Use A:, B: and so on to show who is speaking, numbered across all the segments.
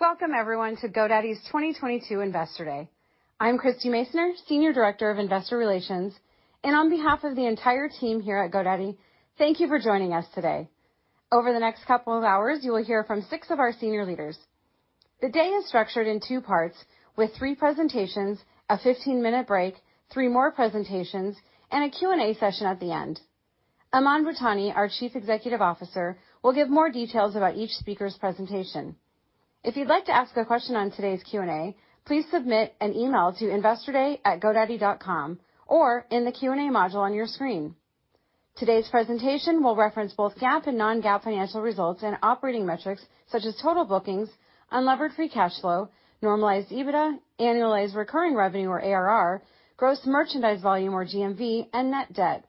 A: Welcome everyone to GoDaddy's 2022 Investor Day. I'm Christie Masoner, Senior Director of Investor Relations, and on behalf of the entire team here at GoDaddy, thank you for joining us today. Over the next couple of hours, you will hear from 6 of our senior leaders. The day is structured in two parts with three presentations, a 15-minute break, three more presentations, and a Q&A session at the end. Aman Bhutani, our Chief Executive Officer, will give more details about each speaker's presentation. If you'd like to ask a question on today's Q&A, please submit an email to investorday@godaddy.com or in the Q&A module on your screen. Today's presentation will reference both GAAP and non-GAAP financial results and operating metrics such as total bookings, unlevered free cash flow, normalized EBITDA, annualized recurring revenue or ARR, gross merchandise volume or GMV, and net debt.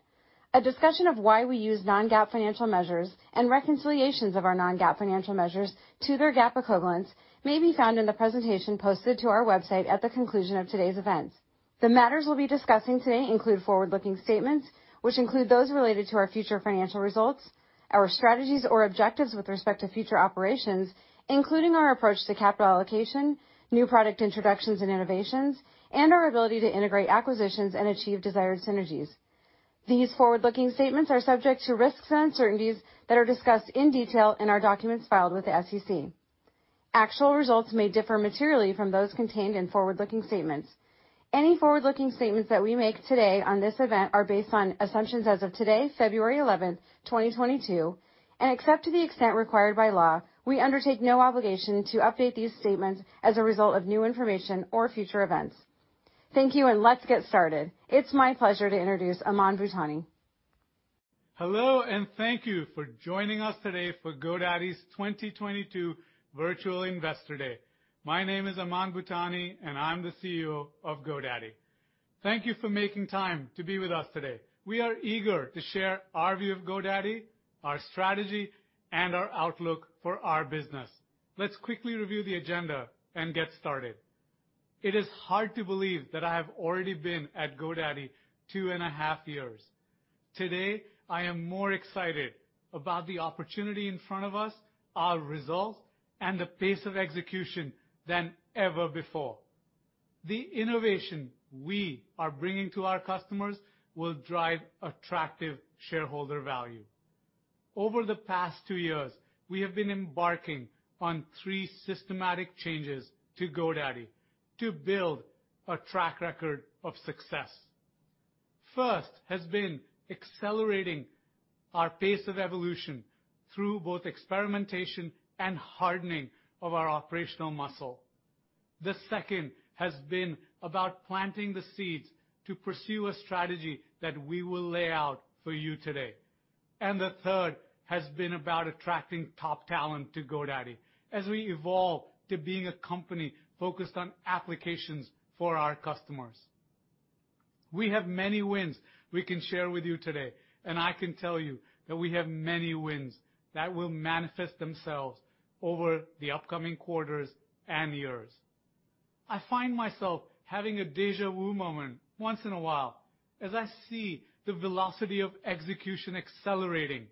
A: A discussion of why we use non-GAAP financial measures and reconciliations of our non-GAAP financial measures to their GAAP equivalents may be found in the presentation posted to our website at the conclusion of today's events. The matters we'll be discussing today include forward-looking statements, which include those related to our future financial results, our strategies or objectives with respect to future operations, including our approach to capital allocation, new product introductions and innovations, and our ability to integrate acquisitions and achieve desired synergies. These forward-looking statements are subject to risks and uncertainties that are discussed in detail in our documents filed with the SEC. Actual results may differ materially from those contained in forward-looking statements. Any forward-looking statements that we make today on this event are based on assumptions as of today, February 11, 2022, and except to the extent required by law, we undertake no obligation to update these statements as a result of new information or future events. Thank you, and let's get started. It's my pleasure to introduce Aman Bhutani.
B: Hello, and thank you for joining us today for GoDaddy's 2022 virtual Investor Day. My name is Aman Bhutani, and I'm the CEO of GoDaddy. Thank you for making time to be with us today. We are eager to share our view of GoDaddy, our strategy, and our outlook for our business. Let's quickly review the agenda and get started. It is hard to believe that I have already been at GoDaddy two and a half years. Today, I am more excited about the opportunity in front of us, our results, and the pace of execution than ever before. The innovation we are bringing to our customers will drive attractive shareholder value. Over the past two years, we have been embarking on three systematic changes to GoDaddy to build a track record of success. first has been accelerating our pace of evolution through both experimentation and hardening of our operational muscle. The second has been about planting the seeds to pursue a strategy that we will lay out for you today. The third has been about attracting top talent to GoDaddy as we evolve to being a company focused on applications for our customers. We have many wins we can share with you today, and I can tell you that we have many wins that will manifest themselves over the upcoming quarters and years. I find myself having a déjà vu moment once in a while as I see the velocity of execution accelerating,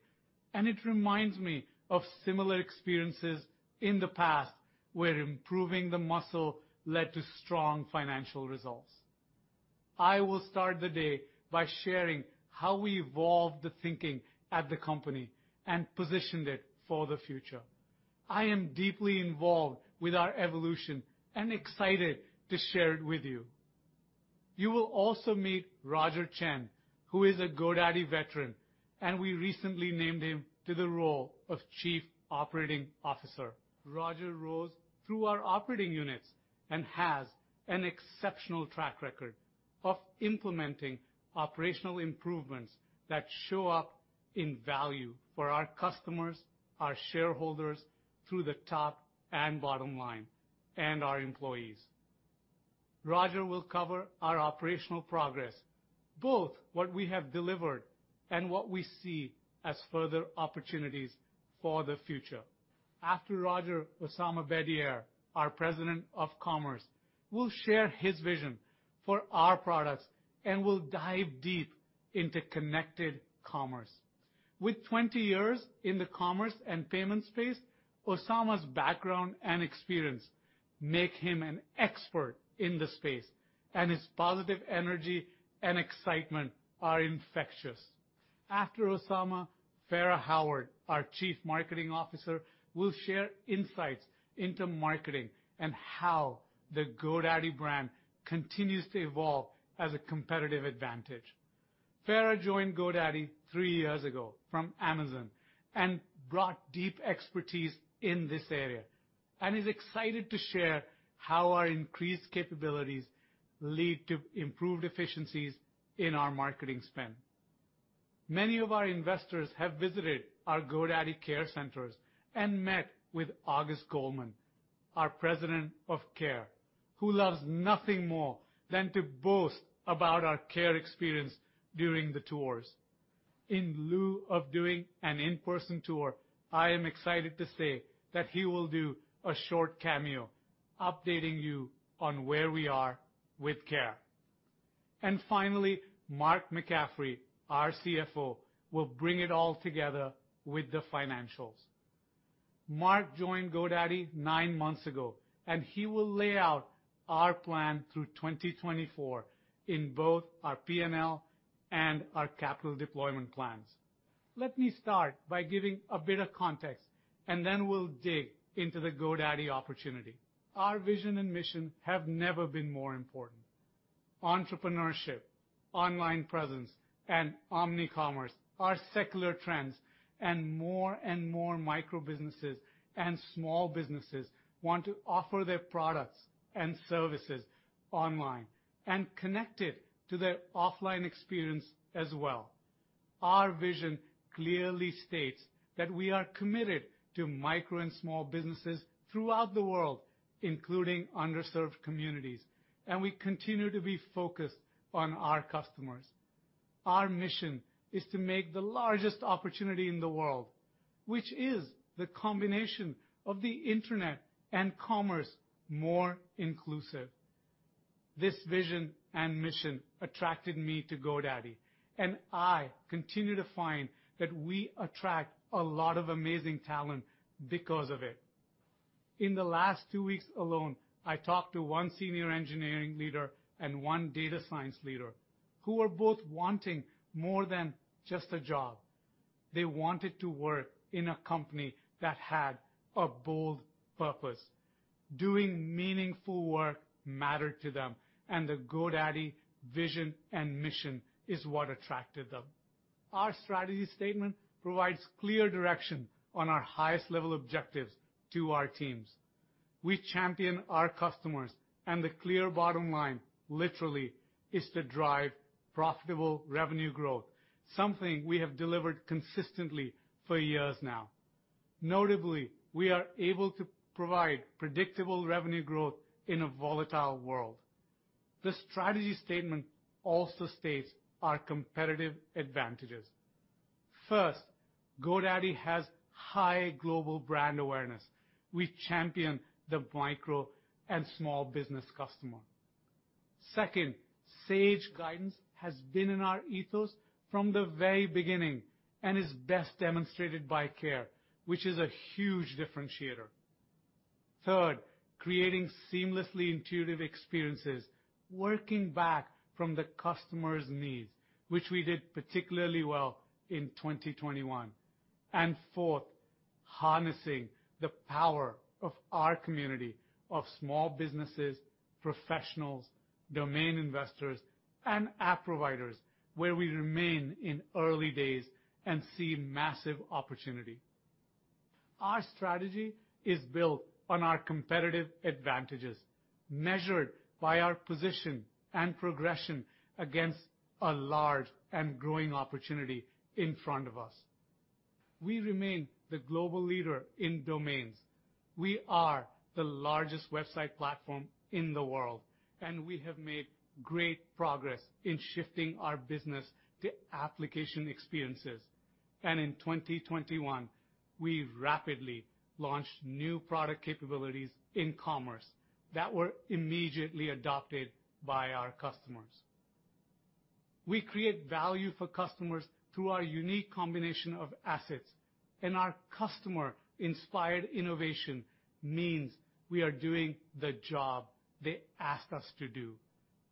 B: and it reminds me of similar experiences in the past where improving the muscle led to strong financial results. I will start the day by sharing how we evolved the thinking at the company and positioned it for the future. I am deeply involved with our evolution and excited to share it with you. You will also meet Roger Chen, who is a GoDaddy veteran, and we recently named him to the role of Chief Operating Officer. Roger rose through our operating units and has an exceptional track record of implementing operational improvements that show up in value for our customers, our shareholders through the top and bottom line, and our employees. Roger will cover our operational progress, both what we have delivered and what we see as further opportunities for the future. After Roger, Osama Bedier, our President of Commerce, will share his vision for our products and will dive deep into connected commerce. With 20 years in the commerce and payment space, Osama's background and experience make him an expert in the space, and his positive energy and excitement are infectious. After Osama, Fara Howard, our Chief Marketing Officer, will share insights into marketing and how the GoDaddy brand continues to evolve as a competitive advantage. Fara joined GoDaddy three years ago from Amazon and brought deep expertise in this area and is excited to share how our increased capabilities lead to improved efficiencies in our marketing spend. Many of our investors have visited our GoDaddy care centers and met with August Coleman, our President of Care, who loves nothing more than to boast about our care experience during the tours. In lieu of doing an in-person tour, I am excited to say that he will do a short cameo updating you on where we are with care. Finally, Mark McCaffrey, our CFO, will bring it all together with the financials. Mark joined GoDaddy nine months ago, and he will lay out our plan through 2024 in both our P&L and our capital deployment plans. Let me start by giving a bit of context and then we'll dig into the GoDaddy opportunity. Our vision and mission have never been more important. Entrepreneurship, online presence, and omni-commerce are secular trends, and more and more micro businesses and small businesses want to offer their products and services online and connect it to their offline experience as well. Our vision clearly states that we are committed to micro and small businesses throughout the world, including underserved communities, and we continue to be focused on our customers. Our mission is to make the largest opportunity in the world, which is the combination of the Internet and commerce, more inclusive. This vision and mission attracted me to GoDaddy, and I continue to find that we attract a lot of amazing talent because of it. In the last two weeks alone, I talked to one senior engineering leader and one data science leader who are both wanting more than just a job. They wanted to work in a company that had a bold purpose. Doing meaningful work mattered to them, and the GoDaddy vision and mission is what attracted them. Our strategy statement provides clear direction on our highest level objectives to our teams. We champion our customers, and the clear bottom line, literally, is to drive profitable revenue growth, something we have delivered consistently for years now. Notably, we are able to provide predictable revenue growth in a volatile world. The strategy statement also states our competitive advantages. First, GoDaddy has high global brand awareness. We champion the micro and small business customer. Second, sage guidance has been in our ethos from the very beginning and is best demonstrated by Care, which is a huge differentiator. Third, creating seamlessly intuitive experiences, working back from the customer's needs, which we did particularly well in 2021. Fourth, harnessing the power of our community of small businesses, professionals, domain investors, and app providers, where we remain in early days and see massive opportunity. Our strategy is built on our competitive advantages, measured by our position and progression against a large and growing opportunity in front of us. We remain the global leader in domains. We are the largest website platform in the world, and we have made great progress in shifting our business to application experiences. In 2021, we rapidly launched new product capabilities in commerce that were immediately adopted by our customers. We create value for customers through our unique combination of assets, and our customer-inspired innovation means we are doing the job they asked us to do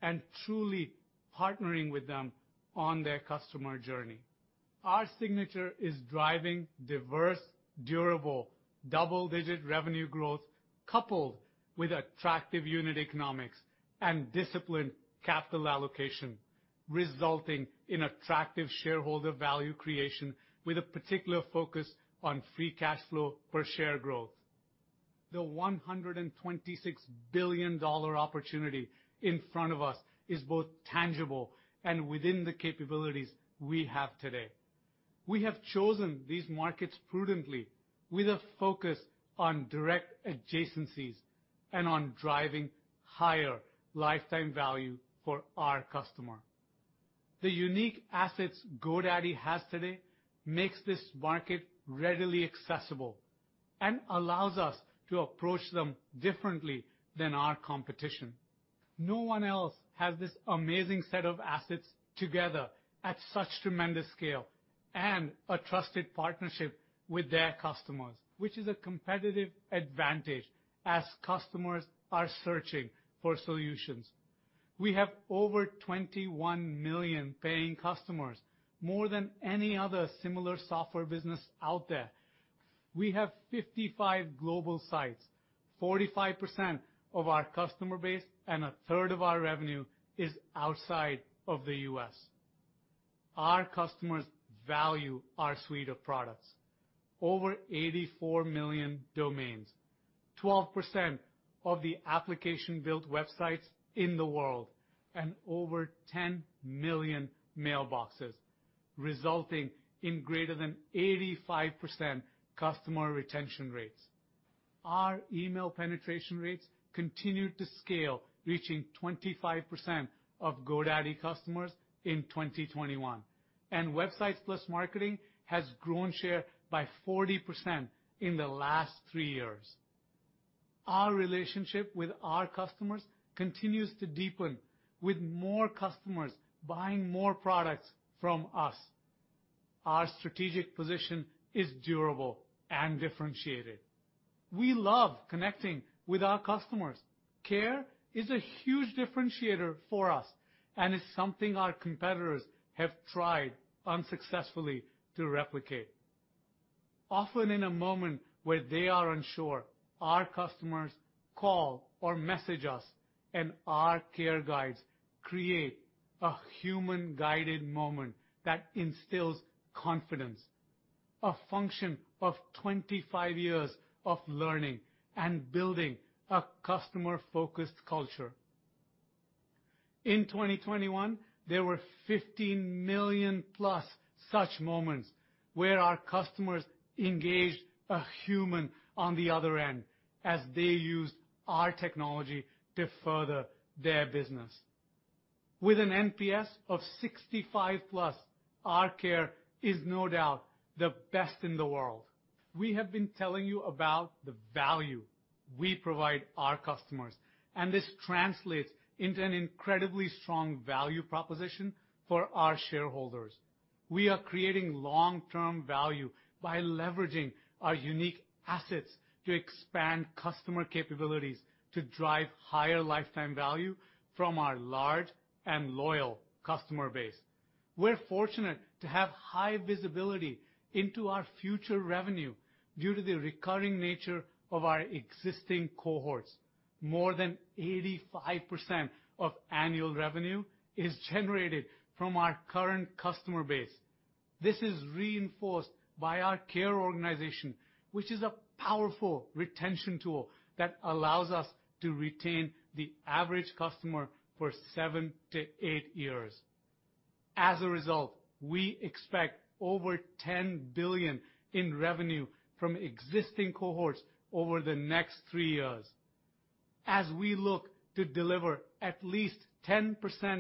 B: and truly partnering with them on their customer journey. Our signature is driving diverse, durable, double-digit revenue growth, coupled with attractive unit economics and disciplined capital allocation, resulting in attractive shareholder value creation with a particular focus on free cash flow per share growth. The $126 billion opportunity in front of us is both tangible and within the capabilities we have today. We have chosen these markets prudently with a focus on direct adjacencies and on driving higher lifetime value for our customer. The unique assets GoDaddy has today makes this market readily accessible and allows us to approach them differently than our competition. No one else has this amazing set of assets together at such tremendous scale and a trusted partnership with their customers, which is a competitive advantage as customers are searching for solutions. We have over 21 million paying customers, more than any other similar software business out there. We have 55 global sites. 45% of our customer base and 1/3 of our revenue is outside of the U.S. Our customers value our suite of products. Over 84 million domains, 12% of the application-built websites in the world, and over 10 million mailboxes, resulting in greater than 85% customer retention rates. Our email penetration rates continued to scale, reaching 25% of GoDaddy customers in 2021. Websites + Marketing has grown share by 40% in the last three years. Our relationship with our customers continues to deepen, with more customers buying more products from us. Our strategic position is durable and differentiated. We love connecting with our customers. Care is a huge differentiator for us, and it's something our competitors have tried unsuccessfully to replicate. Often in a moment where they are unsure, our customers call or message us, and our care guides create a human-guided moment that instills confidence. A function of 25 years of learning and building a customer-focused culture. In 2021, there were 15 million-plus such moments where our customers engaged a human on the other end as they used our technology to further their business. With an NPS of 65+, our care is no doubt the best in the world. We have been telling you about the value we provide our customers, and this translates into an incredibly strong value proposition for our shareholders. We are creating long-term value by leveraging our unique assets to expand customer capabilities to drive higher lifetime value from our large and loyal customer base. We're fortunate to have high visibility into our future revenue due to the recurring nature of our existing cohorts. More than 85% of annual revenue is generated from our current customer base. This is reinforced by our Care organization, which is a powerful retention tool that allows us to retain the average customer for seven to eight years. As a result, we expect over $10 billion in revenue from existing cohorts over the next three years. As we look to deliver at least 10%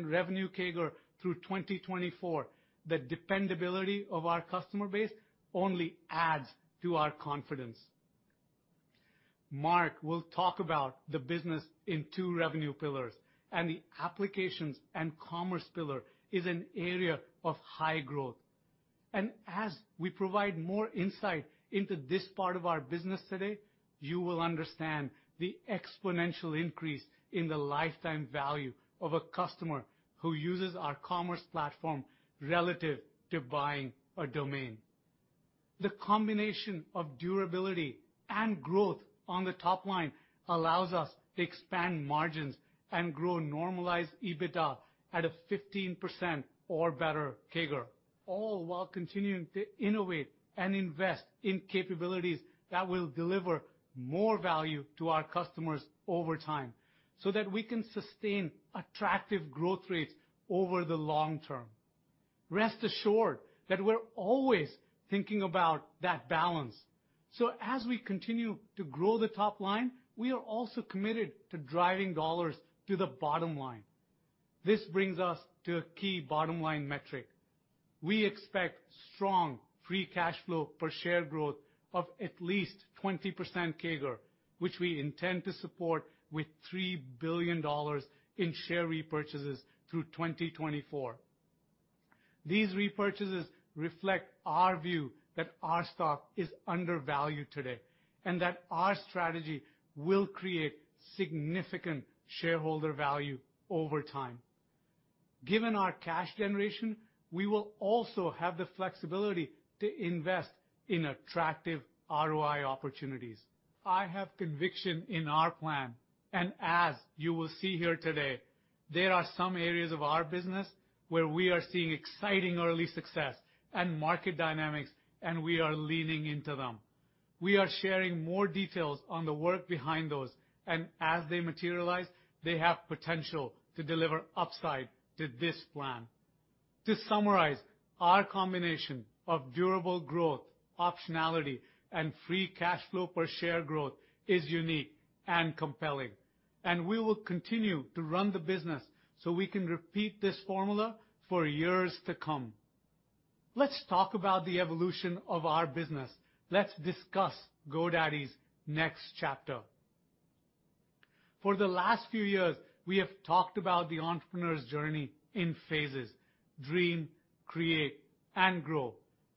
B: revenue CAGR through 2024, the dependability of our customer base only adds to our confidence. Mark will talk about the business in two revenue pillars, and the Applications and Commerce pillar is an area of high growth. As we provide more insight into this part of our business today, you will understand the exponential increase in the lifetime value of a customer who uses our commerce platform relative to buying a domain. The combination of durability and growth on the top line allows us to expand margins and grow normalized EBITDA at a 15% or better CAGR, all while continuing to innovate and invest in capabilities that will deliver more value to our customers over time, so that we can sustain attractive growth rates over the long term. Rest assured that we're always thinking about that balance. As we continue to grow the top line, we are also committed to driving dollars to the bottom line. This brings us to a key bottom-line metric. We expect strong free cash flow per share growth of at least 20% CAGR, which we intend to support with $3 billion in share repurchases through 2024. These repurchases reflect our view that our stock is undervalued today, and that our strategy will create significant shareholder value over time. Given our cash generation, we will also have the flexibility to invest in attractive ROI opportunities. I have conviction in our plan, and as you will see here today, there are some areas of our business where we are seeing exciting early success and market dynamics, and we are leaning into them. We are sharing more details on the work behind those, and as they materialize, they have potential to deliver upside to this plan. To summarize, our combination of durable growth, optionality, and free cash flow per share growth is unique and compelling, and we will continue to run the business so we can repeat this formula for years to come. Let's talk about the evolution of our business. Let's discuss GoDaddy's next chapter. For the last few years, we have talked about the entrepreneur's journey in phases, dream, create, and grow.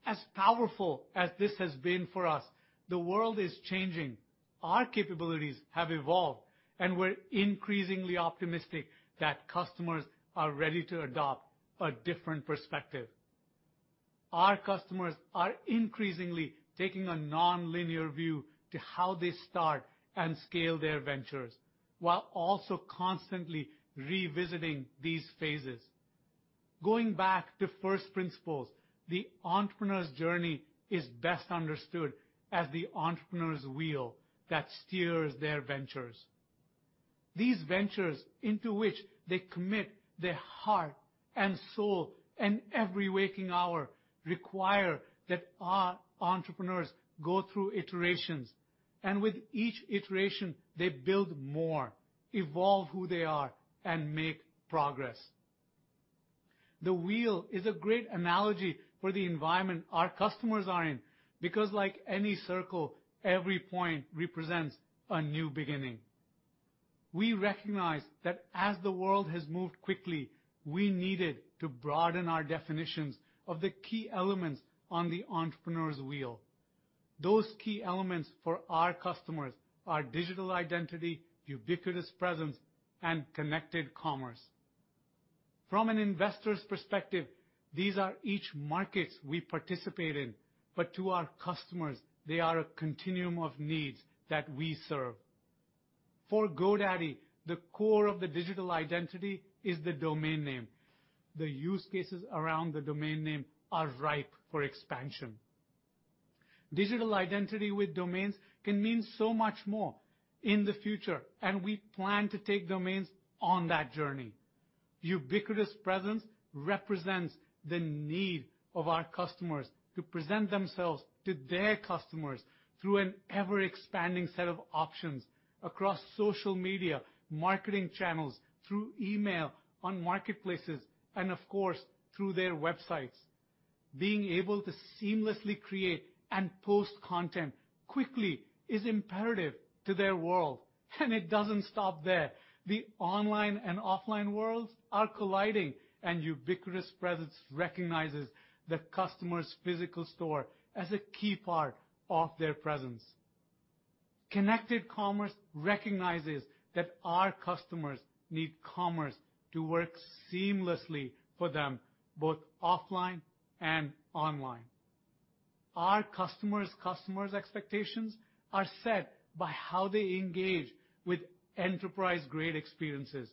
B: As powerful as this has been for us, the world is changing, our capabilities have evolved, and we're increasingly optimistic that customers are ready to adopt a different perspective. Our customers are increasingly taking a nonlinear view to how they start and scale their ventures, while also constantly revisiting these phases. Going back to first principles, the entrepreneur's journey is best understood as the entrepreneur's wheel that steers their ventures. These ventures into which they commit their heart and soul and every waking hour require that our entrepreneurs go through iterations, and with each iteration, they build more, evolve who they are, and make progress. The wheel is a great analogy for the environment our customers are in because like any circle, every point represents a new beginning. We recognize that as the world has moved quickly, we needed to broaden our definitions of the key elements on the entrepreneur's wheel. Those key elements for our customers are digital identity, ubiquitous presence, and connected commerce. From an investor's perspective, these are each markets we participate in, but to our customers, they are a continuum of needs that we serve. For GoDaddy, the core of the digital identity is the domain name. The use cases around the domain name are ripe for expansion. Digital identity with domains can mean so much more in the future, and we plan to take domains on that journey. Ubiquitous presence represents the need of our customers to present themselves to their customers through an ever-expanding set of options across social media, marketing channels, through email, on marketplaces, and of course, through their websites. Being able to seamlessly create and post content quickly is imperative to their world, and it doesn't stop there. The online and offline worlds are colliding, and ubiquitous presence recognizes the customer's physical store as a key part of their presence. Connected commerce recognizes that our customers need commerce to work seamlessly for them, both offline and online. Our customers' customers' expectations are set by how they engage with enterprise-grade experiences,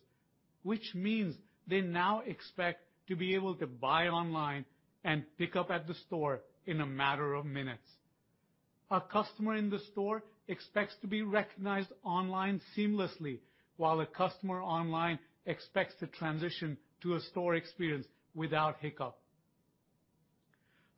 B: which means they now expect to be able to buy online and pick up at the store in a matter of minutes. A customer in the store expects to be recognized online seamlessly, while a customer online expects to transition to a store experience without hiccup.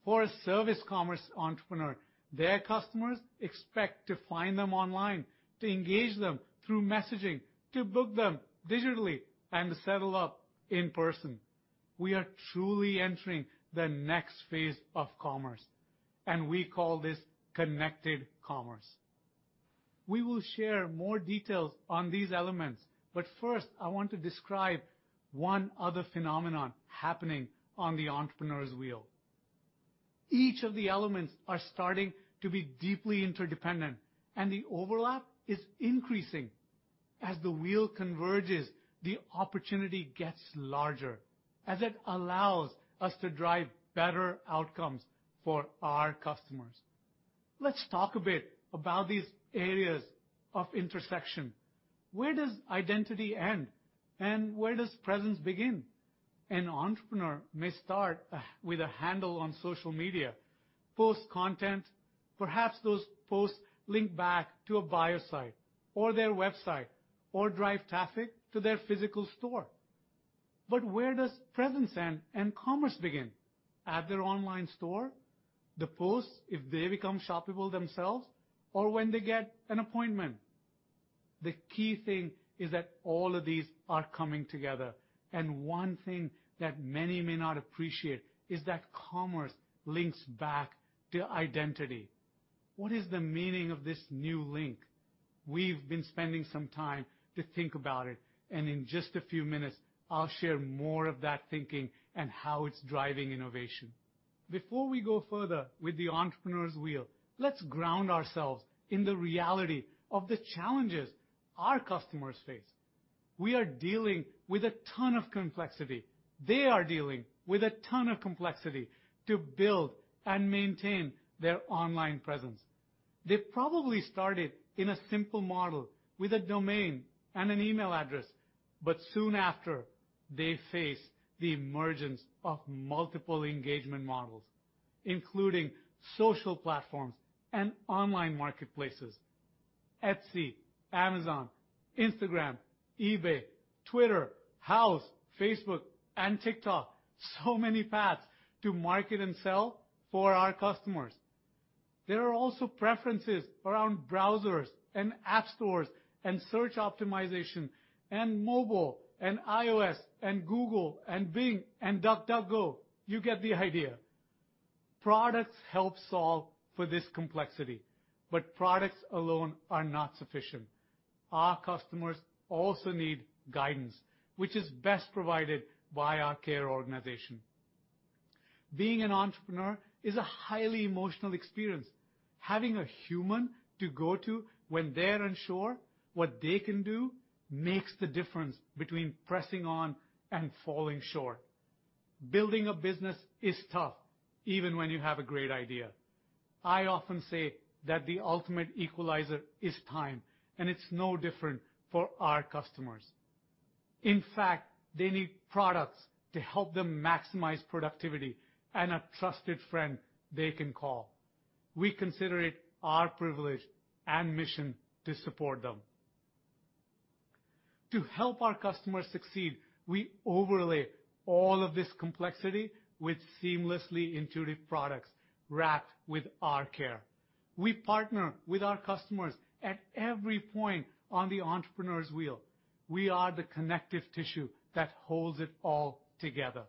B: For a service commerce entrepreneur, their customers expect to find them online, to engage them through messaging, to book them digitally, and to settle up in person. We are truly entering the next phase of commerce, and we call this connected commerce. We will share more details on these elements, but first, I want to describe one other phenomenon happening on the entrepreneur's wheel. Each of the elements are starting to be deeply interdependent, and the overlap is increasing. As the wheel converges, the opportunity gets larger as it allows us to drive better outcomes for our customers. Let's talk a bit about these areas of intersection. Where does identity end, and where does presence begin? An entrepreneur may start with a handle on social media, post content. Perhaps those posts link back to a buyer site or their website or drive traffic to their physical store. But where does presence end and commerce begin? At their online store? The posts if they become shoppable themselves or when they get an appointment? The key thing is that all of these are coming together, and one thing that many may not appreciate is that commerce links back to identity. What is the meaning of this new link? We've been spending some time to think about it, and in just a few minutes, I'll share more of that thinking and how it's driving innovation. Before we go further with the entrepreneur's wheel, let's ground ourselves in the reality of the challenges our customers face. We are dealing with a ton of complexity. They are dealing with a ton of complexity to build and maintain their online presence. They probably started in a simple model with a domain and an email address, but soon after, they face the emergence of multiple engagement models, including social platforms and online marketplaces, Etsy, Amazon, Instagram, eBay, Twitter, Houzz, Facebook, and TikTok. Many paths to market and sell for our customers. There are also preferences around browsers and app stores and search optimization, and mobile and iOS and Google and Bing and DuckDuckGo. You get the idea. Products help solve for this complexity, but products alone are not sufficient. Our customers also need guidance, which is best provided by our care organization. Being an entrepreneur is a highly emotional experience. Having a human to go to when they're unsure what they can do makes the difference between pressing on and falling short. Building a business is tough even when you have a great idea. I often say that the ultimate equalizer is time, and it's no different for our customers. In fact, they need products to help them maximize productivity and a trusted friend they can call. We consider it our privilege and mission to support them. To help our customers succeed, we overlay all of this complexity with seamlessly intuitive products wrapped with our care. We partner with our customers at every point on the entrepreneur's wheel. We are the connective tissue that holds it all together.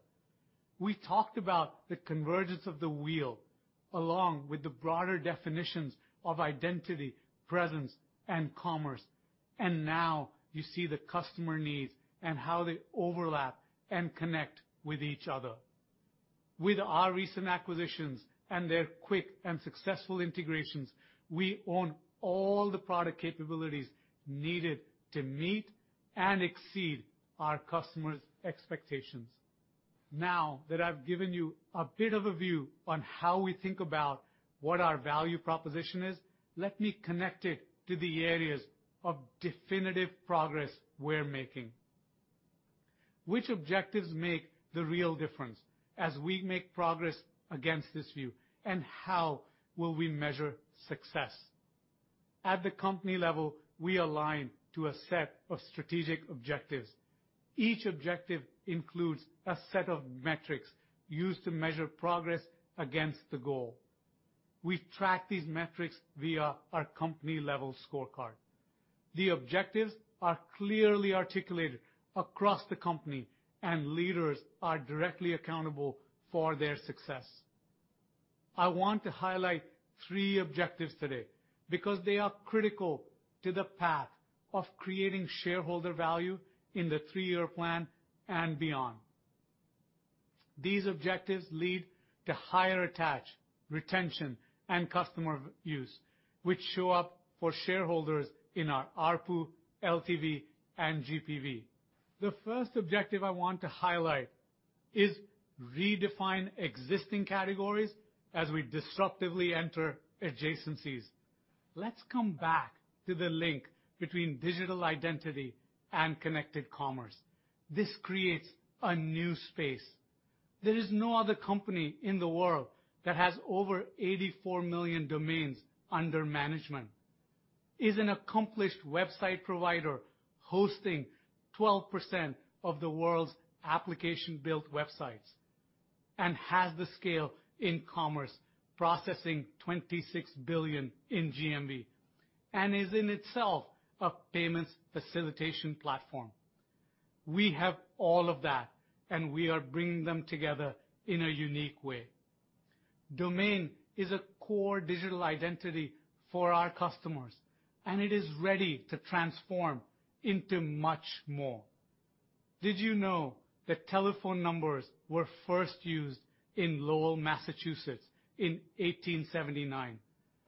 B: We talked about the convergence of the wheel, along with the broader definitions of identity, presence, and commerce. Now you see the customer needs and how they overlap and connect with each other. With our recent acquisitions and their quick and successful integrations, we own all the product capabilities needed to meet and exceed our customers' expectations. Now that I've given you a bit of a view on how we think about what our value proposition is, let me connect it to the areas of definitive progress we're making. Which objectives make the real difference as we make progress against this view, and how will we measure success? At the company level, we align to a set of strategic objectives. Each objective includes a set of metrics used to measure progress against the goal. We track these metrics via our company-level scorecard. The objectives are clearly articulated across the company, and leaders are directly accountable for their success. I want to highlight three objectives today because they are critical to the path of creating shareholder value in the three-year plan and beyond. These objectives lead to higher attach, retention, and customer use, which show up for shareholders in our ARPU, LTV, and GPV. The first objective I want to highlight is redefine existing categories as we disruptively enter adjacencies. Let's come back to the link between digital identity and connected commerce. This creates a new space. There is no other company in the world that has over 84 million domains under management, is an accomplished website provider hosting 12% of the world's application-built websites, and has the scale in commerce, processing $26 billion in GMV, and is in itself a payments facilitation platform. We have all of that, and we are bringing them together in a unique way. Domain is a core digital identity for our customers, and it is ready to transform into much more. Did you know that telephone numbers were first used in Lowell, Massachusetts, in 1879?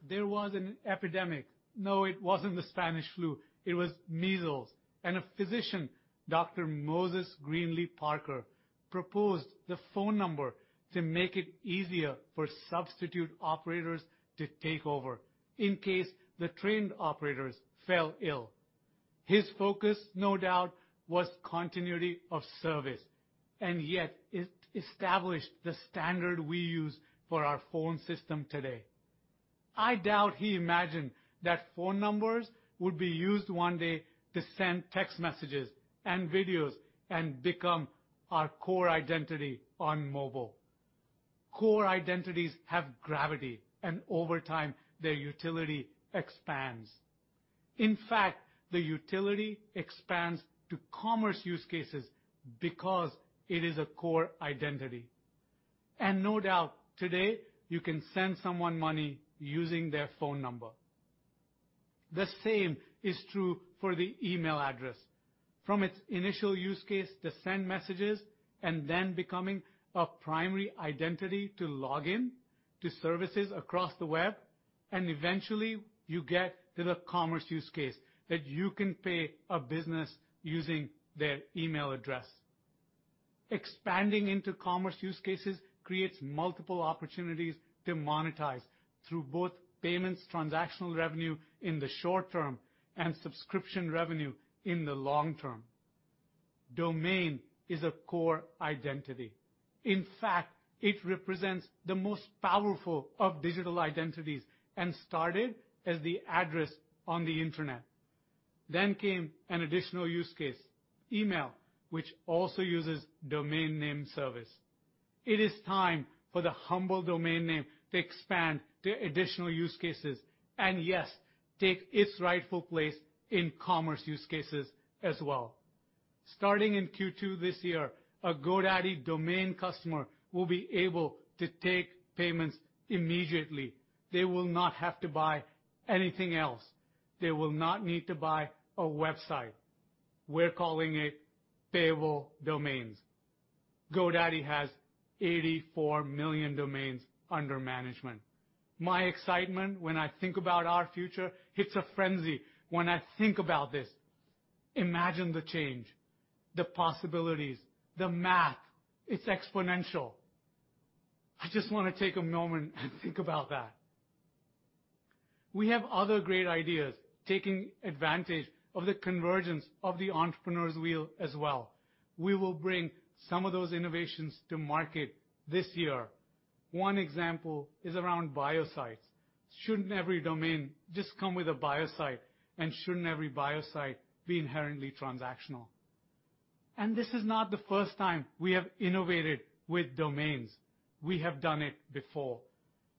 B: There was an epidemic. No, it wasn't the Spanish flu, it was measles. A physician, Dr. Moses Greeley Parker, proposed the phone number to make it easier for substitute operators to take over in case the trained operators fell ill. His focus, no doubt, was continuity of service, and yet it established the standard we use for our phone system today. I doubt he imagined that phone numbers would be used one day to send text messages and videos and become our core identity on mobile. Core identities have gravity, and over time, their utility expands. In fact, the utility expands to commerce use cases because it is a core identity. No doubt, today, you can send someone money using their phone number. The same is true for the email address. From its initial use case to send messages and then becoming a primary identity to log in to services across the web, and eventually, you get to the commerce use case that you can pay a business using their email address. Expanding into commerce use cases creates multiple opportunities to monetize through both payments, transactional revenue in the short term, and subscription revenue in the long term. Domain is a core identity. In fact, it represents the most powerful of digital identities and started as the address on the Internet. Came an additional use case, email, which also uses domain name service. It is time for the humble domain name to expand to additional use cases, and yes, take its rightful place in commerce use cases as well. Starting in Q2 this year, a GoDaddy domain customer will be able to take payments immediately. They will not have to buy anything else. They will not need to buy a website. We're calling it Payable Domains. GoDaddy has 84 million domains under management. My excitement when I think about our future, it's a frenzy when I think about this. Imagine the change, the possibilities, the math. It's exponential. I just want to take a moment and think about that. We have other great ideas taking advantage of the convergence of the entrepreneur's wheel as well. We will bring some of those innovations to market this year. One example is around bio site. Shouldn't every domain just come with a bio site, and shouldn't every bio site be inherently transactional? This is not the first time we have innovated with domains. We have done it before.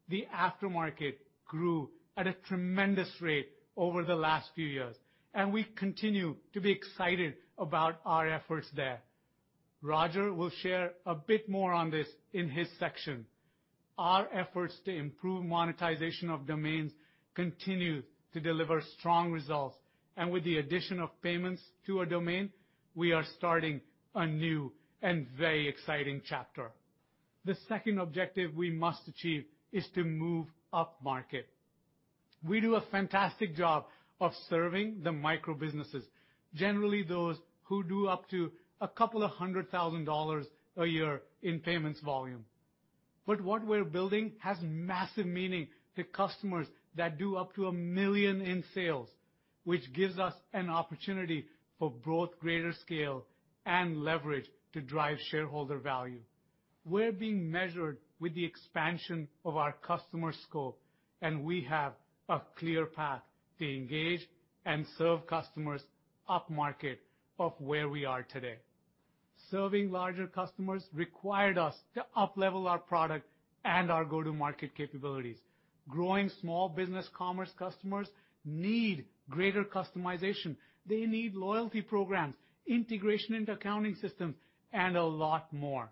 B: The aftermarket grew at a tremendous rate over the last few years, and we continue to be excited about our efforts there. Roger will share a bit more on this in his section. Our efforts to improve monetization of domains continue to deliver strong results, and with the addition of payments to a domain, we are starting a new and very exciting chapter. The second objective we must achieve is to move upmarket. We do a fantastic job of serving the micro businesses, generally those who do up to $200,000 a year in payments volume. What we're building has massive meaning to customers that do up to $1 million in sales, which gives us an opportunity for both greater scale and leverage to drive shareholder value. We're being measured with the expansion of our customer scope, and we have a clear path to engage and serve customers upmarket of where we are today. Serving larger customers required us to uplevel our product and our go-to-market capabilities. Growing small business commerce customers need greater customization. They need loyalty programs, integration into accounting systems, and a lot more.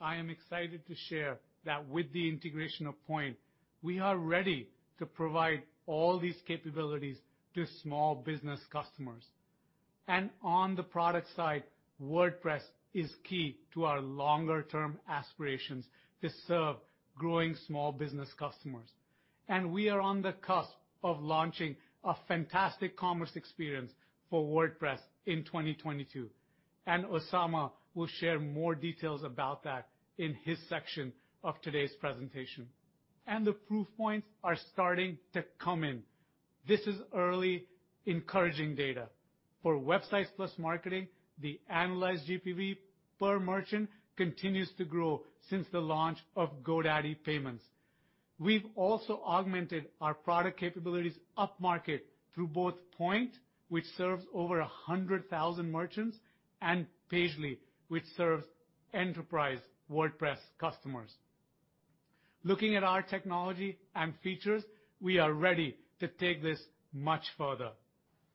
B: I am excited to share that with the integration of Poynt, we are ready to provide all these capabilities to small business customers. On the product side, WordPress is key to our longer-term aspirations to serve growing small business customers. We are on the cusp of launching a fantastic commerce experience for WordPress in 2022, and Osama will share more details about that in his section of today's presentation. The proof points are starting to come in. This is early encouraging data. For Websites + Marketing, the analyzed GPV per merchant continues to grow since the launch of GoDaddy Payments. We've also augmented our product capabilities upmarket through both Poynt, which serves over 100,000 merchants, and Pagely, which serves enterprise WordPress customers. Looking at our technology and features, we are ready to take this much further.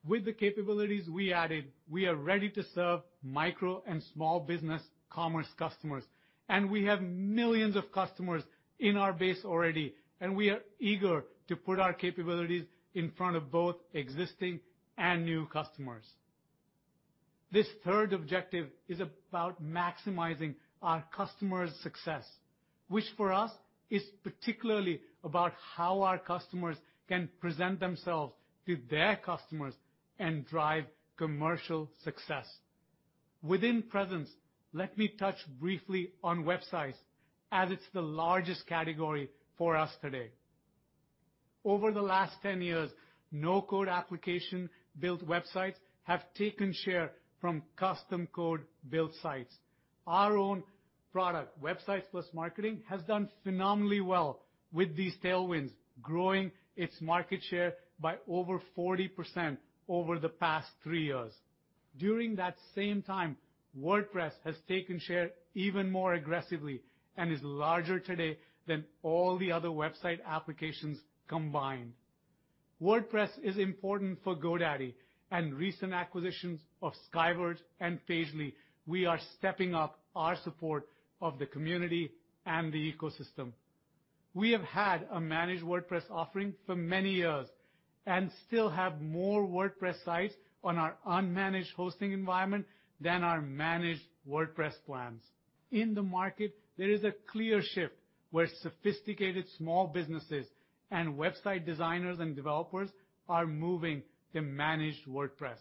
B: With the capabilities we added, we are ready to serve micro and small business commerce customers, and we have millions of customers in our base already, and we are eager to put our capabilities in front of both existing and new customers. This third objective is about maximizing our customers' success, which for us is particularly about how our customers can present themselves to their customers and drive commercial success. Within presence, let me touch briefly on websites as it's the largest category for us today. Over the last 10 years, no-code application build websites have taken share from custom code build sites. Our own product, Websites + Marketing, has done phenomenally well with these tailwinds, growing its market share by over 40% over the past three` years. During that same time, WordPress has taken share even more aggressively and is larger today than all the other website applications combined. WordPress is important for GoDaddy and recent acquisitions of SkyVerge and Pagely. We are stepping up our support of the community and the ecosystem. We have had a Managed WordPress offering for many years and still have more WordPress sites on our unmanaged hosting environment than our Managed WordPress plans. In the market, there is a clear shift where sophisticated small businesses and website designers and developers are moving to Managed WordPress.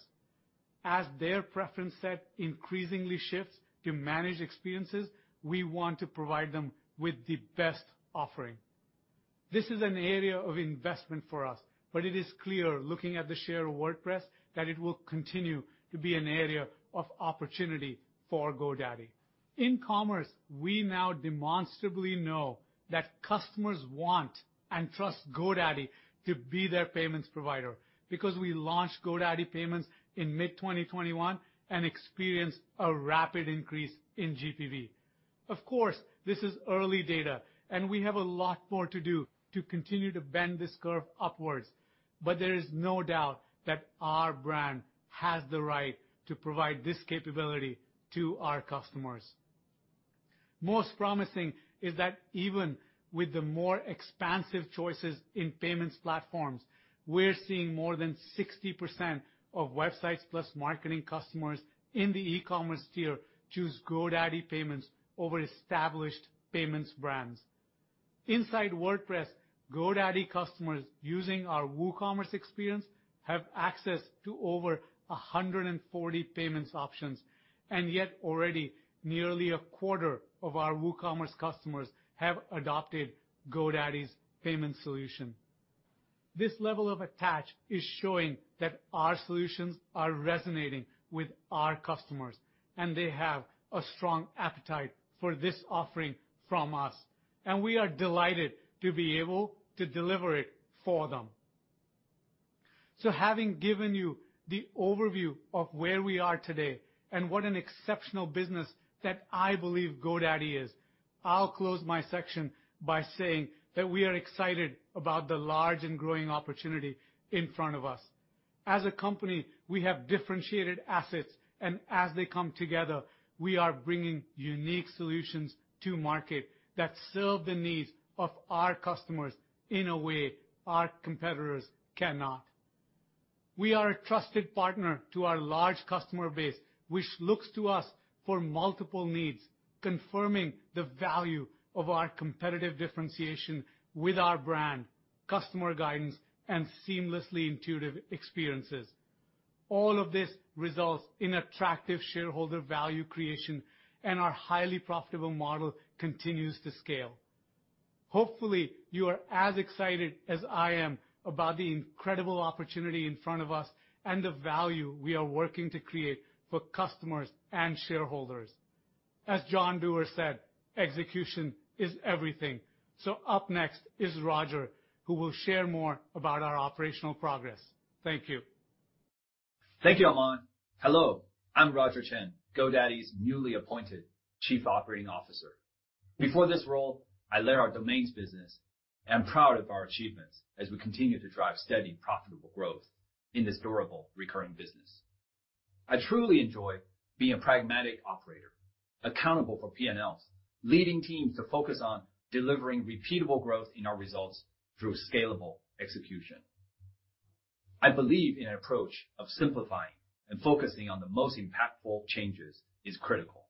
B: As their preference set increasingly shifts to managed experiences, we want to provide them with the best offering. This is an area of investment for us, but it is clear looking at the share of WordPress that it will continue to be an area of opportunity for GoDaddy. In commerce, we now demonstrably know that customers want and trust GoDaddy to be their payments provider because we launched GoDaddy Payments in mid-2021 and experienced a rapid increase in GPV. Of course, this is early data, and we have a lot more to do to continue to bend this curve upwards, but there is no doubt that our brand has the right to provide this capability to our customers. Most promising is that even with the more expansive choices in payments platforms, we're seeing more than 60% of Websites + Marketing customers in the e-commerce tier choose GoDaddy Payments over established payments brands. Inside WordPress, GoDaddy customers using our WooCommerce experience have access to over 140 payments options, and yet already nearly a quarter of our WooCommerce customers have adopted GoDaddy's payment solution. This level of attach is showing that our solutions are resonating with our customers, and they have a strong appetite for this offering from us, and we are delighted to be able to deliver it for them. Having given you the overview of where we are today and what an exceptional business that I believe GoDaddy is, I'll close my section by saying that we are excited about the large and growing opportunity in front of us. As a company, we have differentiated assets, and as they come together, we are bringing unique solutions to market that serve the needs of our customers in a way our competitors cannot. We are a trusted partner to our large customer base, which looks to us for multiple needs, confirming the value of our competitive differentiation with our brand, customer guidance, and seamlessly intuitive experiences. All of this results in attractive shareholder value creation, and our highly profitable model continues to scale. Hopefully, you are as excited as I am about the incredible opportunity in front of us and the value we are working to create for customers and shareholders. As John Doerr said, "Execution is everything." Up next is Roger, who will share more about our operational progress. Thank you.
C: Thank you, Aman. Hello, I'm Roger Chen, GoDaddy's newly appointed Chief Operating Officer. Before this role, I led our domains business, and I'm proud of our achievements as we continue to drive steady, profitable growth in this durable recurring business. I truly enjoy being a pragmatic operator, accountable for P&Ls, leading teams to focus on delivering repeatable growth in our results through scalable execution. I believe in an approach of simplifying and focusing on the most impactful changes is critical.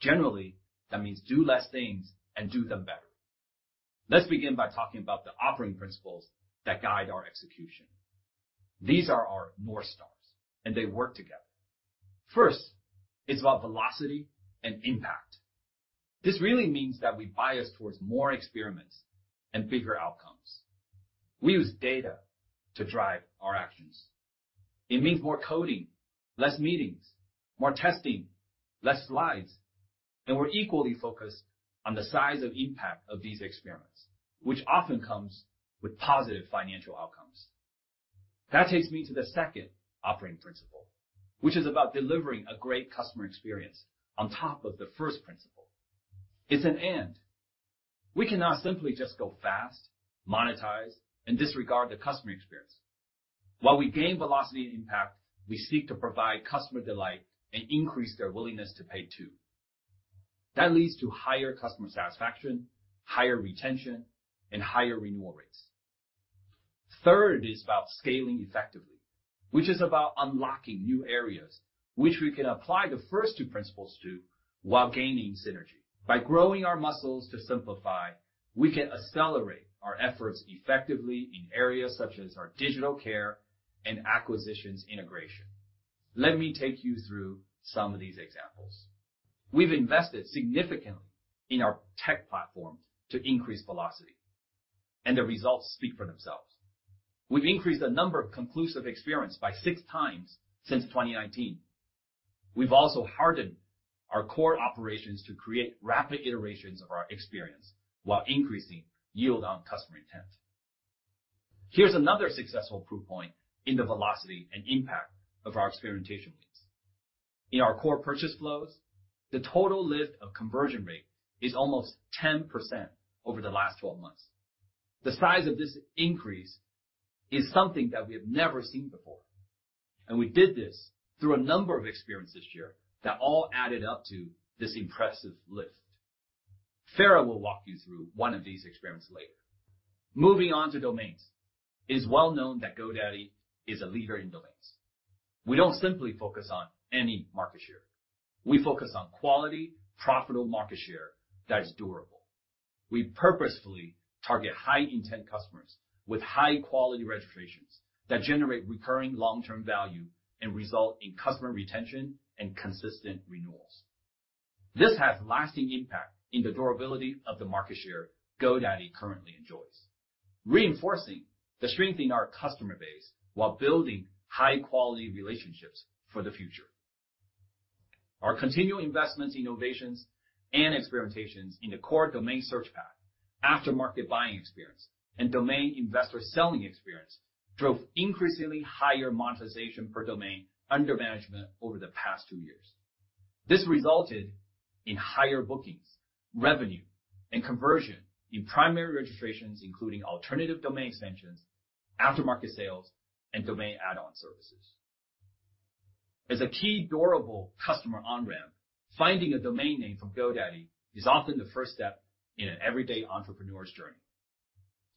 C: Generally, that means do less things and do them better. Let's begin by talking about the operating principles that guide our execution. These are our north stars, and they work together. First, it's about velocity and impact. This really means that we bias towards more experiments and bigger outcomes. We use data to drive our actions. It means more coding, less meetings, more testing, less slides, and we're equally focused on the size of impact of these experiments, which often comes with positive financial outcomes. That takes me to the second operating principle, which is about delivering a great customer experience on top of the first principle. It's an and. We cannot simply just go fast, monetize, and disregard the customer experience. While we gain velocity and impact, we seek to provide customer delight and increase their willingness to pay too. That leads to higher customer satisfaction, higher retention, and higher renewal rates. Third is about scaling effectively, which is about unlocking new areas which we can apply the first two principles to while gaining synergy. By growing our muscles to simplify, we can accelerate our efforts effectively in areas such as our digital care and acquisitions integration. Let me take you through some of these examples. We've invested significantly in our tech platforms to increase velocity, and the results speak for themselves. We've increased the number of conclusive experience by six times since 2019. We've also hardened our core operations to create rapid iterations of our experience while increasing yield on customer intent. Here's another successful proof point in the velocity and impact of our experimentation wins. In our core purchase flows, the total lift of conversion rate is almost 10% over the last 12 months. The size of this increase is something that we have never seen before, and we did this through a number of experiments this year that all added up to this impressive lift. Fara will walk you through one of these experiments later. Moving on to domains. It's well known that GoDaddy is a leader in domains. We don't simply focus on any market share. We focus on quality, profitable market share that is durable. We purposefully target high-intent customers with high-quality registrations that generate recurring long-term value and result in customer retention and consistent renewals. This has lasting impact in the durability of the market share GoDaddy currently enjoys, reinforcing the strength in our customer base while building high-quality relationships for the future. Our continued investments, innovations, and experimentations in the core domain search path, aftermarket buying experience, and domain investor selling experience drove increasingly higher monetization per domain under management over the past two years. This resulted in higher bookings, revenue, and conversion in primary registrations, including alternative domain extensions, aftermarket sales, and domain add-on services. As a key durable customer on-ramp, finding a domain name from GoDaddy is often the first step in an everyday entrepreneur's journey.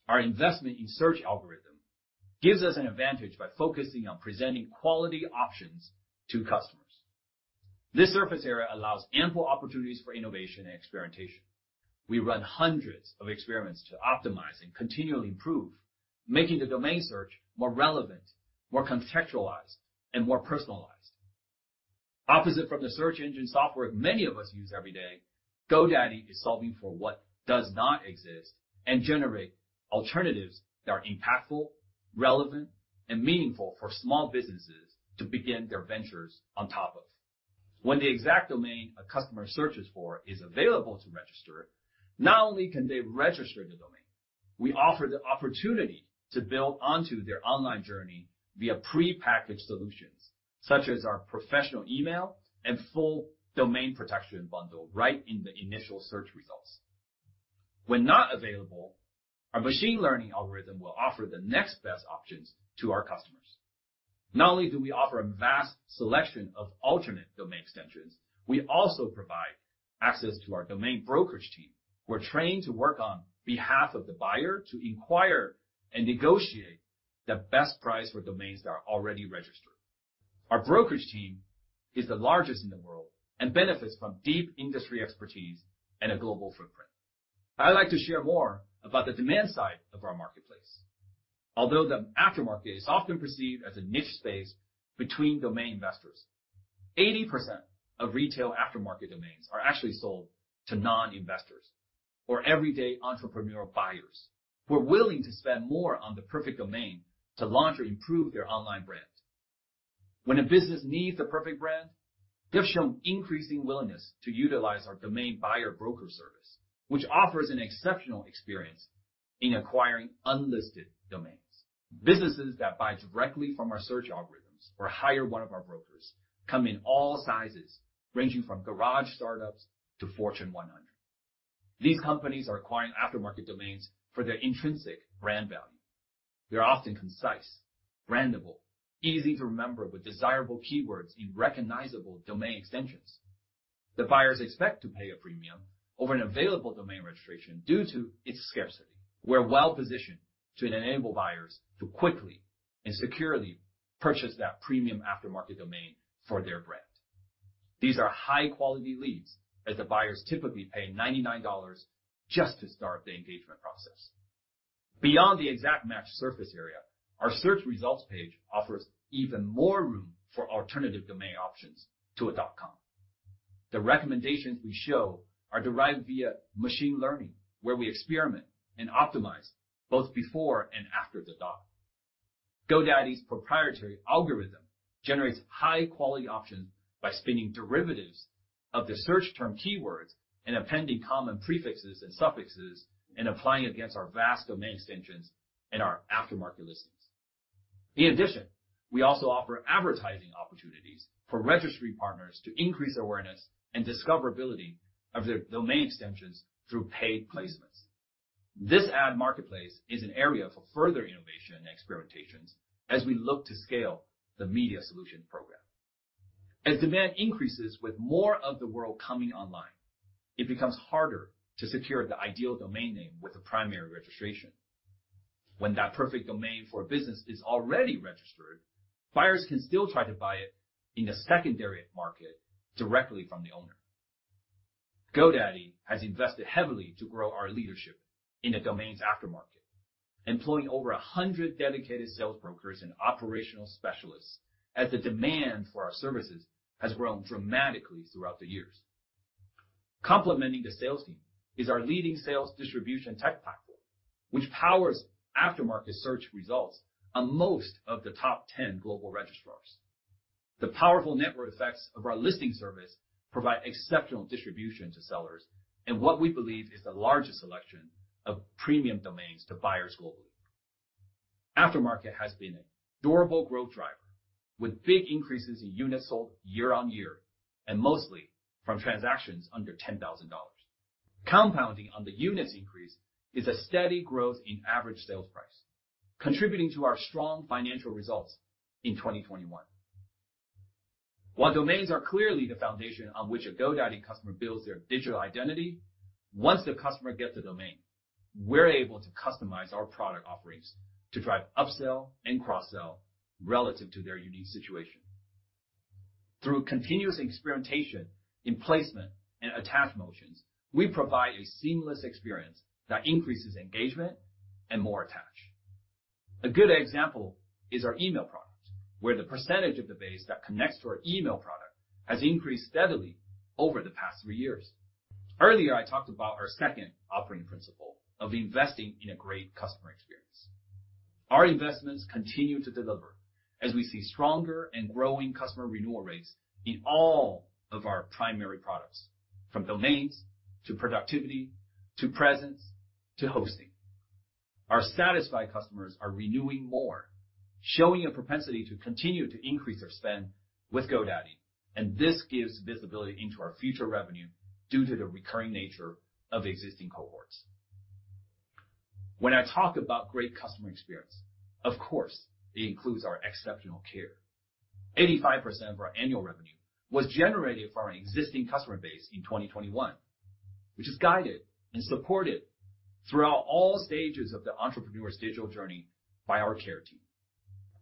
C: Our investment in search algorithm gives us an advantage by focusing on presenting quality options to customers. This surface area allows ample opportunities for innovation and experimentation. We run hundreds of experiments to optimize and continually improve, making the domain search more relevant, more contextualized, and more personalized. Opposite from the search engine software many of us use every day, GoDaddy is solving for what does not exist and generate alternatives that are impactful, relevant, and meaningful for small businesses to begin their ventures on top of. When the exact domain a customer searches for is available to register, not only can they register the domain, we offer the opportunity to build onto their online journey via prepackaged solutions, such as our professional email and full domain protection bundle right in the initial search results. When not available, our machine learning algorithm will offer the next best options to our customers. Not only do we offer a vast selection of alternate domain extensions, we also provide access to our domain brokerage team who are trained to work on behalf of the buyer to inquire and negotiate the best price for domains that are already registered. Our brokerage team is the largest in the world and benefits from deep industry expertise and a global footprint. I'd like to share more about the demand side of our marketplace. Although the aftermarket is often perceived as a niche space between domain investors, 80% of retail aftermarket domains are actually sold to non-investors or everyday entrepreneurial buyers who are willing to spend more on the perfect domain to launch or improve their online brand. When a business needs the perfect brand, they've shown increasing willingness to utilize our domain buyer broker service, which offers an exceptional experience in acquiring unlisted domains. Businesses that buy directly from our search algorithms or hire one of our brokers come in all sizes, ranging from garage startups to Fortune 100. These companies are acquiring aftermarket domains for their intrinsic brand value. They're often concise, brandable, easy to remember with desirable keywords in recognizable domain extensions. The buyers expect to pay a premium over an available domain registration due to its scarcity. We're well-positioned to enable buyers to quickly and securely purchase that premium aftermarket domain for their brand. These are high-quality leads as the buyers typically pay $99 just to start the engagement process. Beyond the exact match surface area, our search results page offers even more room for alternative domain options to a .com. The recommendations we show are derived via machine learning, where we experiment and optimize both before and after the dot. GoDaddy's proprietary algorithm generates high-quality options by spinning derivatives of the search term keywords and appending common prefixes and suffixes and applying against our vast domain extensions and our aftermarket listings. In addition, we also offer advertising opportunities for registry partners to increase awareness and discoverability of their domain extensions through paid placements. This ad marketplace is an area for further innovation and experimentations as we look to scale the media solution program. As demand increases with more of the world coming online, it becomes harder to secure the ideal domain name with a primary registration. When that perfect domain for a business is already registered, buyers can still try to buy it in the secondary market directly from the owner. GoDaddy has invested heavily to grow our leadership in the domains aftermarket, employing over 100 dedicated sales brokers and operational specialists as the demand for our services has grown dramatically throughout the years. Complementing the sales team is our leading sales distribution tech platform, which powers aftermarket search results on most of the top 10 global registrars. The powerful network effects of our listing service provide exceptional distribution to sellers in what we believe is the largest selection of premium domains to buyers globally. Aftermarket has been a durable growth driver, with big increases in units sold year on year, and mostly from transactions under $10,000. Compounding on the units increase is a steady growth in average sales price, contributing to our strong financial results in 2021. While domains are clearly the foundation on which a GoDaddy customer builds their digital identity, once the customer gets the domain, we're able to customize our product offerings to drive upsell and cross-sell relative to their unique situation. Through continuous experimentation in placement and attach motions, we provide a seamless experience that increases engagement and more attach. A good example is our email products, where the percentage of the base that connects to our email product has increased steadily over the past three years. Earlier, I talked about our second operating principle of investing in a great customer experience. Our investments continue to deliver as we see stronger and growing customer renewal rates in all of our primary products, from domains, to productivity, to presence, to hosting. Our satisfied customers are renewing more, showing a propensity to continue to increase their spend with GoDaddy, and this gives visibility into our future revenue due to the recurring nature of existing cohorts. When I talk about great customer experience, of course it includes our exceptional Care. 85% of our annual revenue was generated from our existing customer base in 2021, which is guided and supported throughout all stages of the entrepreneur's digital journey by our Care team.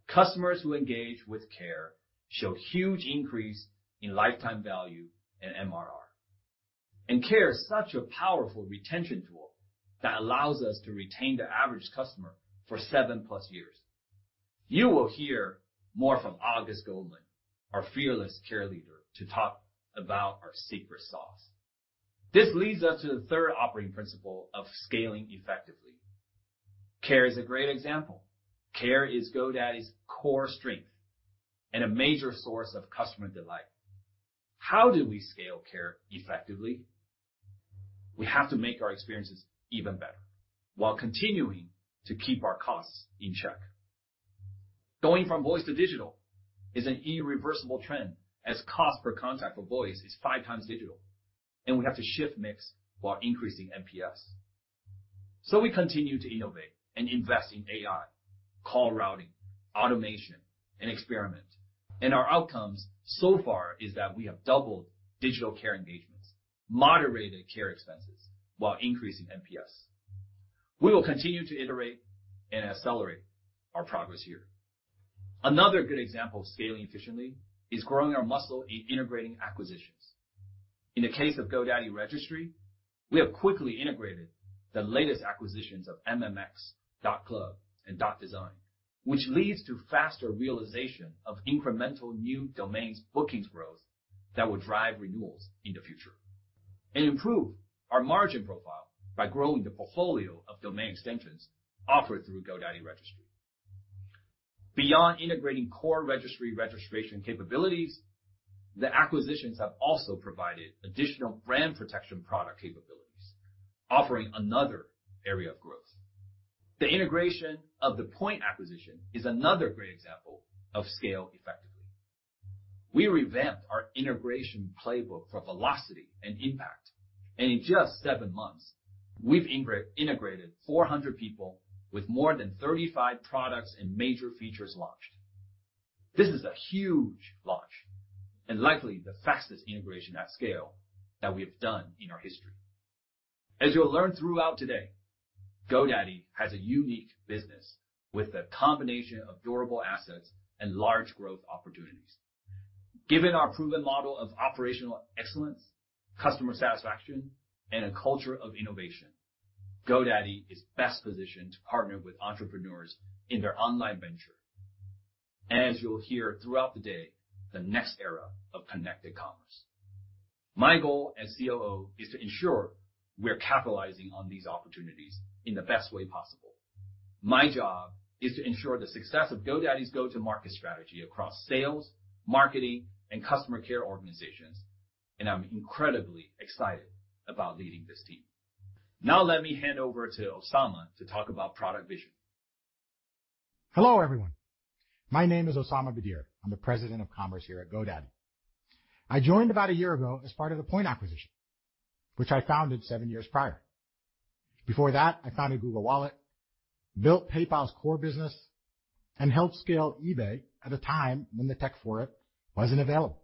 C: Customers who engage with Care show huge increase in lifetime value and MRR. Care is such a powerful retention tool that allows us to retain the average customer for 7+ years. You will hear more from Auguste Goldman, our fearless Care leader, to talk about our secret sauce. This leads us to the third operating principle of scaling effectively. Care is a great example. Care is GoDaddy's core strength and a major source of customer delight. How do we scale Care effectively? We have to make our experiences even better while continuing to keep our costs in check. Going from voice to digital is an irreversible trend as cost per contact for voice is five times digital, and we have to shift mix while increasing NPS. We continue to innovate and invest in AI, call routing, automation, and experiment. Our outcomes so far is that we have doubled digital Care engagements, moderated Care expenses while increasing NPS. We will continue to iterate and accelerate our progress here. Another good example of scaling efficiently is growing our muscle in integrating acquisitions. In the case of GoDaddy Registry, we have quickly integrated the latest acquisitions of MMX, .Club, and .Design, which leads to faster realization of incremental new domains bookings growth that will drive renewals in the future, and improve our margin profile by growing the portfolio of domain extensions offered through GoDaddy Registry. Beyond integrating core registry registration capabilities, the acquisitions have also provided additional brand protection product capabilities, offering another area of growth. The integration of the Poynt acquisition is another great example of scale effectively. We revamped our integration playbook for velocity and impact, and in just seven months, we've integrated 400 people with more than 35 products and major features launched. This is a huge launch and likely the fastest integration at scale that we have done in our history. As you'll learn throughout today, GoDaddy has a unique business with a combination of durable assets and large growth opportunities. Given our proven model of operational excellence, customer satisfaction, and a culture of innovation, GoDaddy is best positioned to partner with entrepreneurs in their online venture, and as you'll hear throughout the day, the next era of connected commerce. My goal as COO is to ensure we're capitalizing on these opportunities in the best way possible. My job is to ensure the success of GoDaddy's go-to-market strategy across sales, marketing, and customer care organizations, and I'm incredibly excited about leading this team. Now let me hand over to Osama to talk about product vision.
D: Hello, everyone. My name is Osama Bedier. I'm the President of Commerce here at GoDaddy. I joined about a year ago as part of the Poynt acquisition, which I founded seven years prior. Before that, I founded Google Wallet, built PayPal's core business, and helped scale eBay at a time when the tech for it wasn't available.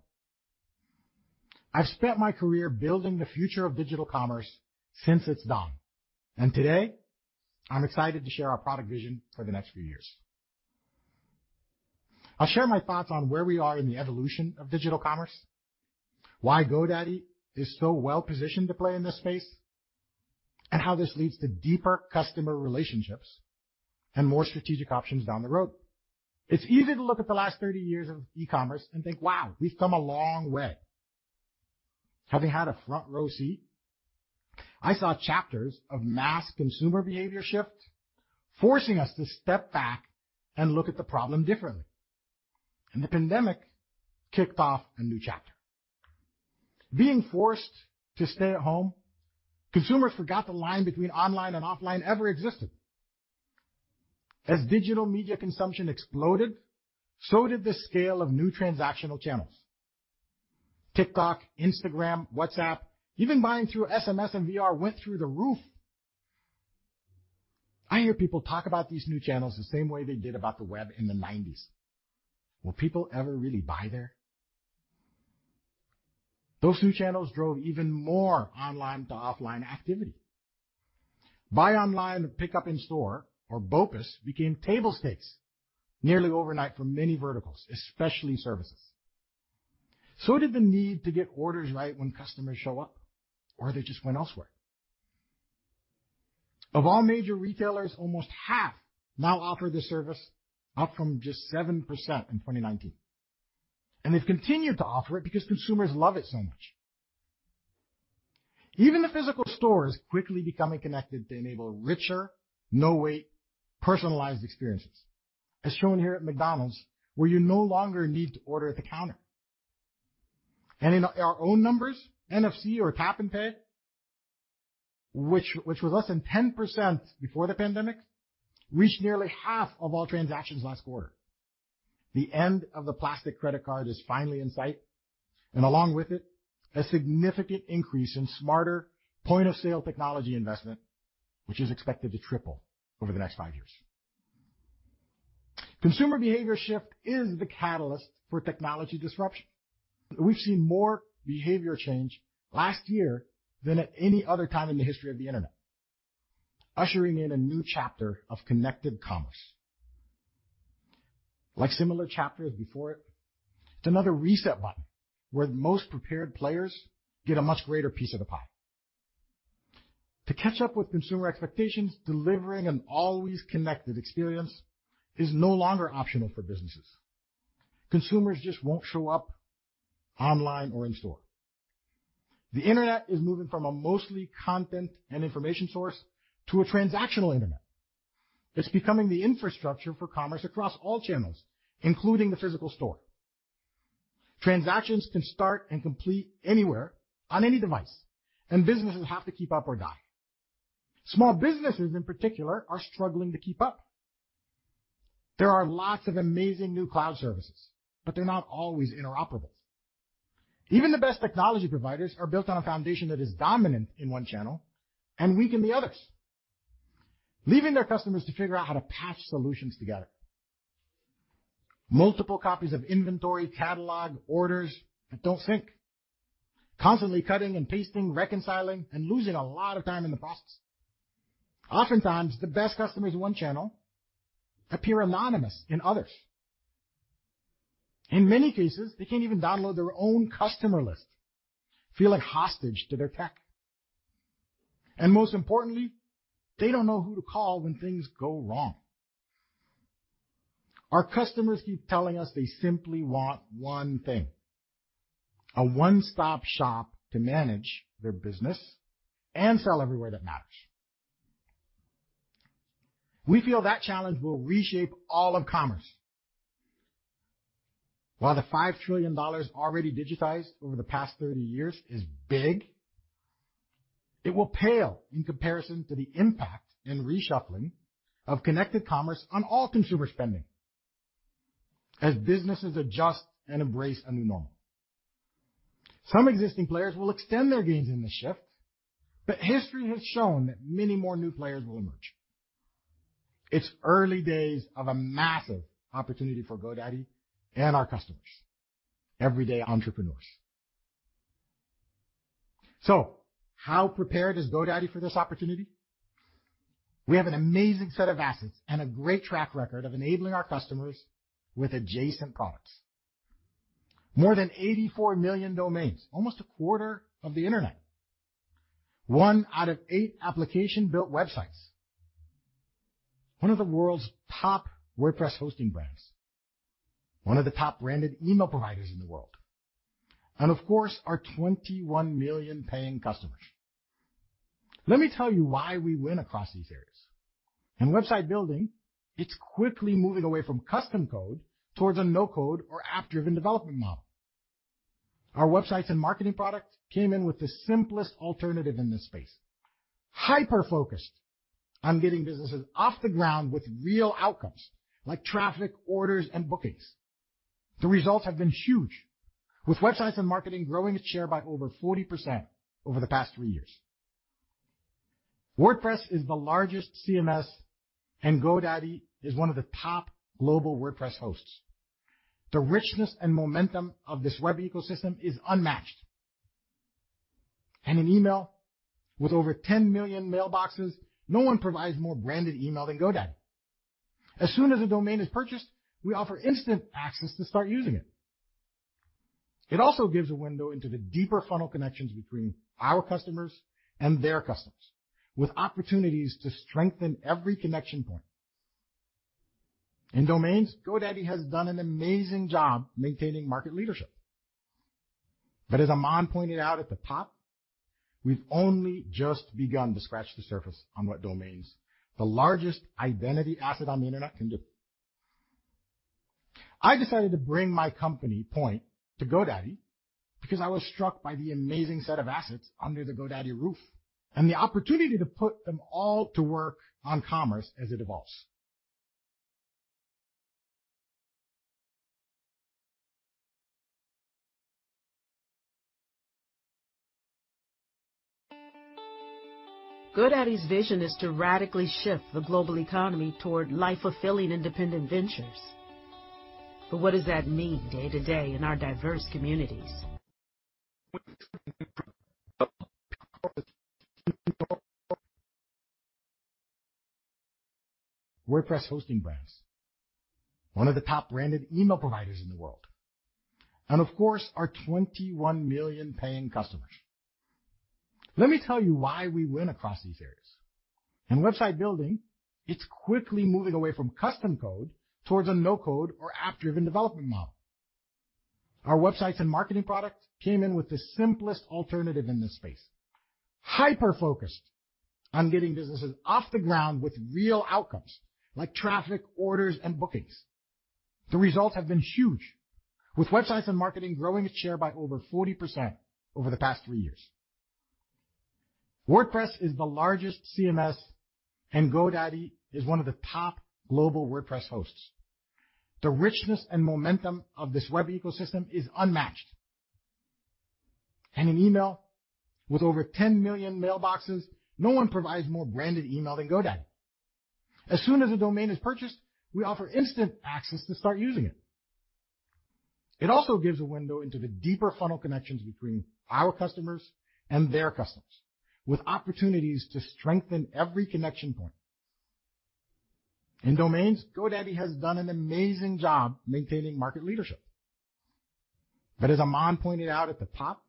D: I've spent my career building the future of digital commerce since its dawn. Today, I'm excited to share our product vision for the next few years. I'll share my thoughts on where we are in the evolution of digital commerce, why GoDaddy is so well-positioned to play in this space, and how this leads to deeper customer relationships and more strategic options down the road. It's easy to look at the last thirty years of e-commerce and think, "Wow, we've come a long way." Having had a front row seat, I saw chapters of mass consumer behavior shift, forcing us to step back and look at the problem differently. The pandemic kicked off a new chapter. Being forced to stay at home, consumers forgot the line between online and offline ever existed. As digital media consumption exploded, so did the scale of new transactional channels. TikTok, Instagram, WhatsApp, even buying through SMS and VR went through the roof. I hear people talk about these new channels the same way they did about the web in the nineties. Will people ever really buy there? Those new channels drove even more online to offline activity. Buy online, pick up in store, or BOPIS, became table stakes nearly overnight for many verticals, especially services. Did the need to get orders right when customers show up or they just went elsewhere. Of all major retailers, almost half now offer this service, up from just 7% in 2019. They've continued to offer it because consumers love it so much. Even the physical store is quickly becoming connected to enable richer, personalized experiences, as shown here at McDonald's, where you no longer need to order at the counter. In our own numbers, NFC or tap and pay, which was less than 10% before the pandemic, reached nearly half of all transactions last quarter. The end of the plastic credit card is finally in sight, and along with it, a significant increase in smarter point-of-sale technology investment, which is expected to triple over the next five years. Consumer behavior shift is the catalyst for technology disruption. We've seen more behavior change last year than at any other time in the history of the Internet, ushering in a new chapter of connected commerce. Like similar chapters before it's another reset button where the most prepared players get a much greater piece of the pie. To catch up with consumer expectations, delivering an always connected experience is no longer optional for businesses. Consumers just won't show up online or in store. The internet is moving from a mostly content and information source to a transactional internet. It's becoming the infrastructure for commerce across all channels, including the physical store. Transactions can start and complete anywhere on any device, and businesses have to keep up or die. Small businesses, in particular, are struggling to keep up. There are lots of amazing new cloud services, but they're not always interoperable. Even the best technology providers are built on a foundation that is dominant in one channel and weak in the others, leaving their customers to figure out how to patch solutions together. Multiple copies of inventory, catalog, orders that don't sync. Constantly cutting and pasting, reconciling, and losing a lot of time in the process. Oftentimes, the best customers in one channel appear anonymous in others. In many cases, they can't even download their own customer list, feel like hostage to their tech. Most importantly, they don't know who to call when things go wrong. Our customers keep telling us they simply want one thing, a one-stop shop to manage their business and sell everywhere that matters. We feel that challenge will reshape all of commerce. While the $5 trillion already digitized over the past 30 years is big, it will pale in comparison to the impact and reshuffling of connected commerce on all consumer spending as businesses adjust and embrace a new normal. Some existing players will extend their gains in the shift, but history has shown that many more new players will emerge. It's early days of a massive opportunity for GoDaddy and our customers, everyday entrepreneurs. How prepared is GoDaddy for this opportunity? We have an amazing set of assets and a great track record of enabling our customers with adjacent products. More than 84 million domains, almost a quarter of the Internet. One out of eight application-built websites, one of the world's top WordPress hosting brands, one of the top branded email providers in the world, and of course, our 21 million paying customers. Let me tell you why we win across these areas. In website building, it's quickly moving away from custom code towards a no-code or app-driven development model. Our Websites and Marketing product came in with the simplest alternative in this space, hyper-focused on getting businesses off the ground with real outcomes like traffic, orders, and bookings. The results have been huge, with Websites and Marketing growing its share by over 40% over the past three years. WordPress is the largest CMS, and GoDaddy is one of the top global WordPress hosts. The richness and momentum of this web ecosystem is unmatched. In email, with over 10 million mailboxes, no one provides more branded email than GoDaddy. As soon as a domain is purchased, we offer instant access to start using it. It also gives a window into the deeper funnel connections between our customers and their customers, with opportunities to strengthen every connection point. In domains, GoDaddy has done an amazing job maintaining market leadership. As Aman pointed out at the top, we've only just begun to scratch the surface on what domains, the largest identity asset on the Internet, can do. I decided to bring my company, Poynt, to GoDaddy because I was struck by the amazing set of assets under the GoDaddy roof and the opportunity to put them all to work on commerce as it evolves.
E: GoDaddy's vision is to radically shift the global economy toward life-fulfilling independent ventures. What does that mean day-to-day in our diverse communities?
D: WordPress hosting brands, one of the top branded email providers in the world, and of course, our 21 million paying customers. Let me tell you why we win across these areas. In website building, it's quickly moving away from custom code towards a no-code or app-driven development model. Our Websites and Marketing product came in with the simplest alternative in this space, hyper-focused on getting businesses off the ground with real outcomes like traffic, orders, and bookings. The results have been huge, with Websites and Marketing growing its share by over 40% over the past three years. WordPress is the largest CMS, and GoDaddy is one of the top global WordPress hosts. The richness and momentum of this web ecosystem is unmatched. In email, with over 10 million mailboxes, no one provides more branded email than GoDaddy. As soon as a domain is purchased, we offer instant access to start using it. It also gives a window into the deeper funnel connections between our customers and their customers, with opportunities to strengthen every connection point. In domains, GoDaddy has done an amazing job maintaining market leadership. As Aman pointed out at the top,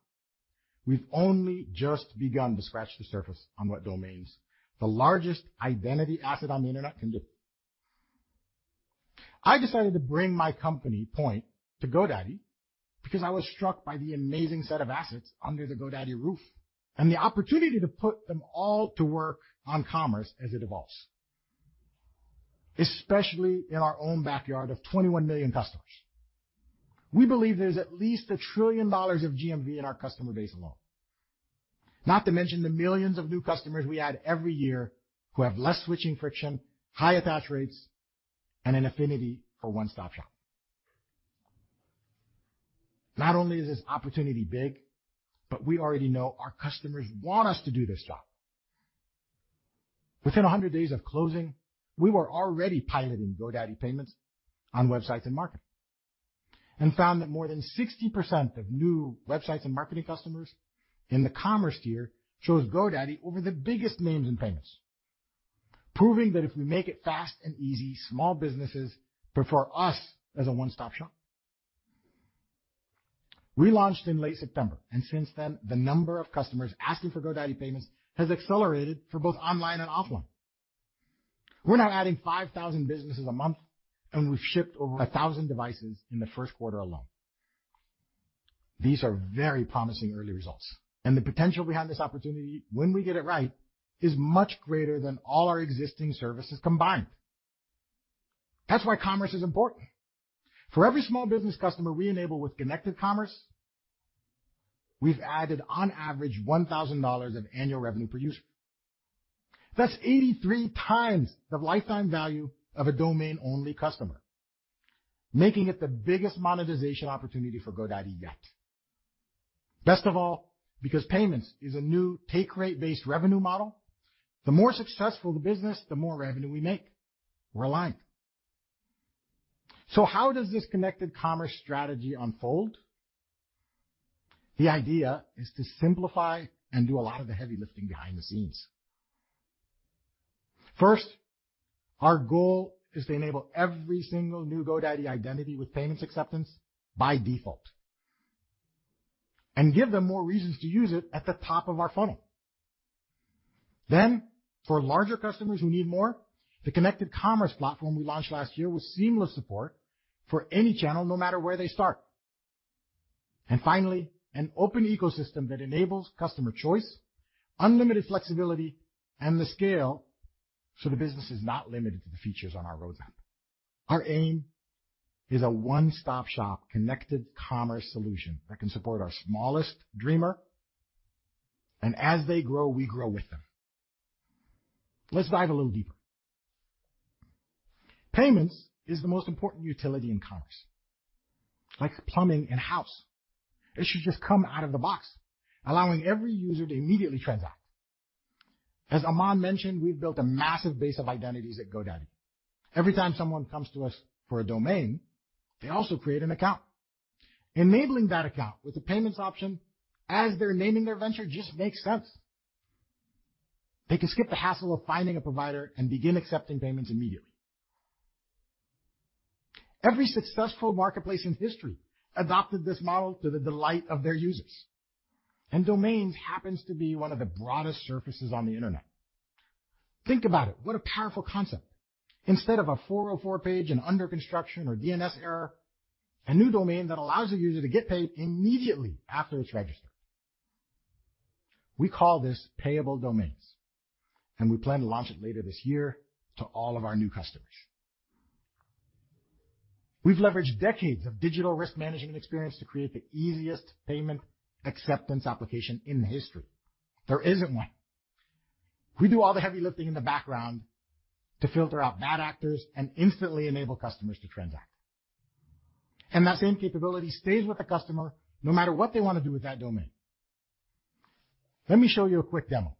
D: we've only just begun to scratch the surface on what domains, the largest identity asset on the Internet, can do. I decided to bring my company, Poynt, to GoDaddy because I was struck by the amazing set of assets under the GoDaddy roof and the opportunity to put them all to work on commerce as it evolves, especially in our own backyard of 21 million customers. We believe there's at least $1 trillion of GMV in our customer base alone. Not to mention the millions of new customers we add every year who have less switching friction, high attach rates, and an affinity for one-stop shop. Not only is this opportunity big, but we already know our customers want us to do this job. Within 100 days of closing, we were already piloting GoDaddy Payments on Websites and Marketing, and found that more than 60% of new Websites and Marketing customers in the commerce tier chose GoDaddy over the biggest names in payments, proving that if we make it fast and easy, small businesses prefer us as a one-stop shop. We launched in late September, and since then, the number of customers asking for GoDaddy Payments has accelerated for both online and offline. We're now adding 5,000 businesses a month, and we've shipped over 1,000 devices in the first quarter alone. These are very promising early results, and the potential behind this opportunity when we get it right is much greater than all our existing services combined. That's why commerce is important. For every small business customer we enable with connected commerce, we've added on average $1,000 of annual revenue per user. That's 83 times the lifetime value of a domain-only customer, making it the biggest monetization opportunity for GoDaddy yet. Best of all, because payments is a new take rate-based revenue model, the more successful the business, the more revenue we make. We're aligned. How does this connected commerce strategy unfold? The idea is to simplify and do a lot of the heavy lifting behind the scenes. First, our goal is to enable every single new GoDaddy identity with payments acceptance by default and give them more reasons to use it at the top of our funnel. For larger customers who need more, the connected commerce platform we launched last year with seamless support for any channel no matter where they start. Finally, an open ecosystem that enables customer choice, unlimited flexibility, and the scale so the business is not limited to the features on our roadmap. Our aim is a one-stop shop connected commerce solution that can support our smallest dreamer, and as they grow, we grow with them. Let's dive a little deeper. Payments is the most important utility in commerce. Like plumbing in a house, it should just come out of the box, allowing every user to immediately transact. As Aman mentioned, we've built a massive base of identities at GoDaddy. Every time someone comes to us for a domain, they also create an account. Enabling that account with a payments option as they're naming their venture just makes sense. They can skip the hassle of finding a provider and begin accepting payments immediately. Every successful marketplace in history adopted this model to the delight of their users. Domains happens to be one of the broadest surfaces on the Internet. Think about it. What a powerful concept. Instead of a 404 page, an under construction or DNS error, a new domain that allows the user to get paid immediately after it's registered. We call this Payable Domains, and we plan to launch it later this year to all of our new customers. We've leveraged decades of digital risk management experience to create the easiest payment acceptance application in history. There isn't one. We do all the heavy lifting in the background to filter out bad actors and instantly enable customers to transact. That same capability stays with the customer no matter what they wanna do with that domain. Let me show you a quick demo.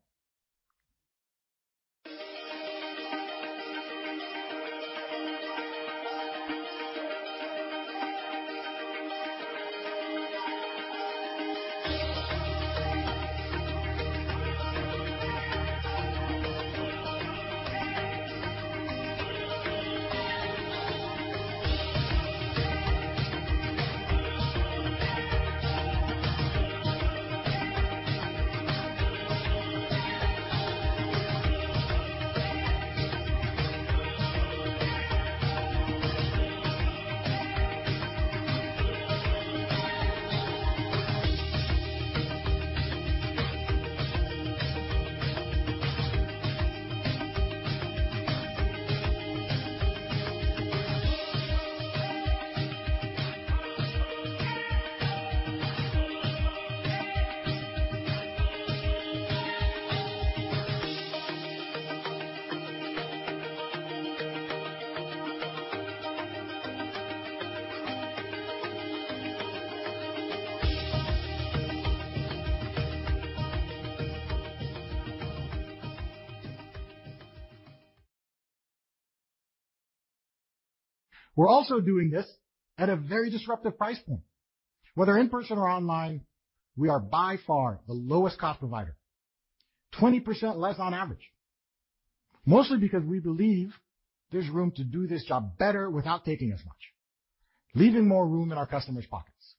D: We're also doing this at a very disruptive price point. Whether in person or online, we are by far the lowest cost provider, 20% less on average. Mostly because we believe there's room to do this job better without taking as much, leaving more room in our customers' pockets.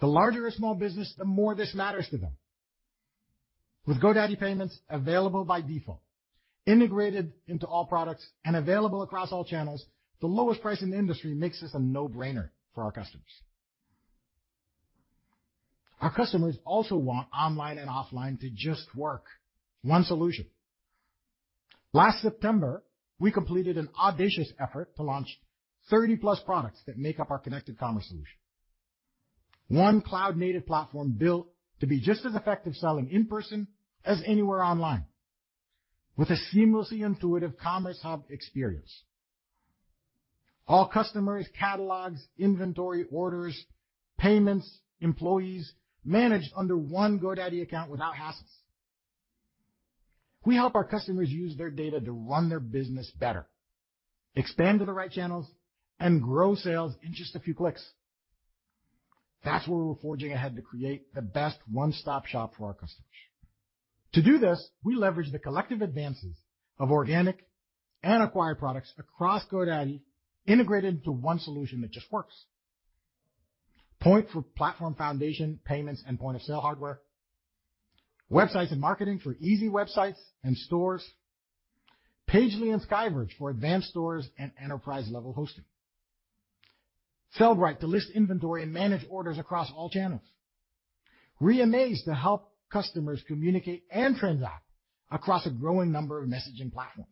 D: The larger a small business, the more this matters to them. With GoDaddy Payments available by default, integrated into all products, and available across all channels, the lowest price in the industry makes this a no-brainer for our customers. Our customers also want online and offline to just work. One solution. Last September, we completed an audacious effort to launch 30+ products that make up our connected commerce solution. One cloud-native platform built to be just as effective selling in person as anywhere online, with a seamlessly intuitive commerce hub experience. All customers, catalogs, inventory, orders, payments, employees managed under one GoDaddy account without hassles. We help our customers use their data to run their business better, expand to the right channels, and grow sales in just a few clicks. That's where we're forging ahead to create the best one-stop shop for our customers. To do this, we leverage the collective advances of organic and acquired products across GoDaddy integrated into one solution that just works. Poynt for platform foundation, payments, and point of sale hardware. Websites and Marketing for easy websites and stores. Pagely and SkyVerge for advanced stores and enterprise-level hosting. Sellbrite to list inventory and manage orders across all channels. Reamaze to help customers communicate and transact across a growing number of messaging platforms.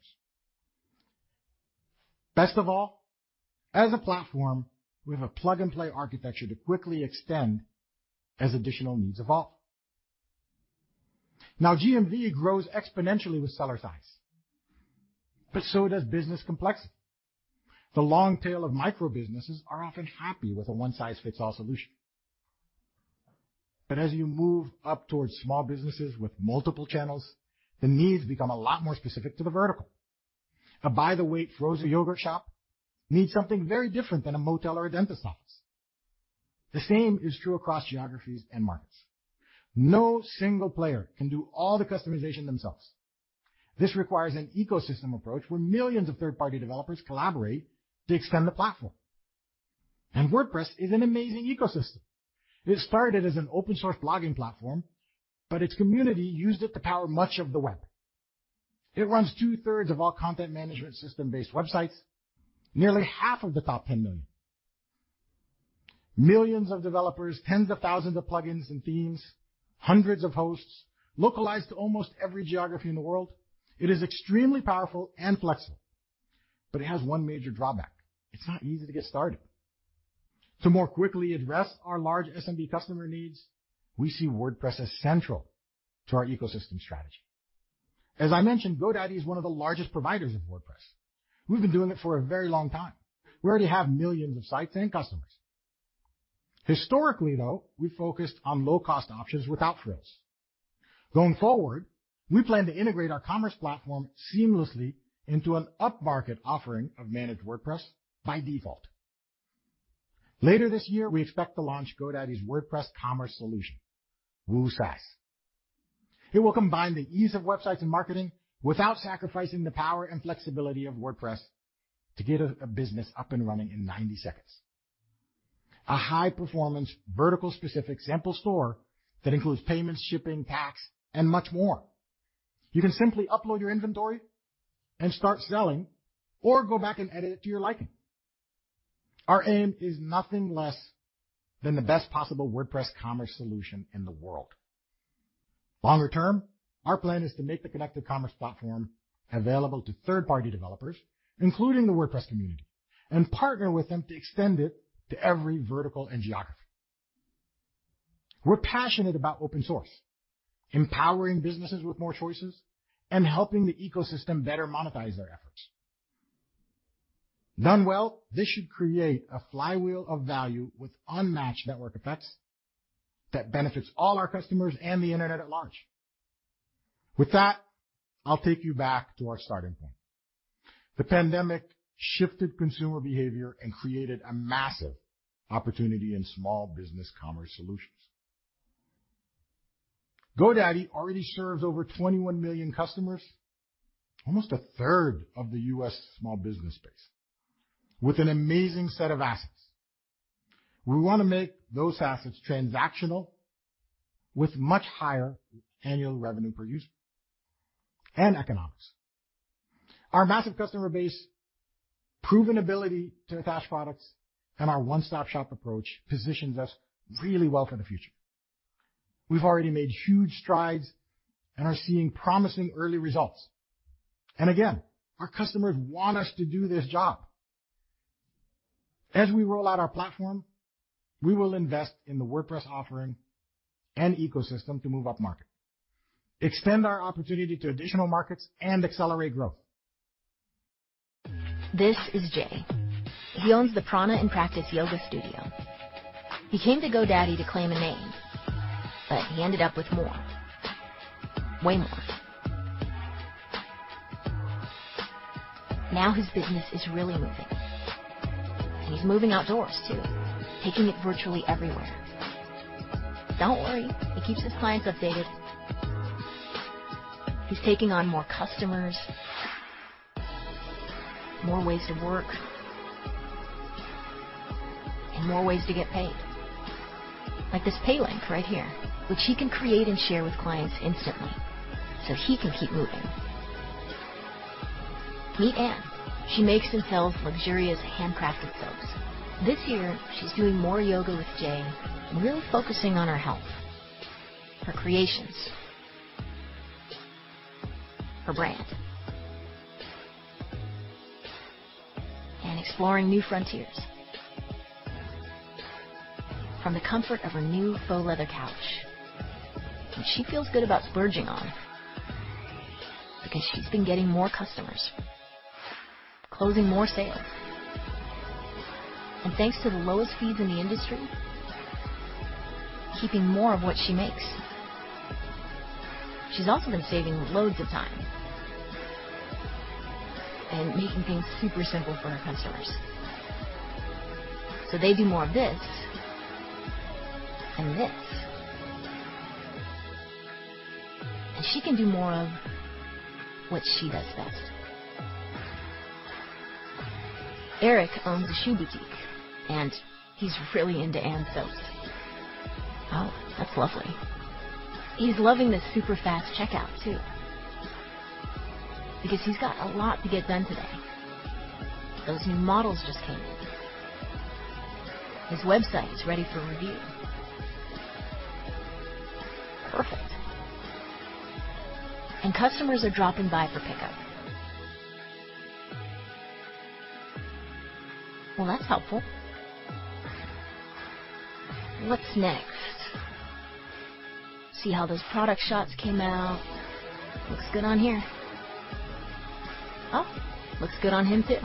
D: Best of all, as a platform, we have a plug-and-play architecture to quickly extend as additional needs evolve. Now, GMV grows exponentially with seller size, but so does business complexity. The long tail of micro-businesses are often happy with a one-size-fits-all solution. But as you move up towards small businesses with multiple channels, the needs become a lot more specific to the vertical. A by-the-weight frozen yogurt shop needs something very different than a motel or a dentist office. The same is true across geographies and markets. No single player can do all the customization themselves. This requires an ecosystem approach where millions of third-party developers collaborate to extend the platform. WordPress is an amazing ecosystem. It started as an open source blogging platform, but its community used it to power much of the web. It runs 2/3 of all content management system-based websites, nearly half of the top 10 million. Millions of developers, tens of thousands of plugins and themes, hundreds of hosts localized to almost every geography in the world. It is extremely powerful and flexible, but it has one major drawback. It's not easy to get started. To more quickly address our large SMB customer needs, we see WordPress as central to our ecosystem strategy. As I mentioned, GoDaddy is one of the largest providers of WordPress. We've been doing it for a very long time. We already have millions of sites and customers. Historically, though, we focused on low-cost options without frills. Going forward, we plan to integrate our commerce platform seamlessly into an upmarket offering of Managed WordPress by default. Later this year, we expect to launch GoDaddy's WordPress commerce solution, WooSaaS. It will combine the ease of Websites and Marketing without sacrificing the power and flexibility of WordPress to get a business up and running in 90 seconds. A high-performance, vertical-specific sample store that includes payments, shipping, tax, and much more. You can simply upload your inventory and start selling or go back and edit it to your liking. Our aim is nothing less than the best possible WordPress commerce solution in the world. Longer term, our plan is to make the Connected Commerce platform available to third-party developers, including the WordPress community, and partner with them to extend it to every vertical and geography. We're passionate about open source, empowering businesses with more choices, and helping the ecosystem better monetize their efforts. Done well, this should create a flywheel of value with unmatched network effects that benefits all our customers and the Internet at large. With that, I'll take you back to our starting point. The pandemic shifted consumer behavior and created a massive opportunity in small business commerce solutions. GoDaddy already serves over 21 million customers, almost one-third of the U.S. small business space, with an amazing set of assets. We wanna make those assets transactional with much higher annual revenue per user and economics. Our massive customer base, proven ability to attach products, and our one-stop shop approach positions us really well for the future. We've already made huge strides and are seeing promising early results. Again, our customers want us to do this job. As we roll out our platform, we will invest in the WordPress offering and ecosystem to move upmarket, extend our opportunity to additional markets, and accelerate growth.
E: This is Jay. He owns the Prana in Practice yoga studio. He came to GoDaddy to claim a name, but he ended up with more, way more. Now his business is really moving, and he's moving outdoors too, taking it virtually everywhere. Don't worry, he keeps his clients updated. He's taking on more customers. More ways to work and more ways to get paid. Like this pay link right here, which he can create and share with clients instantly, so he can keep moving. Meet Anne. She makes and sells luxurious handcrafted soaps. This year, she's doing more yoga with Jay, really focusing on her health, her creations, her brand, and exploring new frontiers from the comfort of her new faux leather couch. Which she feels good about splurging on because she's been getting more customers, closing more sales, and thanks to the lowest fees in the industry, keeping more of what she makes. She's also been saving loads of time and making things super simple for her customers, so they do more of this and this, and she can do more of what she does best. Eric owns a shoe boutique, and he's really into Anne's soaps. Oh, that's lovely. He's loving this super fast checkout too, because he's got a lot to get done today. Those new models just came in. His website is ready for review. Perfect. Customers are dropping by for pickup. Well, that's helpful. What's next? See how those product shots came out. Looks good on here. Oh, looks good on him too.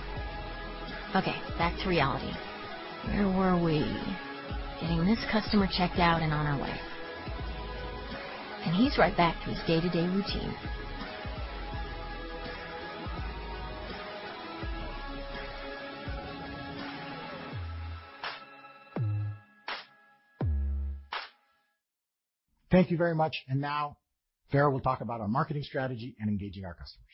E: Okay, back to reality. Where were we? Getting this customer checked out and on our way. He's right back to his day-to-day routine.
D: Thank you very much. Now Fara will talk about our marketing strategy and engaging our customers.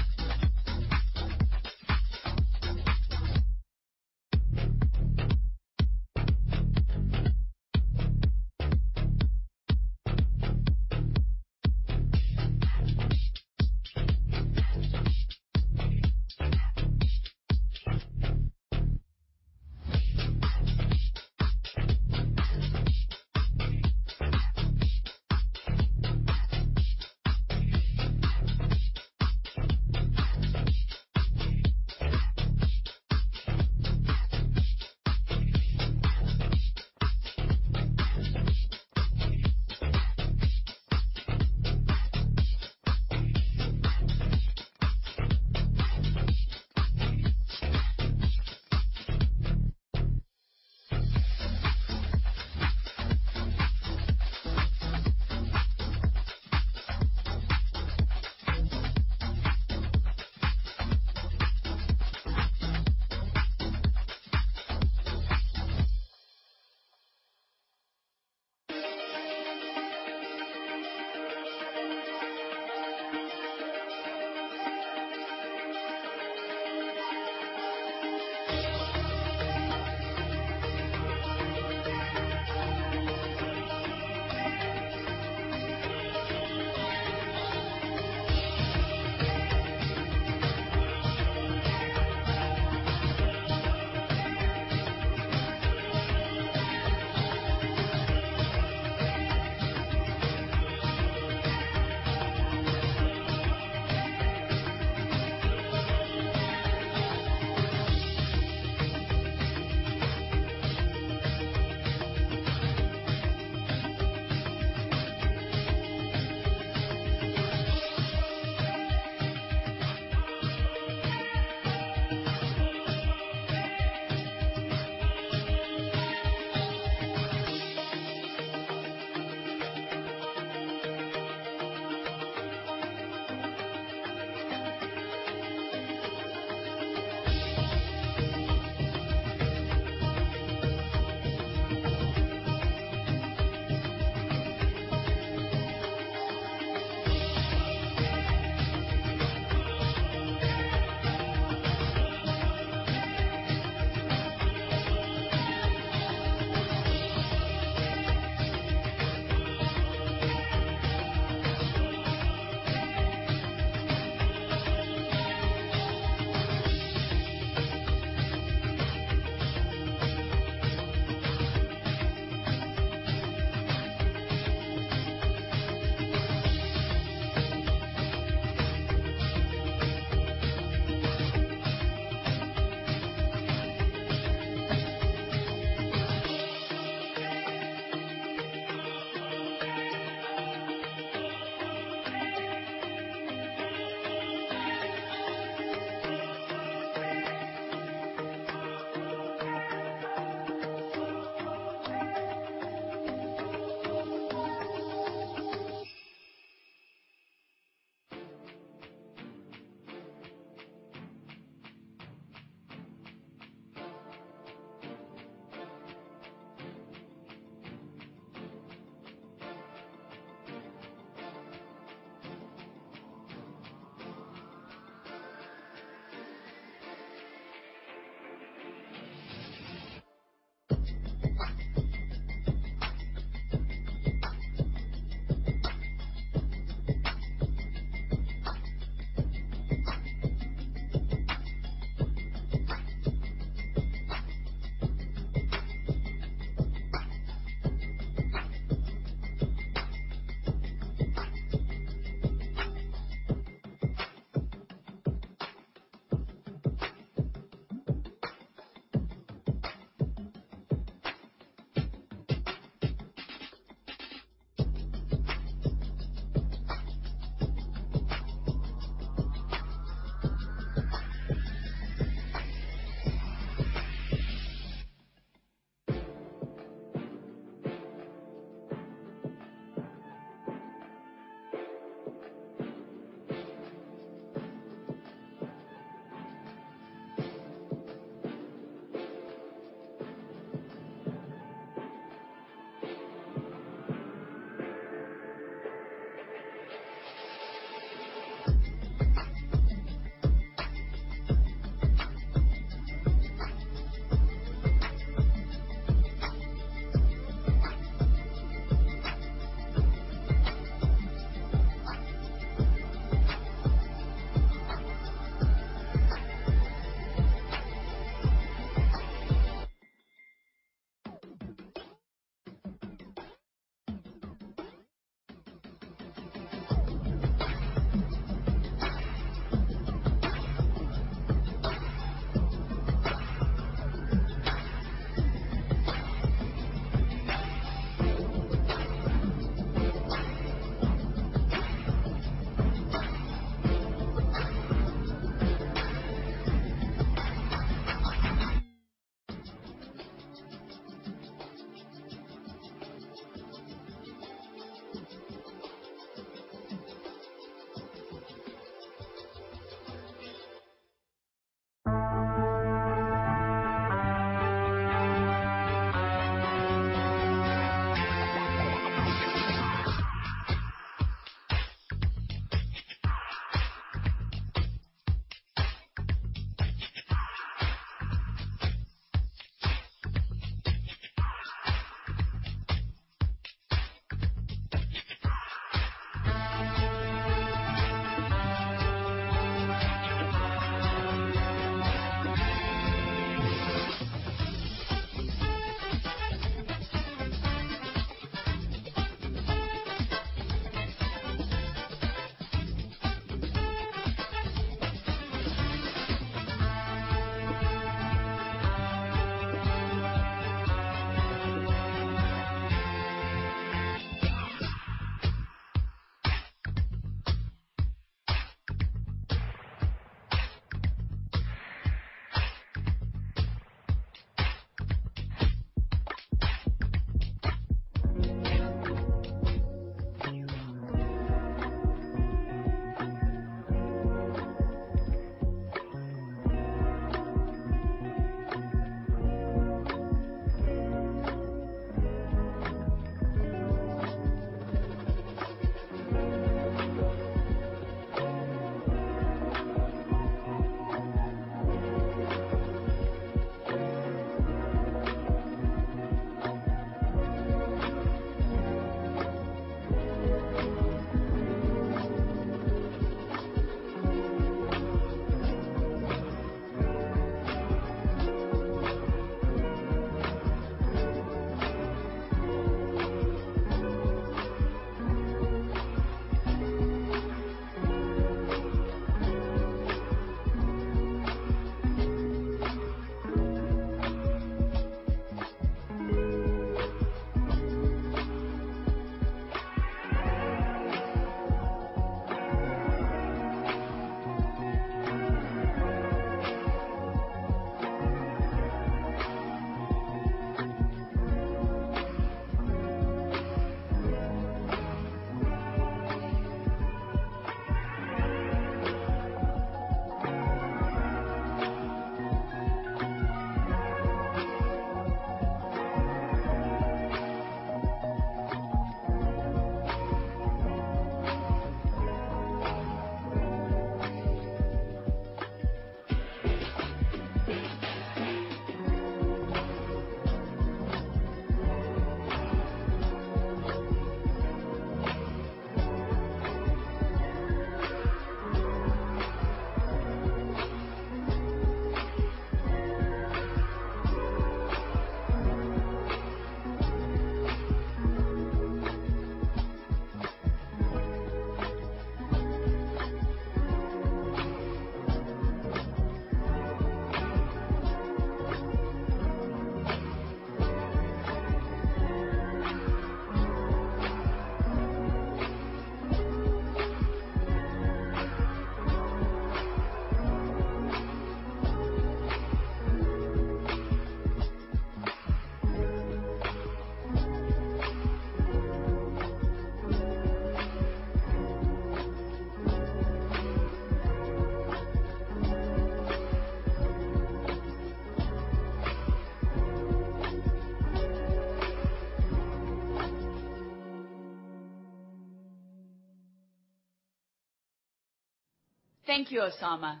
F: Thank you, Osama.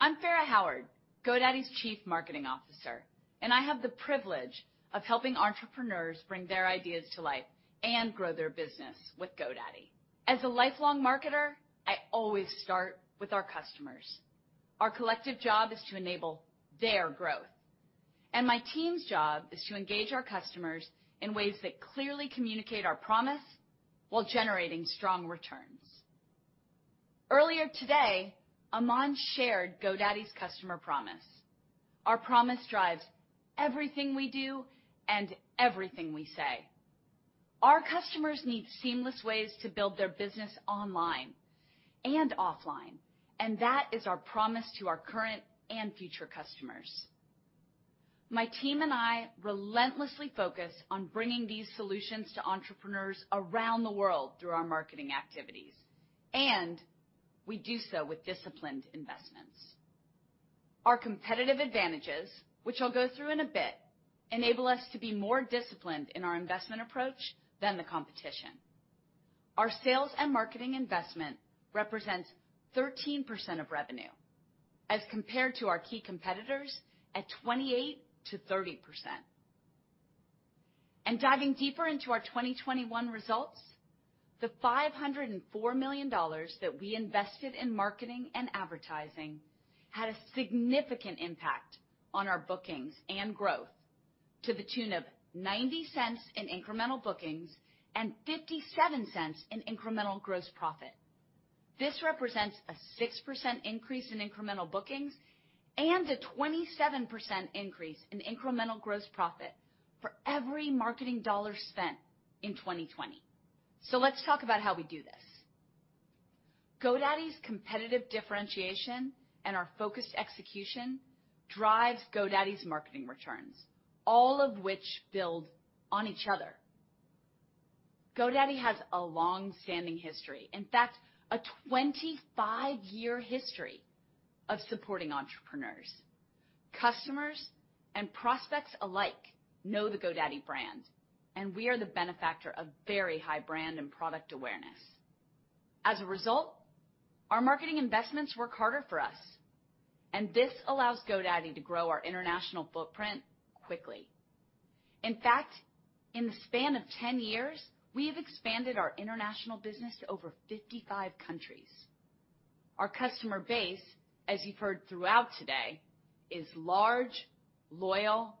F: I'm Fara Howard, GoDaddy's Chief Marketing Officer, and I have the privilege of helping entrepreneurs bring their ideas to life and grow their business with GoDaddy. As a lifelong marketer, I always start with our customers. Our collective job is to enable their growth, and my team's job is to engage our customers in ways that clearly communicate our promise while generating strong returns. Earlier today, Aman shared GoDaddy's customer promise. Our promise drives everything we do and everything we say. Our customers need seamless ways to build their business online and offline, and that is our promise to our current and future customers. My team and I relentlessly focus on bringing these solutions to entrepreneurs around the world through our marketing activities, and we do so with disciplined investments. Our competitive advantages, which I'll go through in a bit, enable us to be more disciplined in our investment approach than the competition. Our sales and marketing investment represents 13% of revenue, as compared to our key competitors at 28%-30%. Diving deeper into our 2021 results, the $504 million that we invested in marketing and advertising had a significant impact on our bookings and growth to the tune of $0.90 in incremental bookings and $0.57 in incremental gross profit. This represents a 6% increase in incremental bookings and a 27% increase in incremental gross profit for every marketing dollar spent in 2020. Let's talk about how we do this. GoDaddy's competitive differentiation and our focused execution drives GoDaddy's marketing returns, all of which build on each other. GoDaddy has a long-standing history. In fact, a 25-year history of supporting entrepreneurs. Customers and prospects alike know the GoDaddy brand, and we are the benefactor of very high brand and product awareness. As a result, our marketing investments work harder for us, and this allows GoDaddy to grow our international footprint quickly. In fact, in the span of 10 years, we have expanded our international business to over 55 countries. Our customer base, as you've heard throughout today, is large, loyal,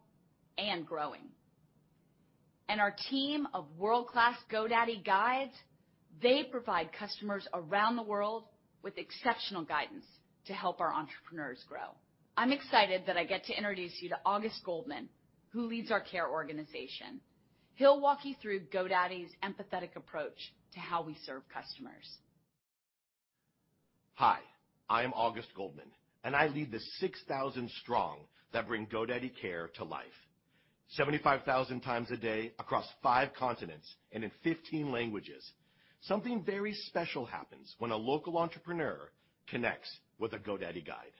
F: and growing. Our team of world-class GoDaddy Guides, they provide customers around the world with exceptional guidance to help our entrepreneurs grow. I'm excited that I get to introduce you to Auguste Goldman, who leads our care organization. He'll walk you through GoDaddy's empathetic approach to how we serve customers.
G: Hi, I am Auguste Goldman, and I lead the 6,000-strong that bring GoDaddy Care to life. 75,000 times a day across five continents and in 15 languages, something very special happens when a local entrepreneur connects with a GoDaddy Guide.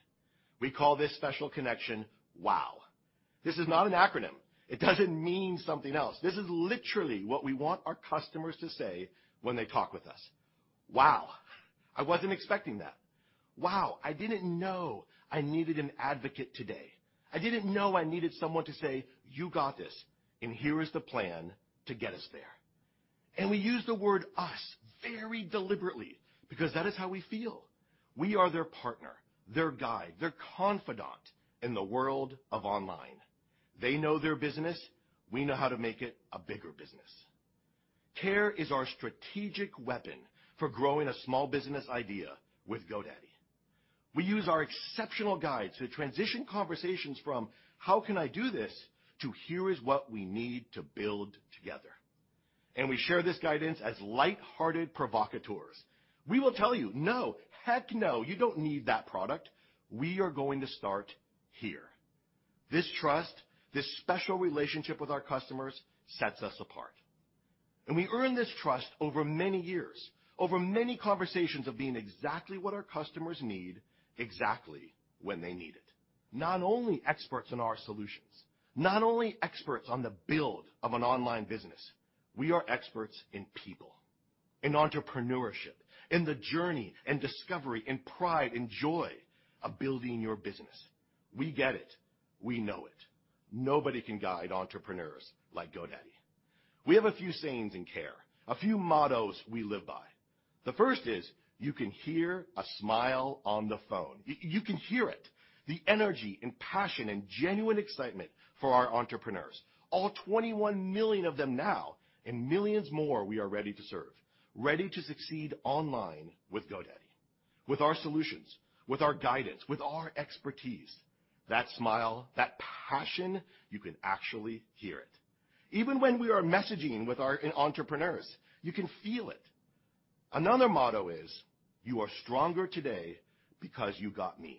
G: We call this special connection Wow. This is not an acronym. It doesn't mean something else. This is literally what we want our customers to say when they talk with us. "Wow, I wasn't expecting that. Wow, I didn't know I needed an advocate today. I didn't know I needed someone to say, 'You got this, and here is the plan to get us there.'" We use the word us very deliberately because that is how we feel. We are their partner, their guide, their confidant in the world of online. They know their business. We know how to make it a bigger business. Care is our strategic weapon for growing a small business idea with GoDaddy. We use our exceptional guides to transition conversations from, "How can I do this?" to "Here is what we need to build together." We share this guidance as lighthearted provocateurs. We will tell you, "No. Heck no, you don't need that product. We are going to start here." This trust, this special relationship with our customers, sets us apart. We earn this trust over many years, over many conversations of being exactly what our customers need exactly when they need it. Not only experts in our solutions, not only experts on the build of an online business, we are experts in people, in entrepreneurship, in the journey and discovery, in pride and joy of building your business. We get it. We know it. Nobody can guide entrepreneurs like GoDaddy. We have a few sayings in Care, a few mottos we live by. The first is, you can hear a smile on the phone. You can hear it, the energy and passion and genuine excitement for our entrepreneurs. All 21 million of them now and millions more we are ready to serve. Ready to succeed online with GoDaddy, with our solutions, with our guidance, with our expertise. That smile, that passion, you can actually hear it. Even when we are messaging with our entrepreneurs, you can feel it. Another motto is, you are stronger today because you got me.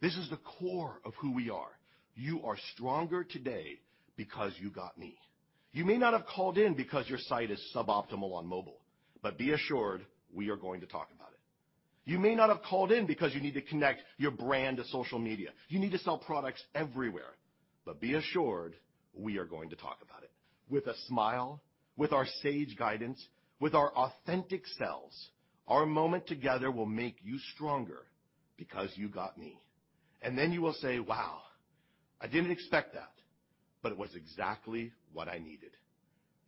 G: This is the core of who we are. You are stronger today because you got me. You may not have called in because your site is suboptimal on mobile, but be assured we are going to talk about it. You may not have called in because you need to connect your brand to social media. You need to sell products everywhere. Be assured, we are going to talk about it with a smile, with our sage guidance, with our authentic selves. Our moment together will make you stronger because you got me. Then you will say, "Wow, I didn't expect that, but it was exactly what I needed."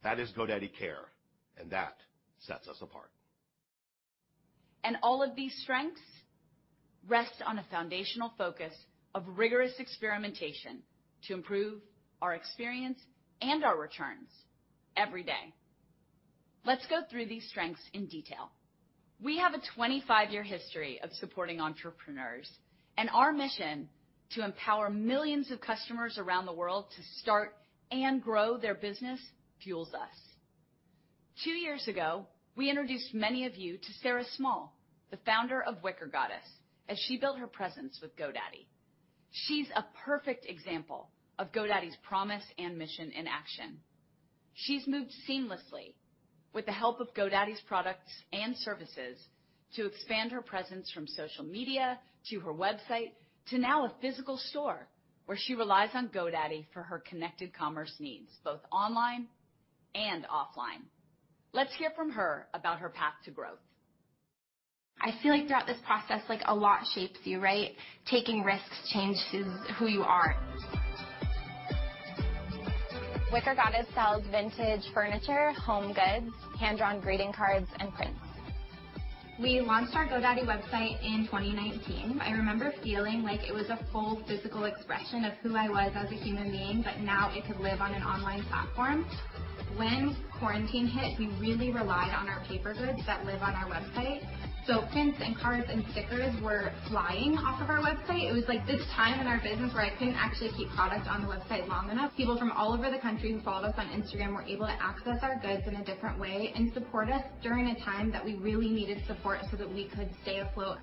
G: That is GoDaddy Care, and that sets us apart.
F: All of these strengths rest on a foundational focus of rigorous experimentation to improve our experience and our returns every day. Let's go through these strengths in detail. We have a 25-year history of supporting entrepreneurs, and our mission to empower millions of customers around the world to start and grow their business fuels us. Two years ago, we introduced many of you to Sarah Small, the founder of Wicker Goddess, as she built her presence with GoDaddy. She's a perfect example of GoDaddy's promise and mission in action. She's moved seamlessly with the help of GoDaddy's products and services to expand her presence from social media to her website to now a physical store, where she relies on GoDaddy for her connected commerce needs, both online and offline. Let's hear from her about her path to growth.
H: I feel like throughout this process, like, a lot shapes you, right? Taking risks changes who you are. Wicker Goddess sells vintage furniture, home goods, hand-drawn greeting cards, and prints. We launched our GoDaddy website in 2019. I remember feeling like it was a full physical expression of who I was as a human being, but now it could live on an online platform. When quarantine hit, we really relied on our paper goods that live on our website. Prints and cards and stickers were flying off of our website. It was like this time in our business where I couldn't actually keep product on the website long enough. People from all over the country who followed us on Instagram were able to access our goods in a different way and support us during a time that we really needed support so that we could stay afloat.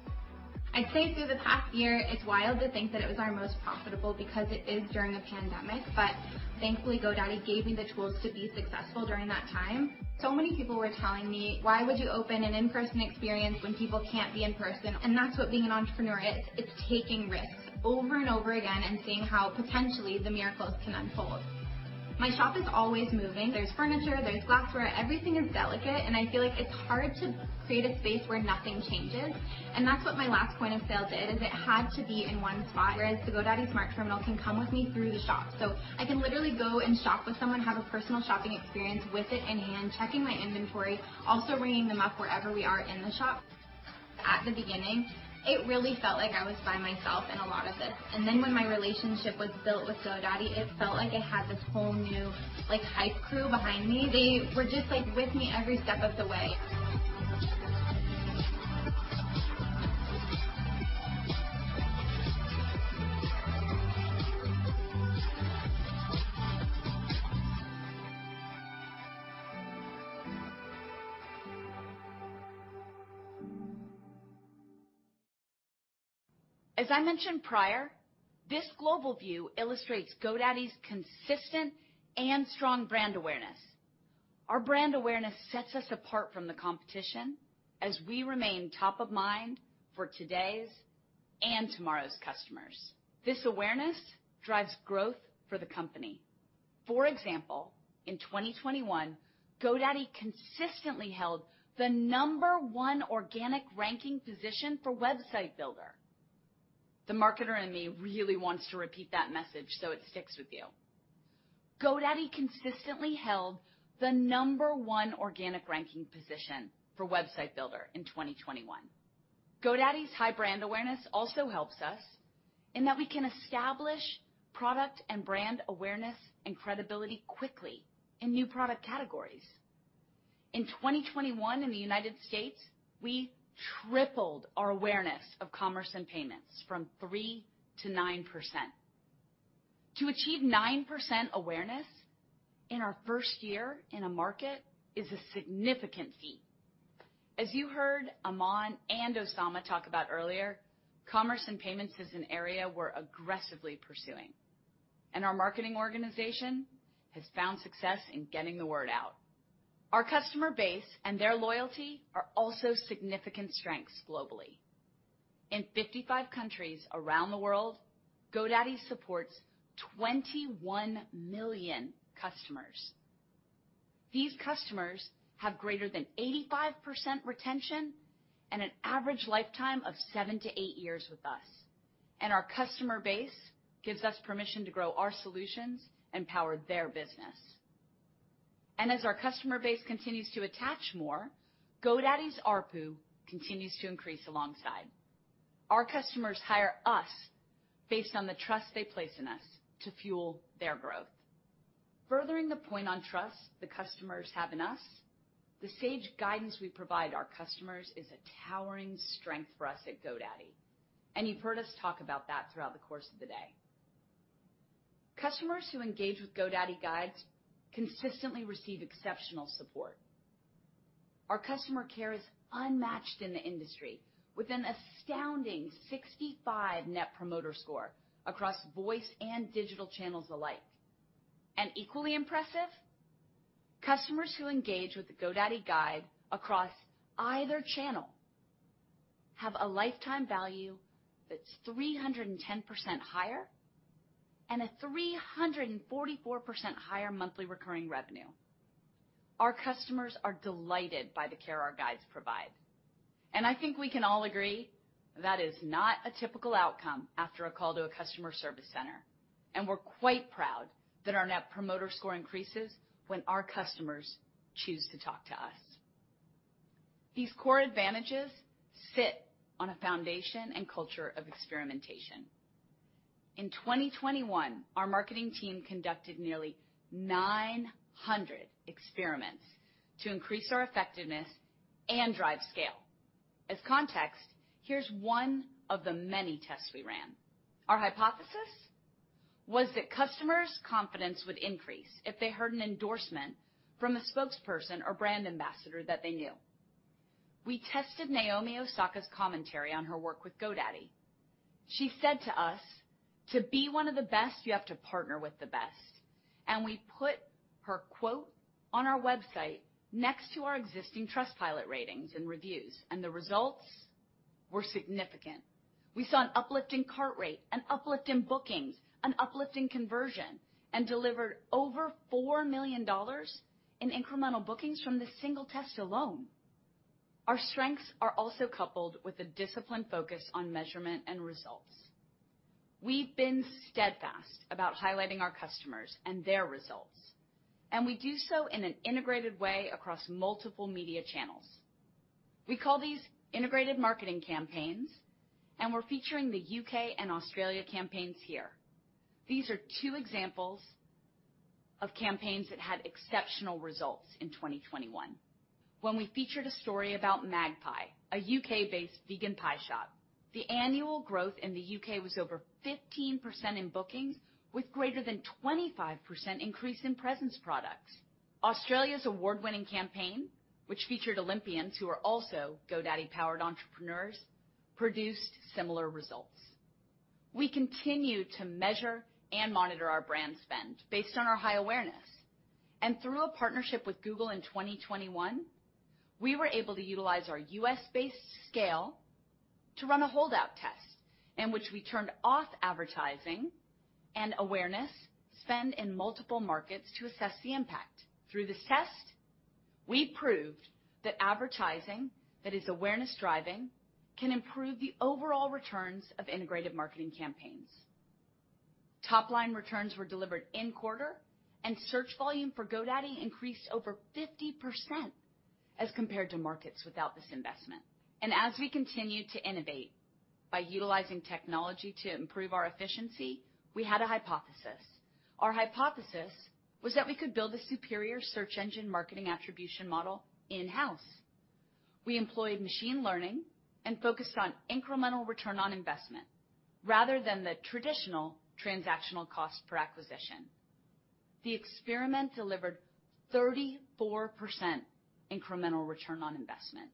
H: I'd say through the past year, it's wild to think that it was our most profitable because it is during a pandemic, but thankfully GoDaddy gave me the tools to be successful during that time. Many people were telling me, "Why would you open an in-person experience when people can't be in person?" That's what being an entrepreneur is. It's taking risks over and over again and seeing how potentially the miracles can unfold. My shop is always moving. There's furniture, there's glassware. Everything is delicate, and I feel like it's hard to create a space where nothing changes. That's what my last point of sale did. It had to be in one spot, whereas the GoDaddy Smart Terminal can come with me through the shop. I can literally go and shop with someone, have a personal shopping experience with it in hand, checking my inventory, also ringing them up wherever we are in the shop. At the beginning, it really felt like I was by myself in a lot of this. Then when my relationship was built with GoDaddy, it felt like I had this whole new, like, hype crew behind me. They were just, like, with me every step of the way.
F: As I mentioned prior, this global view illustrates GoDaddy's consistent and strong brand awareness. Our brand awareness sets us apart from the competition as we remain top of mind for today's and tomorrow's customers. This awareness drives growth for the company. For example, in 2021, GoDaddy consistently held the number one organic ranking position for website builder. The marketer in me really wants to repeat that message so it sticks with you. GoDaddy consistently held the number one organic ranking position for website builder in 2021. GoDaddy's high brand awareness also helps us in that we can establish product and brand awareness and credibility quickly in new product categories. In 2021 in the United States, we tripled our awareness of commerce and payments from 3%-9%. To achieve 9% awareness in our first year in a market is a significant feat. As you heard Aman Bhutani and Osama Bedier talk about earlier, commerce and payments is an area we're aggressively pursuing, and our marketing organization has found success in getting the word out. Our customer base and their loyalty are also significant strengths globally. In 55 countries around the world, GoDaddy supports 21 million customers. These customers have greater than 85% retention and an average lifetime of 7-8 years with us. Our customer base gives us permission to grow our solutions and power their business. As our customer base continues to attach more, GoDaddy's ARPU continues to increase alongside. Our customers hire us based on the trust they place in us to fuel their growth. Furthering the point on trust the customers have in us, the sage guidance we provide our customers is a towering strength for us at GoDaddy, and you've heard us talk about that throughout the course of the day. Customers who engage with GoDaddy Guides consistently receive exceptional support. Our customer care is unmatched in the industry with an astounding 65 Net Promoter Score across voice and digital channels alike. Equally impressive, customers who engage with the GoDaddy Guide across either channel have a lifetime value that's 310% higher and a 344% higher monthly recurring revenue. Our customers are delighted by the care our Guides provide, and I think we can all agree that is not a typical outcome after a call to a customer service center. We're quite proud that our net promoter score increases when our customers choose to talk to us. These core advantages sit on a foundation and culture of experimentation. In 2021, our marketing team conducted nearly 900 experiments to increase our effectiveness and drive scale. As context, here's one of the many tests we ran. Our hypothesis was that customers' confidence would increase if they heard an endorsement from a spokesperson or brand ambassador that they knew. We tested Naomi Osaka's commentary on her work with GoDaddy. She said to us, "To be one of the best, you have to partner with the best." We put her quote on our website next to our existing Trustpilot ratings and reviews, and the results were significant. We saw an uplift in cart rate, an uplift in bookings, an uplift in conversion, and delivered over $4 million in incremental bookings from this single test alone. Our strengths are also coupled with a disciplined focus on measurement and results. We've been steadfast about highlighting our customers and their results, and we do so in an integrated way across multiple media channels. We call these integrated marketing campaigns, and we're featuring the U.K. and Australia campaigns here. These are two examples of campaigns that had exceptional results in 2021. When we featured a story about Magpie, a U.K.-based vegan pie shop, the annual growth in the U.K. was over 15% in bookings with greater than 25% increase in premium products. Australia's award-winning campaign, which featured Olympians who are also GoDaddy-powered entrepreneurs, produced similar results. We continue to measure and monitor our brand spend based on our high awareness. Through a partnership with Google in 2021, we were able to utilize our U.S.-based scale to run a holdout test in which we turned off advertising and awareness spend in multiple markets to assess the impact. Through this test, we proved that advertising that is awareness-driving can improve the overall returns of integrated marketing campaigns. Top line returns were delivered in the quarter, and search volume for GoDaddy increased over 50% as compared to markets without this investment. As we continue to innovate by utilizing technology to improve our efficiency, we had a hypothesis. Our hypothesis was that we could build a superior search engine marketing attribution model in-house. We employed machine learning and focused on incremental return on investment rather than the traditional transactional cost per acquisition. The experiment delivered 34% incremental return on investment.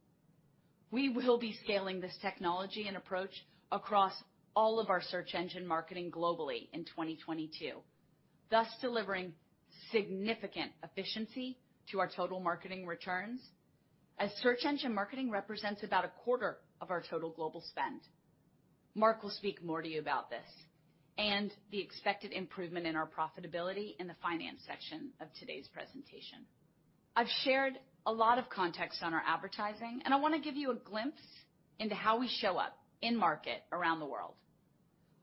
F: We will be scaling this technology and approach across all of our search engine marketing globally in 2022, thus delivering significant efficiency to our total marketing returns as search engine marketing represents about a quarter of our total global spend. Mark will speak more to you about this and the expected improvement in our profitability in the finance section of today's presentation. I've shared a lot of context on our advertising, and I wanna give you a glimpse into how we show up in market around the world.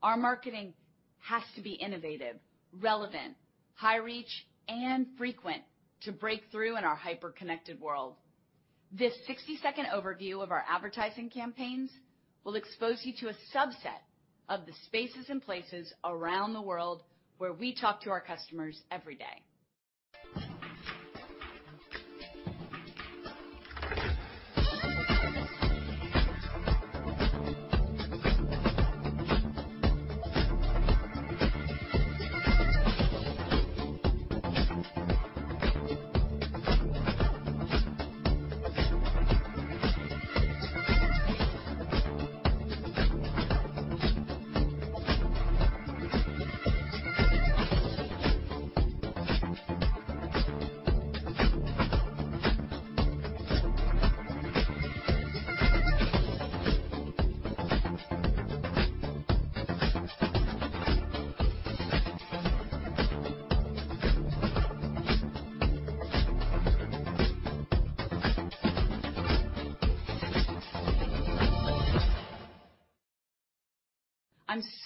F: Our marketing has to be innovative, relevant, high reach, and frequent to break through in our hyper-connected world. This 60-second overview of our advertising campaigns will expose you to a subset of the spaces and places around the world where we talk to our customers every day.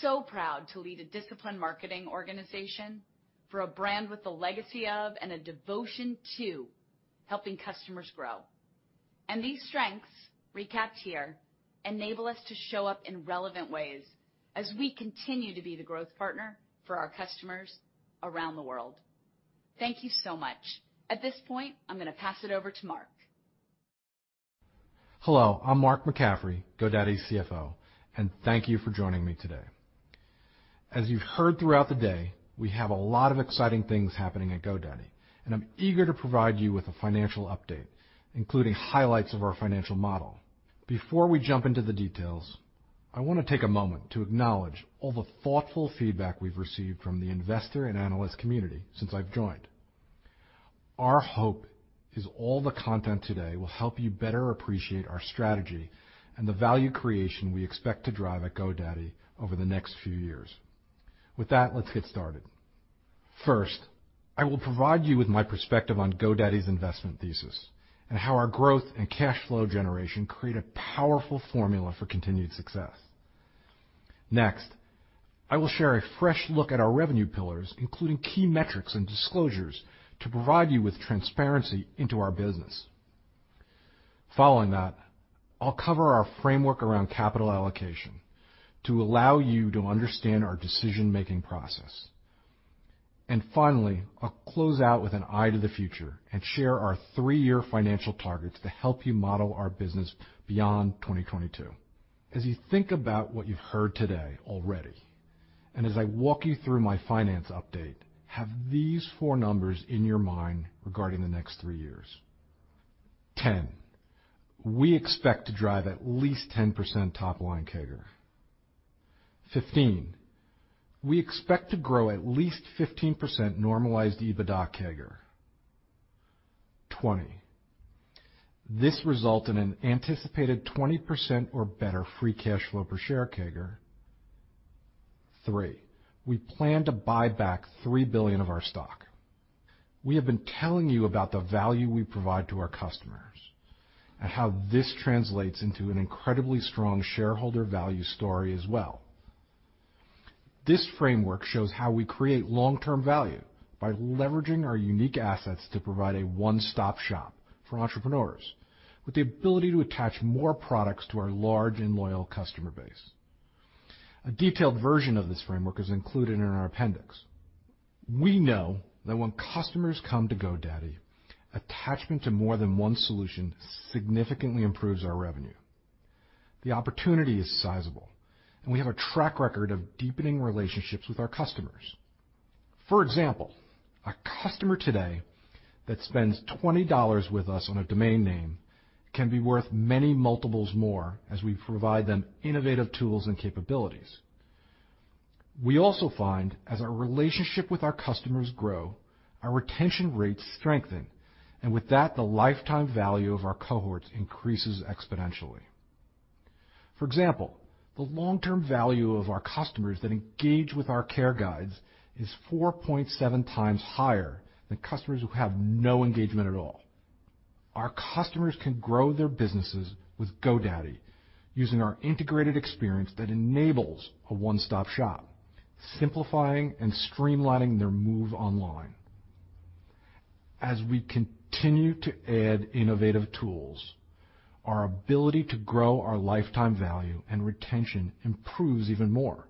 F: I'm so proud to lead a disciplined marketing organization for a brand with the legacy of and a devotion to helping customers grow. These strengths recapped here enable us to show up in relevant ways as we continue to be the growth partner for our customers around the world. Thank you so much. At this point, I'm gonna pass it over to Mark.
I: Hello, I'm Mark McCaffrey, and thank you for joining me today. As you've heard throughout the day, we have a lot of exciting things happening at GoDaddy, and I'm eager to provide you with a financial update, including highlights of our financial model. Before we jump into the details, I wanna take a moment to acknowledge all the thoughtful feedback we've received from the investor and analyst community since I've joined. Our hope is all the content today will help you better appreciate our strategy and the value creation we expect to drive at GoDaddy over the next few years. With that, let's get started. First, I will provide you with my perspective on GoDaddy's investment thesis and how our growth and cash flow generation create a powerful formula for continued success. Next, I will share a fresh look at our revenue pillars, including key metrics and disclosures to provide you with transparency into our business. Following that, I'll cover our framework around capital allocation to allow you to understand our decision-making process. Finally, I'll close out with an eye to the future and share our three-year financial targets to help you model our business beyond 2022. As you think about what you've heard today already, and as I walk you through my finance update, have these four numbers in your mind regarding the next three years. 10, we expect to drive at least 10% top-line CAGR. 15, we expect to grow at least 15% normalized EBITDA CAGR. 20, this result in an anticipated 20% or better free cash flow per share CAGR. 3, we plan to buy back $3 billion of our stock. We have been telling you about the value we provide to our customers and how this translates into an incredibly strong shareholder value story as well. This framework shows how we create long-term value by leveraging our unique assets to provide a one-stop shop for entrepreneurs with the ability to attach more products to our large and loyal customer base. A detailed version of this framework is included in our appendix. We know that when customers come to GoDaddy, attachment to more than one solution significantly improves our revenue. The opportunity is sizable, and we have a track record of deepening relationships with our customers. For example, a customer today that spends $20 with us on a domain name can be worth many multiples more as we provide them innovative tools and capabilities. We also find as our relationship with our customers grow, our retention rates strengthen, and with that, the lifetime value of our cohorts increases exponentially. For example, the long-term value of our customers that engage with our GoDaddy Guides is 4.7 times higher than customers who have no engagement at all. Our customers can grow their businesses with GoDaddy using our integrated experience that enables a one-stop shop, simplifying and streamlining their move online. As we continue to add innovative tools, our ability to grow our lifetime value and retention improves even more.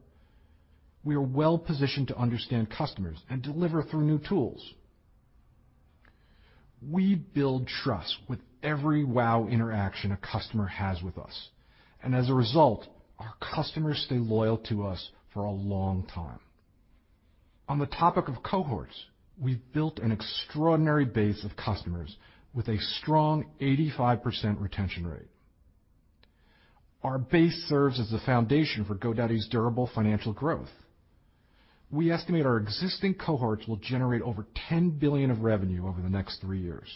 I: We are well-positioned to understand customers and deliver through new tools. We build trust with every wow interaction a customer has with us, and as a result, our customers stay loyal to us for a long time. On the topic of cohorts, we've built an extraordinary base of customers with a strong 85% retention rate. Our base serves as the foundation for GoDaddy's durable financial growth. We estimate our existing cohorts will generate over $10 billion of revenue over the next three years.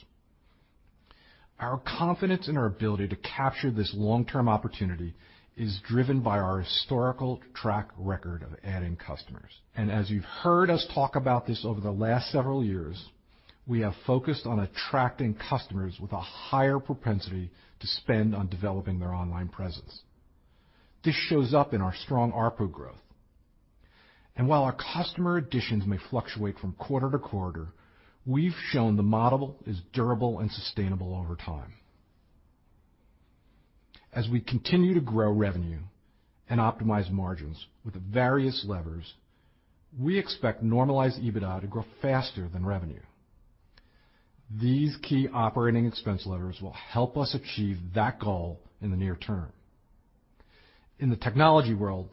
I: Our confidence in our ability to capture this long-term opportunity is driven by our historical track record of adding customers. As you've heard us talk about this over the last several years, we have focused on attracting customers with a higher propensity to spend on developing their online presence. This shows up in our strong ARPU growth. While our customer additions may fluctuate from quarter to quarter, we've shown the model is durable and sustainable over time. As we continue to grow revenue and optimize margins with various levers, we expect normalized EBITDA to grow faster than revenue. These key operating expense levers will help us achieve that goal in the near term. In the technology world,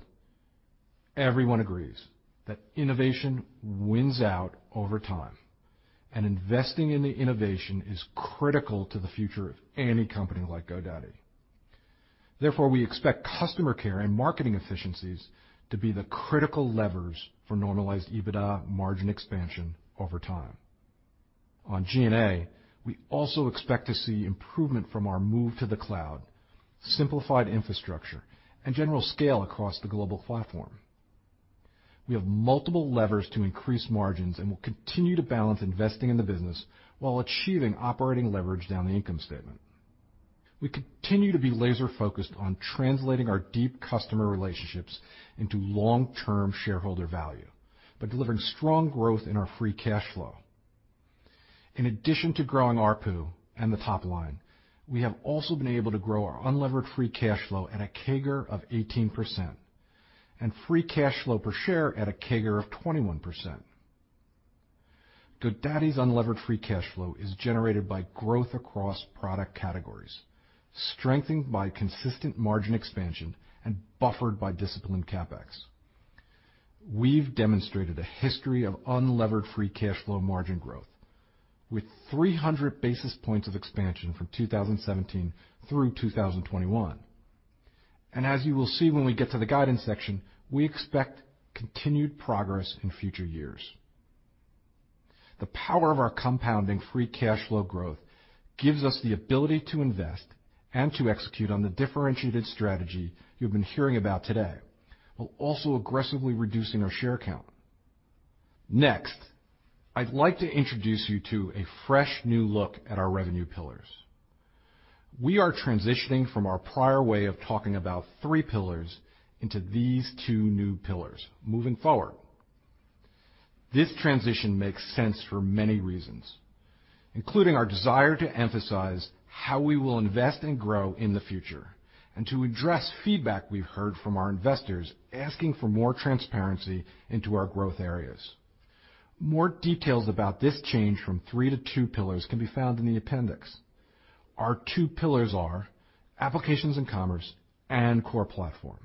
I: everyone agrees that innovation wins out over time, and investing in the innovation is critical to the future of any company like GoDaddy. Therefore, we expect customer care and marketing efficiencies to be the critical levers for normalized EBITDA margin expansion over time. On G&A, we also expect to see improvement from our move to the cloud, simplified infrastructure, and general scale across the global platform. We have multiple levers to increase margins and will continue to balance investing in the business while achieving operating leverage down the income statement. We continue to be laser-focused on translating our deep customer relationships into long-term shareholder value by delivering strong growth in our free cash flow. In addition to growing ARPU and the top line, we have also been able to grow our unlevered free cash flow at a CAGR of 18% and free cash flow per share at a CAGR of 21%. GoDaddy's unlevered free cash flow is generated by growth across product categories, strengthened by consistent margin expansion and buffered by disciplined CapEx. We've demonstrated a history of unlevered free cash flow margin growth with 300 basis points of expansion from 2017 through 2021. As you will see when we get to the guidance section, we expect continued progress in future years. The power of our compounding free cash flow growth gives us the ability to invest and to execute on the differentiated strategy you've been hearing about today, while also aggressively reducing our share count. Next, I'd like to introduce you to a fresh new look at our revenue pillars. We are transitioning from our prior way of talking about three pillars into these two new pillars moving forward. This transition makes sense for many reasons, including our desire to emphasize how we will invest and grow in the future and to address feedback we've heard from our investors asking for more transparency into our growth areas. More details about this change from three to two pillars can be found in the appendix. Our two pillars are Applications and Commerce and Core Platform.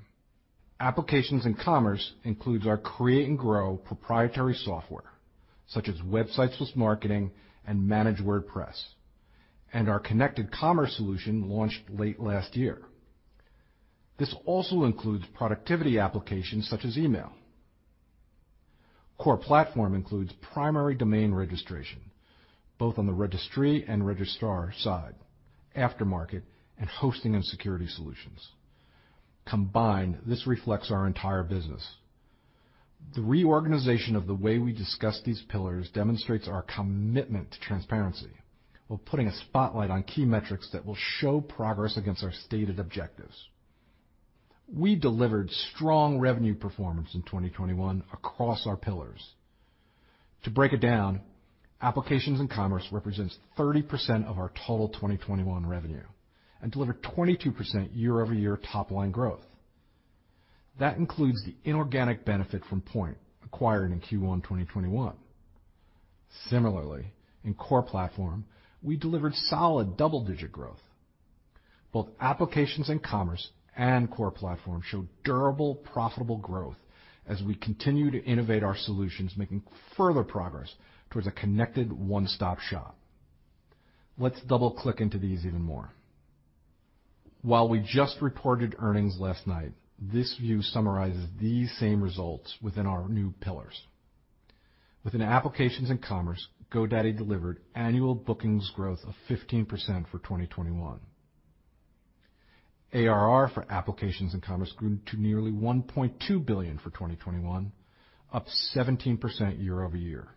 I: Applications and Commerce includes our Create and Grow proprietary software, such as Websites + Marketing and Managed WordPress, and our connected commerce solution launched late last year. This also includes productivity applications such as email. Core Platform includes primary domain registration, both on the registry and registrar side, Aftermarket and Hosting and Security Solutions. Combined, this reflects our entire business. The reorganization of the way we discuss these pillars demonstrates our commitment to transparency, while putting a spotlight on key metrics that will show progress against our stated objectives. We delivered strong revenue performance in 2021 across our pillars. To break it down, Applications and Commerce represents 30% of our total 2021 revenue and delivered 22% year-over-year top-line growth. That includes the inorganic benefit from Poynt, acquired in Q1 2021. Similarly, in Core Platform, we delivered solid double-digit growth. Both Applications and Commerce and Core Platform show durable, profitable growth as we continue to innovate our solutions, making further progress towards a connected one-stop shop. Let's double-click into these even more. While we just reported earnings last night, this view summarizes these same results within our new pillars. Within Applications and Commerce, GoDaddy delivered annual bookings growth of 15% for 2021. ARR for Applications and Commerce grew to nearly $1.2 billion for 2021, up 17% year-over-year.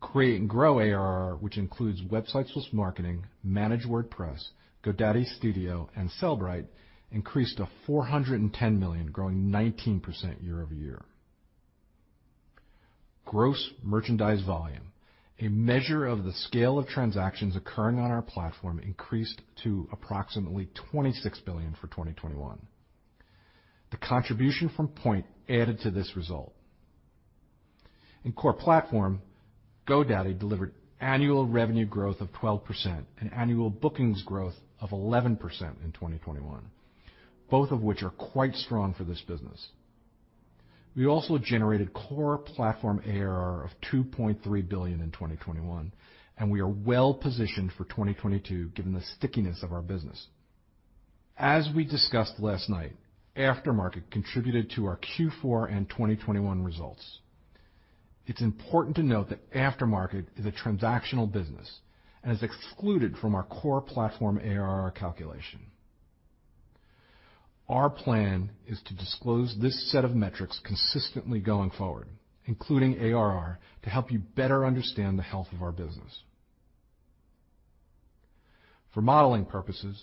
I: Create and Grow ARR, which includes Websites + Marketing, Managed WordPress, GoDaddy Studio and Sellbrite, increased to $410 million, growing 19% year-over-year. Gross merchandise volume, a measure of the scale of transactions occurring on our platform, increased to approximately $26 billion for 2021. The contribution from Poynt added to this result. In Core Platform, GoDaddy delivered annual revenue growth of 12% and annual bookings growth of 11% in 2021, both of which are quite strong for this business. We also generated Core Platform ARR of $2.3 billion in 2021, and we are well positioned for 2022 given the stickiness of our business. As we discussed last night, Aftermarket contributed to our Q4 and 2021 results. It's important to note that Aftermarket is a transactional business and is excluded from our Core Platform ARR calculation. Our plan is to disclose this set of metrics consistently going forward, including ARR, to help you better understand the health of our business. For modeling purposes,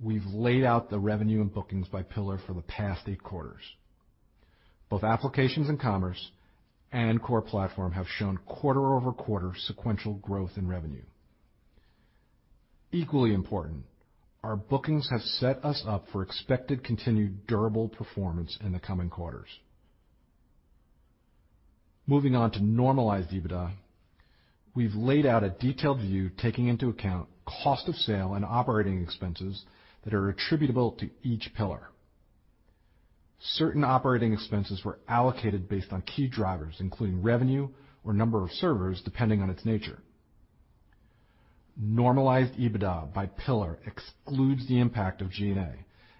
I: we've laid out the revenue and bookings by pillar for the past eighth quarters. Both Applications and Commerce and Core Platform have shown quarter-over-quarter sequential growth in revenue. Equally important, our bookings have set us up for expected continued durable performance in the coming quarters. Moving on to normalized EBITDA, we've laid out a detailed view taking into account cost of sales and operating expenses that are attributable to each pillar. Certain operating expenses were allocated based on key drivers, including revenue or number of servers, depending on its nature. Normalized EBITDA by pillar excludes the impact of G&A,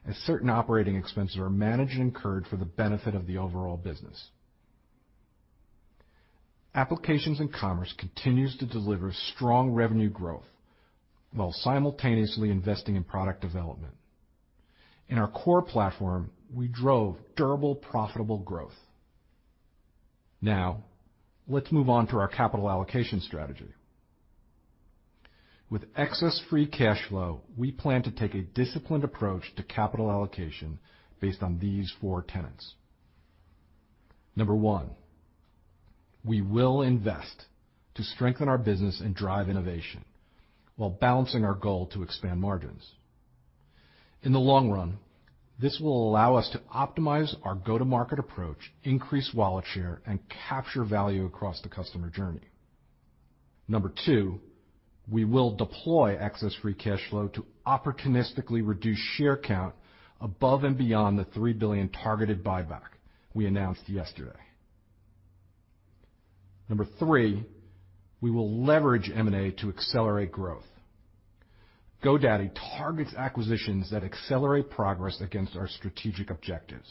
I: as certain operating expenses are managed and incurred for the benefit of the overall business. Applications and Commerce continues to deliver strong revenue growth while simultaneously investing in product development. In our Core Platform, we drove durable, profitable growth. Now, let's move on to our capital allocation strategy. With excess free cash flow, we plan to take a disciplined approach to capital allocation based on these four tenets. Number one, we will invest to strengthen our business and drive innovation while balancing our goal to expand margins. In the long run, this will allow us to optimize our go-to-market approach, increase wallet share, and capture value across the customer journey. Number two, we will deploy excess free cash flow to opportunistically reduce share count above and beyond the $3 billion targeted buyback we announced yesterday. Number three, we will leverage M&A to accelerate growth. GoDaddy targets acquisitions that accelerate progress against our strategic objectives,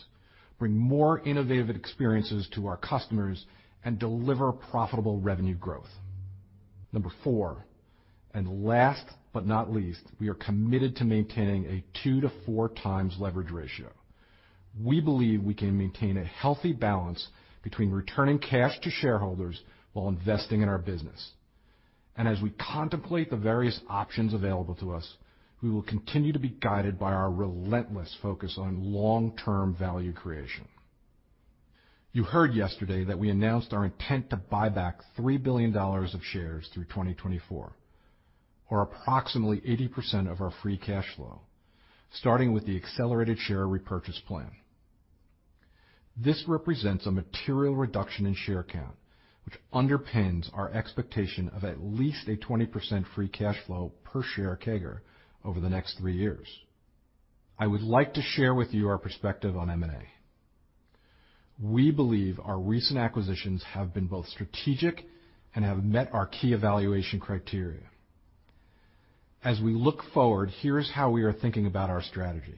I: bring more innovative experiences to our customers, and deliver profitable revenue growth. Number four, and last but not least, we are committed to maintaining a 2-4 times leverage ratio. We believe we can maintain a healthy balance between returning cash to shareholders while investing in our business. As we contemplate the various options available to us, we will continue to be guided by our relentless focus on long-term value creation. You heard yesterday that we announced our intent to buy back $3 billion of shares through 2024, or approximately 80% of our free cash flow, starting with the accelerated share repurchase plan. This represents a material reduction in share count, which underpins our expectation of at least a 20% free cash flow per share CAGR over the next three years. I would like to share with you our perspective on M&A. We believe our recent acquisitions have been both strategic and have met our key evaluation criteria. As we look forward, here's how we are thinking about our strategy.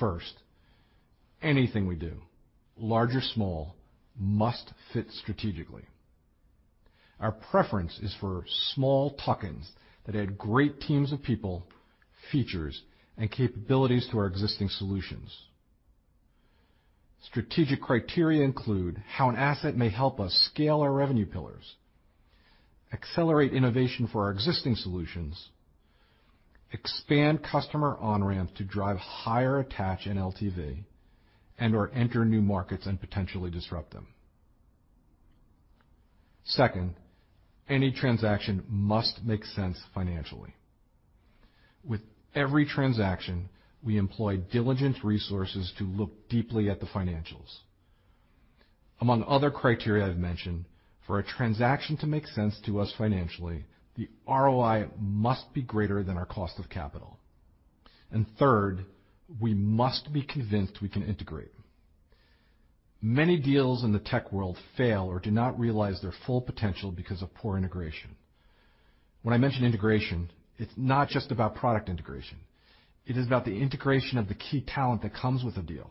I: First, anything we do, large or small, must fit strategically. Our preference is for small tuck-ins that add great teams of people, features, and capabilities to our existing solutions. Strategic criteria include how an asset may help us scale our revenue pillars, accelerate innovation for our existing solutions, expand customer on-ramp to drive higher attach and LTV, and/or enter new markets and potentially disrupt them. Second, any transaction must make sense financially. With every transaction, we employ diligent resources to look deeply at the financials. Among other criteria I've mentioned, for a transaction to make sense to us financially, the ROI must be greater than our cost of capital. Third, we must be convinced we can integrate. Many deals in the tech world fail or do not realize their full potential because of poor integration. When I mention integration, it's not just about product integration. It is about the integration of the key talent that comes with a deal.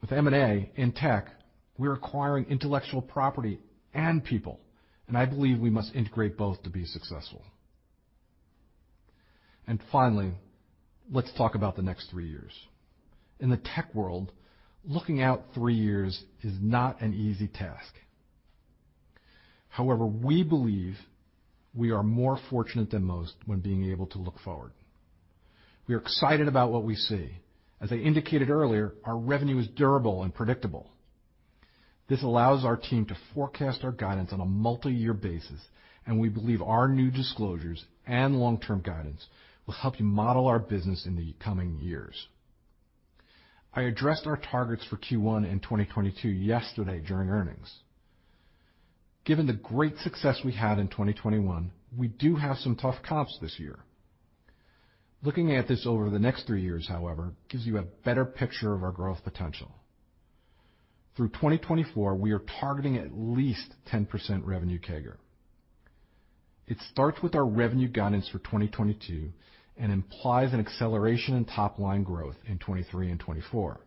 I: With M&A in tech, we're acquiring intellectual property and people, and I believe we must integrate both to be successful. Finally, let's talk about the next three years. In the tech world, looking out three years is not an easy task. However, we believe we are more fortunate than most when being able to look forward. We are excited about what we see. As I indicated earlier, our revenue is durable and predictable. This allows our team to forecast our guidance on a multi-year basis, and we believe our new disclosures and long-term guidance will help you model our business in the coming years. I addressed our targets for Q1 in 2022 yesterday during earnings. Given the great success we had in 2021, we do have some tough comps this year. Looking at this over the next three years, however, gives you a better picture of our growth potential. Through 2024, we are targeting at least 10% revenue CAGR. It starts with our revenue guidance for 2022 and implies an acceleration in top-line growth in 2023 and 2024.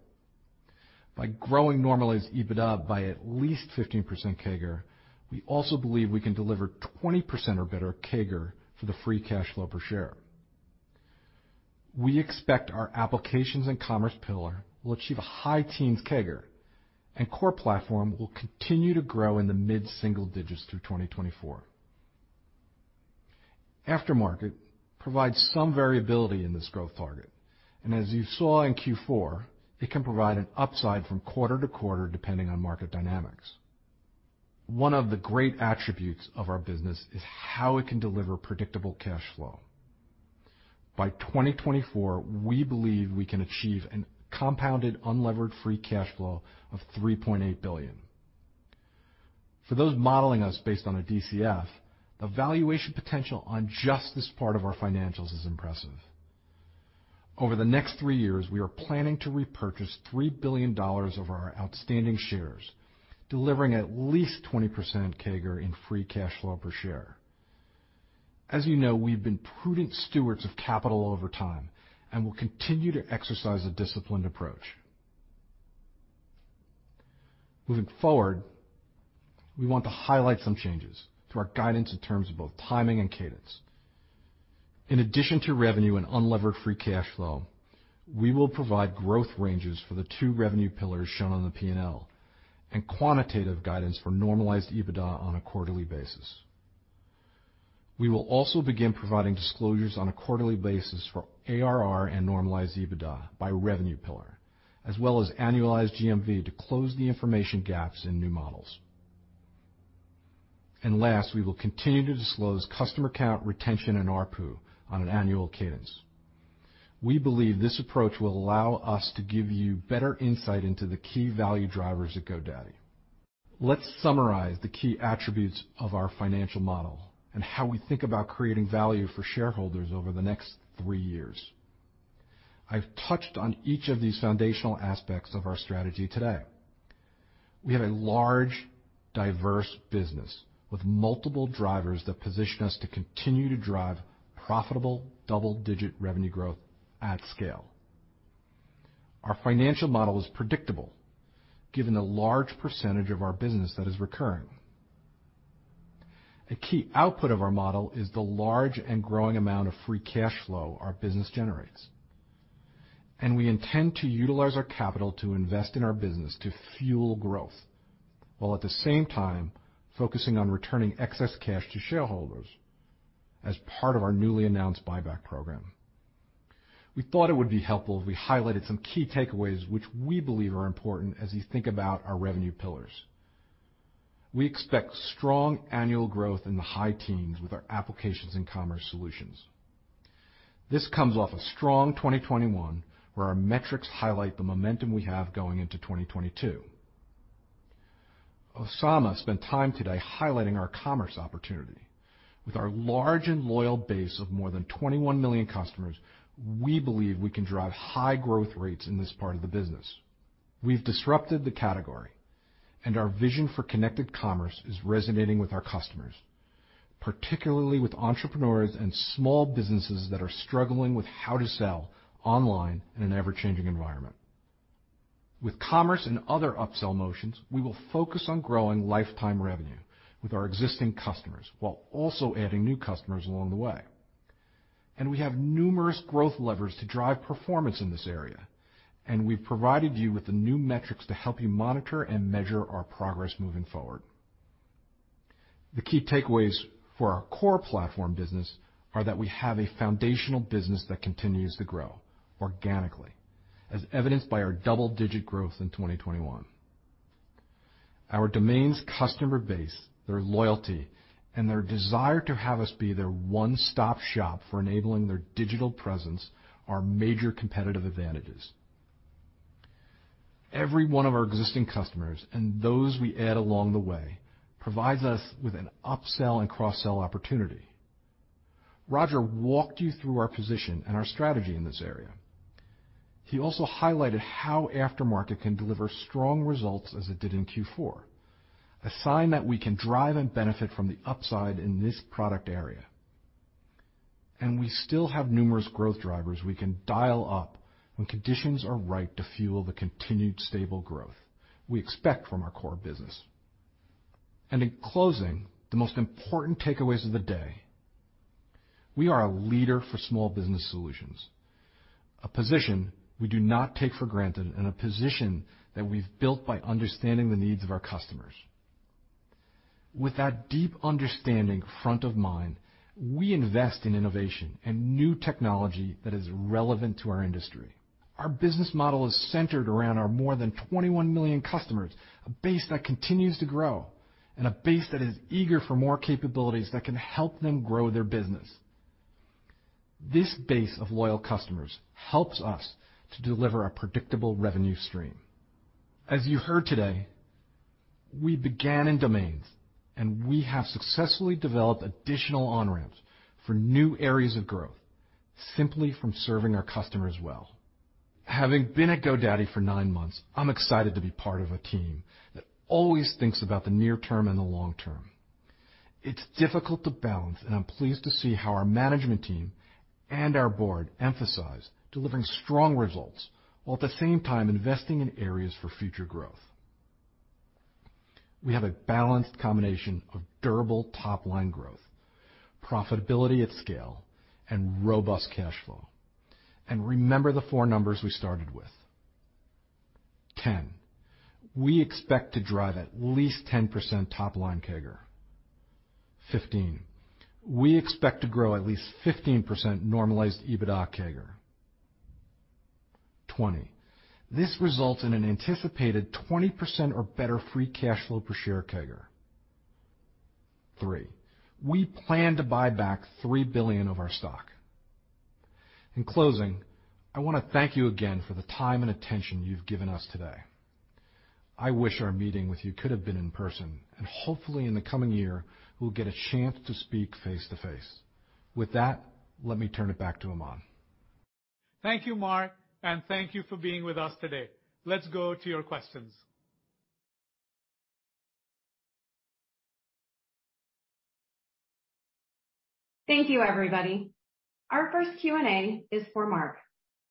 I: By growing normalized EBITDA by at least 15% CAGR, we also believe we can deliver 20% or better CAGR for the free cash flow per share. We expect our Applications and Commerce pillar will achieve a high teens CAGR and Core Platform will continue to grow in the mid-single digits through 2024. Aftermarket provides some variability in this growth target, and as you saw in Q4, it can provide an upside from quarter to quarter, depending on market dynamics. One of the great attributes of our business is how it can deliver predictable cash flow. By 2024, we believe we can achieve a compounded unlevered free cash flow of $3.8 billion. For those modeling us based on a DCF, the valuation potential on just this part of our financials is impressive. Over the next three years, we are planning to repurchase $3 billion of our outstanding shares, delivering at least 20% CAGR in free cash flow per share. As you know, we've been prudent stewards of capital over time and will continue to exercise a disciplined approach. Moving forward, we want to highlight some changes to our guidance in terms of both timing and cadence. In addition to revenue and unlevered free cash flow, we will provide growth ranges for the two revenue pillars shown on the P&L and quantitative guidance for normalized EBITDA on a quarterly basis. We will also begin providing disclosures on a quarterly basis for ARR and normalized EBITDA by revenue pillar, as well as annualized GMV to close the information gaps in new models. Last, we will continue to disclose customer count, retention, and ARPU on an annual cadence. We believe this approach will allow us to give you better insight into the key value drivers at GoDaddy. Let's summarize the key attributes of our financial model and how we think about creating value for shareholders over the next three years. I've touched on each of these foundational aspects of our strategy today. We have a large, diverse business with multiple drivers that position us to continue to drive profitable double-digit revenue growth at scale. Our financial model is predictable given the large percentage of our business that is recurring. A key output of our model is the large and growing amount of free cash flow our business generates. We intend to utilize our capital to invest in our business to fuel growth, while at the same time focusing on returning excess cash to shareholders. As part of our newly announced buyback program, we thought it would be helpful if we highlighted some key takeaways which we believe are important as you think about our revenue pillars. We expect strong annual growth in the high teens with our Applications and Commerce solutions. This comes off a strong 2021, where our metrics highlight the momentum we have going into 2022. Osama spent time today highlighting our commerce opportunity. With our large and loyal base of more than 21 million customers, we believe we can drive high growth rates in this part of the business. We've disrupted the category, and our vision for connected commerce is resonating with our customers, particularly with entrepreneurs and small businesses that are struggling with how to sell online in an ever-changing environment. With commerce and other upsell motions, we will focus on growing lifetime revenue with our existing customers while also adding new customers along the way. We have numerous growth levers to drive performance in this area, and we've provided you with the new metrics to help you monitor and measure our progress moving forward. The key takeaways for our Core Platform business are that we have a foundational business that continues to grow organically, as evidenced by our double-digit growth in 2021. Our domains customer base, their loyalty, and their desire to have us be their one-stop shop for enabling their digital presence are major competitive advantages. Every one of our existing customers and those we add along the way provides us with an upsell and cross-sell opportunity. Roger walked you through our position and our strategy in this area. He also highlighted how aftermarket can deliver strong results as it did in Q4, a sign that we can drive and benefit from the upside in this product area. We still have numerous growth drivers we can dial up when conditions are right to fuel the continued stable growth we expect from our core business. In closing, the most important takeaways of the day, we are a leader for small business solutions, a position we do not take for granted and a position that we've built by understanding the needs of our customers. With that deep understanding front of mind, we invest in innovation and new technology that is relevant to our industry. Our business model is centered around our more than 21 million customers, a base that continues to grow and a base that is eager for more capabilities that can help them grow their business. This base of loyal customers helps us to deliver a predictable revenue stream. As you heard today, we began in domains, and we have successfully developed additional on-ramps for new areas of growth simply from serving our customers well. Having been at GoDaddy for nine months, I'm excited to be part of a team that always thinks about the near term and the long term. It's difficult to balance, and I'm pleased to see how our management team and our board emphasize delivering strong results while at the same time investing in areas for future growth. We have a balanced combination of durable top-line growth, profitability at scale, and robust cash flow. Remember the four numbers we started with. 10, we expect to drive at least 10% top-line CAGR. 15, we expect to grow at least 15% normalized EBITDA CAGR. 20, this results in an anticipated 20% or better free cash flow per share CAGR. 3, we plan to buy back $3 billion of our stock. In closing, I wanna thank you again for the time and attention you've given us today. I wish our meeting with you could have been in person, and hopefully in the coming year we'll get a chance to speak face-to-face. With that, let me turn it back to Aman.
B: Thank you, Mark, and thank you for being with us today. Let's go to your questions.
A: Thank you, everybody. Our first Q&A is for Mark.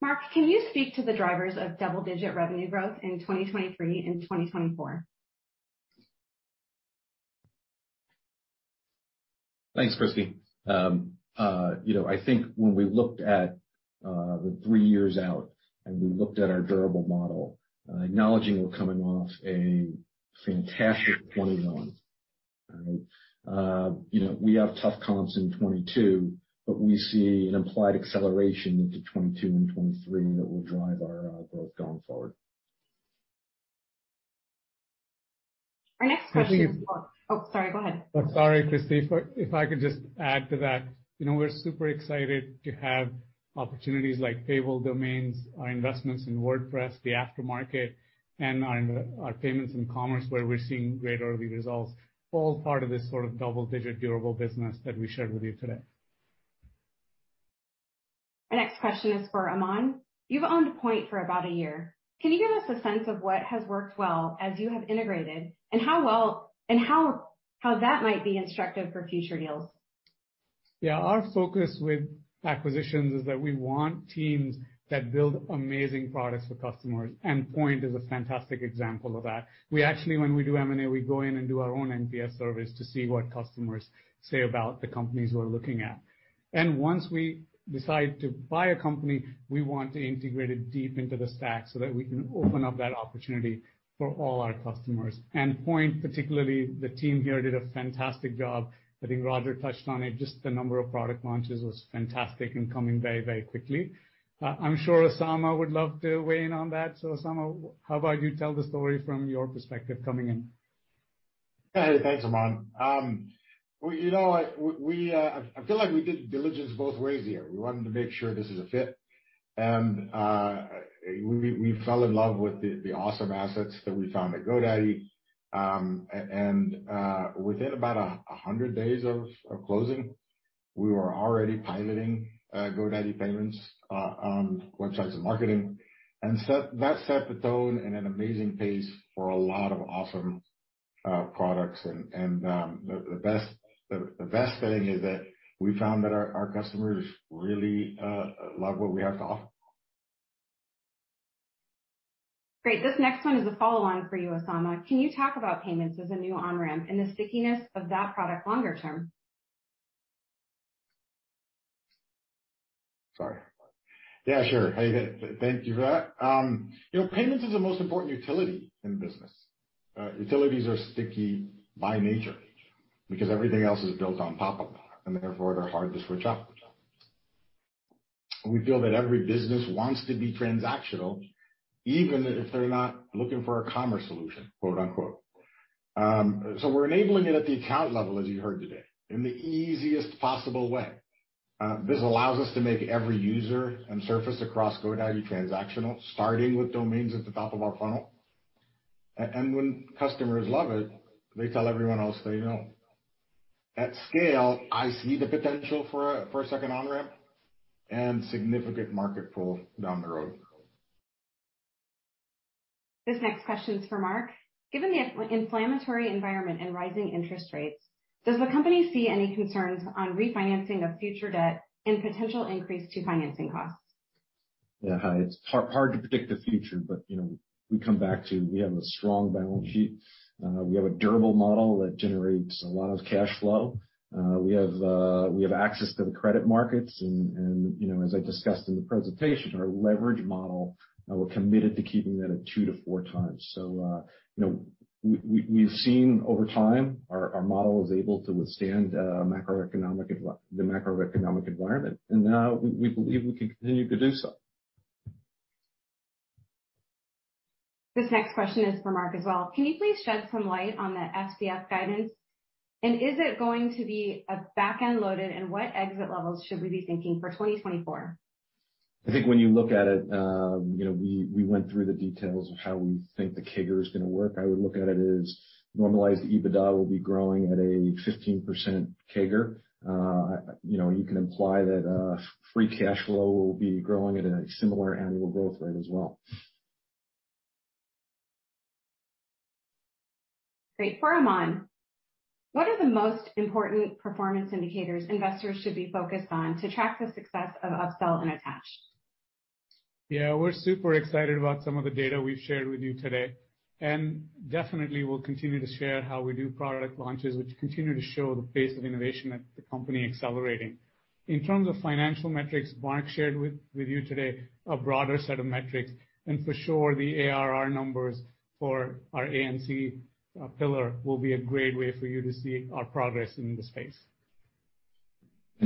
A: Mark, can you speak to the drivers of double-digit revenue growth in 2023 and 2024?
I: Thanks Christie. You know, I think when we looked at the three years out and we looked at our durable model, acknowledging we're coming off a fantastic 2021, all right? You know, we have tough comps in 2022, but we see an implied acceleration into 2022 and 2023 that will drive our growth going forward.
A: Our next question is for.
B: Christie, if-
A: Oh, sorry, go ahead.
B: Sorry, Christie. If I could just add to that. You know, we're super excited to have opportunities like Payable Domains, our investments in WordPress, the aftermarket, and our payments and commerce, where we're seeing great early results, all part of this sort of double-digit durable business that we shared with you today.
A: Our next question is for Aman. You've owned Poynt for about a year. Can you give us a sense of what has worked well as you have integrated and how that might be instructive for future deals?
B: Yeah. Our focus with acquisitions is that we want teams that build amazing products for customers, and Poynt is a fantastic example of that. We actually, when we do M&A, we go in and do our own NPS surveys to see what customers say about the companies we're looking at. Once we decide to buy a company, we want to integrate it deep into the stack so that we can open up that opportunity for all our customers. Poynt, particularly the team here, did a fantastic job. I think Roger touched on it, just the number of product launches was fantastic and coming very, very quickly. I'm sure Osama would love to weigh in on that. Osama, how about you tell the story from your perspective coming in?
D: Hey, thanks Aman. Well, you know what? I feel like we did diligence both ways here. We wanted to make sure this is a fit. We fell in love with the awesome assets that we found at GoDaddy. Within about 100 days of closing, we were already piloting GoDaddy Payments, Websites and Marketing. That set the tone and an amazing pace for a lot of awesome products. The best thing is that we found that our customers really love what we have to offer.
A: Great. This next one is a follow-on for you, Osama. Can you talk about payments as a new on-ramp and the stickiness of that product longer term?
D: Sorry. Yeah, sure. Thank you for that. You know, payments is the most important utility in business. Utilities are sticky by nature because everything else is built on top of that, and therefore they're hard to switch off. We feel that every business wants to be transactional, even if they're not looking for a commerce solution, quote-unquote. So we're enabling it at the account level, as you heard today, in the easiest possible way. This allows us to make every user and surface across GoDaddy transactional, starting with domains at the top of our funnel. And when customers love it, they tell everyone else they know. At scale, I see the potential for a second on-ramp and significant market pull down the road.
A: This next question is for Mark. Given the inflationary environment and rising interest rates, does the company see any concerns on refinancing of future debt and potential increase to financing costs?
I: Yeah. It's hard to predict the future, but you know, we come back to we have a strong balance sheet. We have a durable model that generates a lot of cash flow. We have access to the credit markets and, you know, as I discussed in the presentation, our leverage model, we're committed to keeping that at 2-4 times. You know, we've seen over time our model is able to withstand the macroeconomic environment, and we believe we can continue to do so.
A: This next question is for Mark as well. Can you please shed some light on the FCF guidance? Is it going to be a back-end loaded, and what exit levels should we be thinking for 2024?
I: I think when you look at it, you know, we went through the details of how we think the CAGR is going to work. I would look at it as normalized EBITDA will be growing at a 15% CAGR. You know, you can imply that, free cash flow will be growing at a similar annual growth rate as well.
A: Great. For Aman, what are the most important performance indicators investors should be focused on to track the success of upsell and attach?
B: Yeah. We're super excited about some of the data we've shared with you today, and definitely we'll continue to share how we do product launches, which continue to show the pace of innovation at the company accelerating. In terms of financial metrics, Mark shared with you today a broader set of metrics, and for sure, the ARR numbers for our A&C pillar will be a great way for you to see our progress in this space.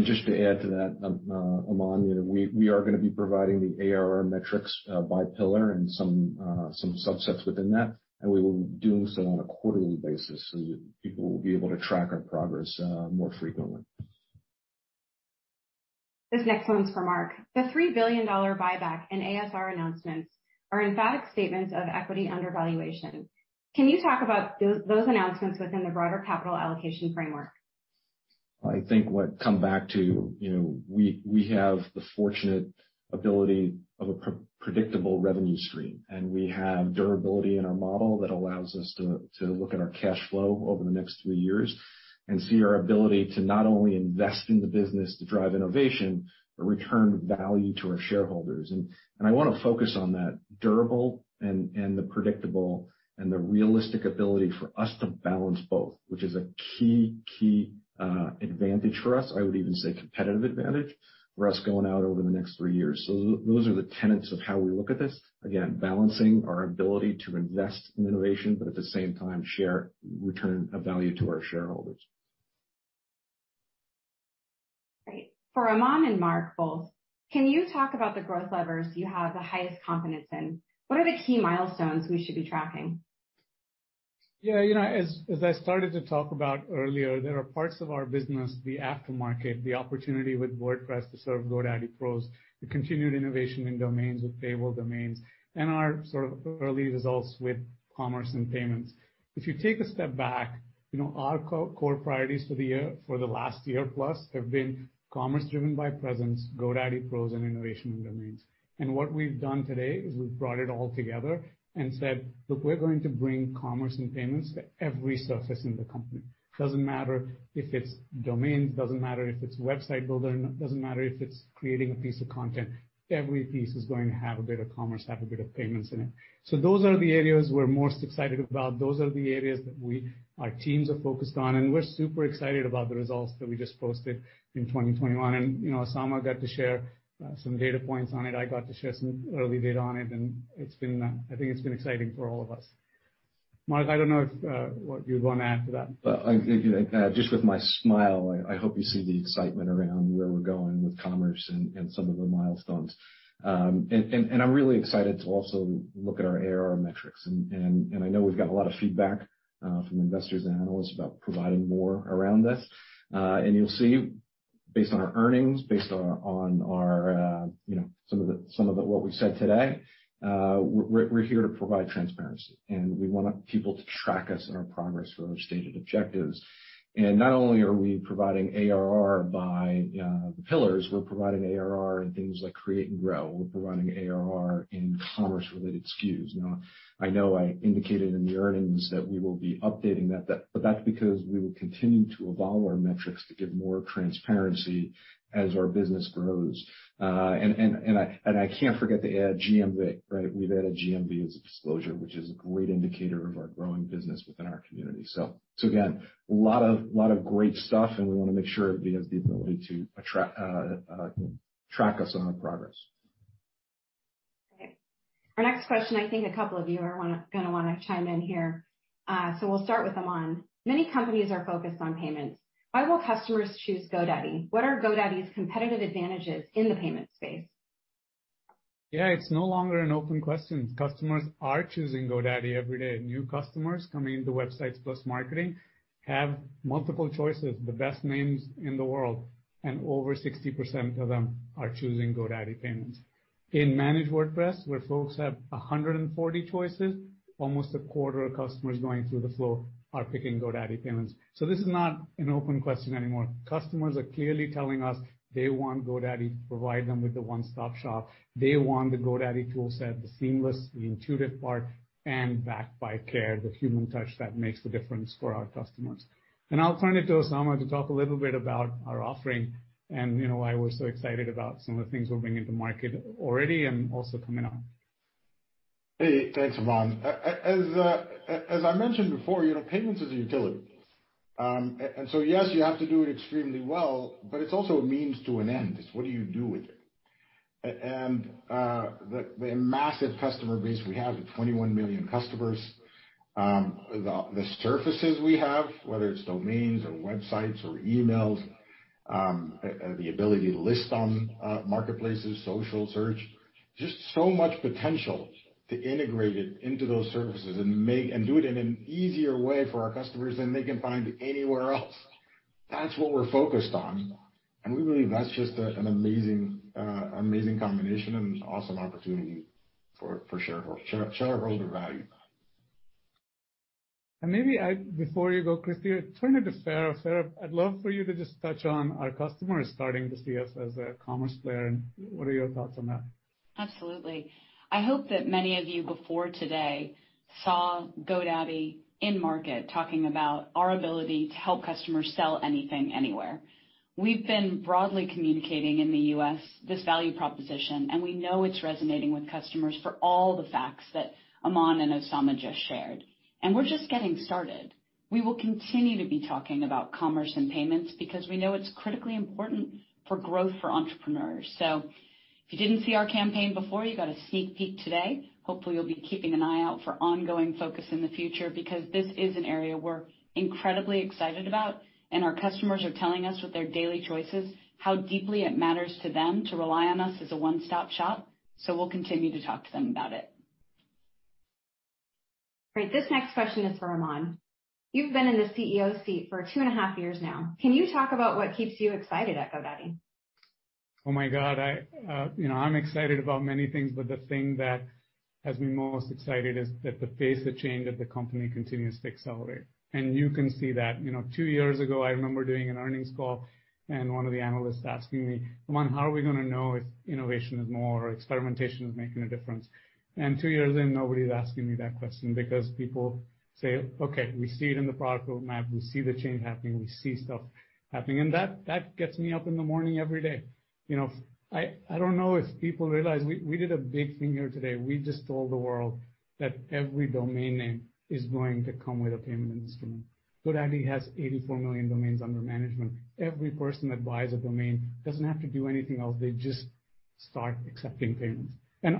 I: Just to add to that, Aman, you know, we are going to be providing the ARR metrics by pillar and some subsets within that, and we will be doing so on a quarterly basis so people will be able to track our progress more frequently.
A: This next one's for Mark. The $3 billion buyback and ASR announcements are emphatic statements of equity undervaluation. Can you talk about those announcements within the broader capital allocation framework?
I: I think what comes back to, you know, we have the fortunate ability of a pretty predictable revenue stream, and we have durability in our model that allows us to look at our cash flow over the next three years and see our ability to not only invest in the business to drive innovation, but return value to our shareholders. I want to focus on that durable and the predictable and the realistic ability for us to balance both, which is a key advantage for us. I would even say competitive advantage for us going out over the next three years. Those are the tenets of how we look at this. Again, balancing our ability to invest in innovation, but at the same time share return of value to our shareholders.
A: Great. For Aman and Mark both, can you talk about the growth levers you have the highest confidence in? What are the key milestones we should be tracking?
B: Yeah. You know, as I started to talk about earlier, there are parts of our business, the aftermarket, the opportunity with WordPress to serve GoDaddy Pro's, the continued innovation in domains with Payable Domains, and our sort of early results with commerce and payments. If you take a step back, you know, our core priorities for the year, for the last year plus have been commerce driven by presence, GoDaddy Pro, and innovation in domains. What we've done today is we've brought it all together and said, "Look, we're going to bring commerce and payments to every surface in the company." Doesn't matter if it's domains, doesn't matter if it's website builder, doesn't matter if it's creating a piece of content, every piece is going to have a bit of commerce, have a bit of payments in it. So those are the areas we're most excited about. Those are the areas that we, our teams are focused on, and we're super excited about the results that we just posted in 2021. You know, Osama got to share some data points on it. I got to share some early data on it, and it's been, I think it's been exciting for all of us. Mark, I don't know if what you wanna add to that.
I: Well, if you like, just with my smile, I hope you see the excitement around where we're going with commerce and some of the milestones. I'm really excited to also look at our ARR metrics. I know we've got a lot of feedback from investors and analysts about providing more around this. You'll see based on our earnings, based on our, you know, some of the what we've said today, we're here to provide transparency, and we want people to track us and our progress for our stated objectives. Not only are we providing ARR by the pillars, we're providing ARR in things like Create and Grow. We're providing ARR in commerce related SKUs. Now, I know I indicated in the earnings that we will be updating that, but that's because we will continue to evolve our metrics to give more transparency as our business grows. I can't forget to add GMV, right? We've added GMV as a disclosure, which is a great indicator of our growing business within our community. Again, a lot of great stuff, and we wanna make sure that we have the ability to track our progress.
A: Okay. Our next question, I think a couple of you are gonna wanna chime in here. We'll start with Aman. Many companies are focused on payments. Why will customers choose GoDaddy? What are GoDaddy's competitive advantages in the payment space?
B: Yeah, it's no longer an open question. Customers are choosing GoDaddy every day. New customers coming into Websites + Marketing have multiple choices, the best names in the world, and over 60% of them are choosing GoDaddy Payments. In Managed WordPress, where folks have 140 choices, almost a quarter of customers going through the flow are picking GoDaddy Payments. This is not an open question anymore. Customers are clearly telling us they want GoDaddy to provide them with a one-stop shop. They want the GoDaddy tool set, the seamless, the intuitive part, and backed by Care, the human touch that makes the difference for our customers. I'll turn it to Osama to talk a little bit about our offering, and you know why we're so excited about some of the things we're bringing to market already and also coming on.
D: Hey, thanks Aman. As I mentioned before, you know, payments is a utility. Yes, you have to do it extremely well, but it's also a means to an end. It's what do you do with it? The massive customer base we have with 21 million customers, the surfaces we have, whether it's domains or websites or emails, the ability to list on marketplaces, social search, just so much potential to integrate it into those services and make and do it in an easier way for our customers than they can find anywhere else. That's what we're focused on. We believe that's just an amazing combination and awesome opportunity for shareholder value.
B: Maybe before you go, Christie, I turn it to Fara. Fara, I'd love for you to just touch on our customers starting to see us as a commerce player, and what are your thoughts on that?
F: Absolutely. I hope that many of you before today saw GoDaddy in market talking about our ability to help customers sell anything anywhere. We've been broadly communicating in the U.S. this value proposition, and we know it's resonating with customers for all the facts that Aman and Osama just shared. We're just getting started. We will continue to be talking about commerce and payments because we know it's critically important for growth for entrepreneurs. If you didn't see our campaign before, you got a sneak peek today. Hopefully, you'll be keeping an eye out for ongoing focus in the future because this is an area we're incredibly excited about, and our customers are telling us with their daily choices how deeply it matters to them to rely on us as a one-stop shop. We'll continue to talk to them about it.
A: Great. This next question is for Aman. You've been in the CEO seat for 2.5 years now. Can you talk about what keeps you excited at GoDaddy?
B: Oh, my God. I, you know, I'm excited about many things, but the thing that has me most excited is that the pace of change at the company continues to accelerate. You can see that. You know, two years ago, I remember doing an earnings call and one of the analysts asking me, "Aman, how are we gonna know if innovation or experimentation is making a difference?" Two years in, nobody's asking me that question because people say, "Okay, we see it in the product roadmap. We see the change happening. We see stuff happening." That gets me up in the morning every day. You know, I don't know if people realize we did a big thing here today. We just told the world that every domain name is going to come with a payment instrument. GoDaddy has 84 million domains under management. Every person that buys a domain doesn't have to do anything else. They just start accepting payments.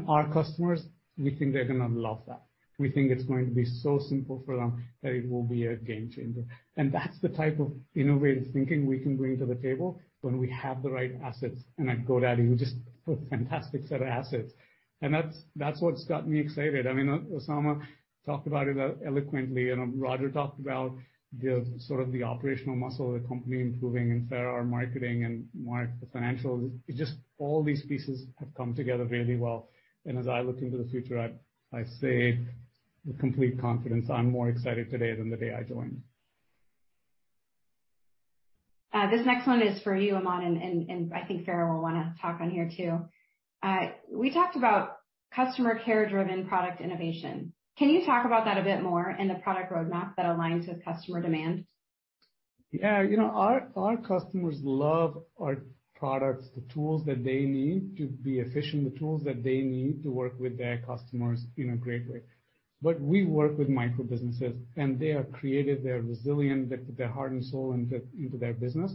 B: Our customers, we think they're gonna love that. We think it's going to be so simple for them that it will be a game changer. That's the type of innovative thinking we can bring to the table when we have the right assets. At GoDaddy, we just put a fantastic set of assets. That's what's got me excited. I mean, Osama talked about it eloquently, and Roger talked about the sort of operational muscle of the company improving and Fara, our marketing and Mark, the financials. It's just all these pieces have come together really well. As I look into the future, I say with complete confidence, I'm more excited today than the day I joined.
A: This next one is for you, Aman, and I think Fara will wanna talk on here too. We talked about customer care driven product innovation. Can you talk about that a bit more and the product roadmap that aligns with customer demand?
B: Yeah. You know, our customers love our products, the tools that they need to be efficient, the tools that they need to work with their customers in a great way. We work with micro-businesses, and they are creative, they are resilient, they put their heart and soul into their business.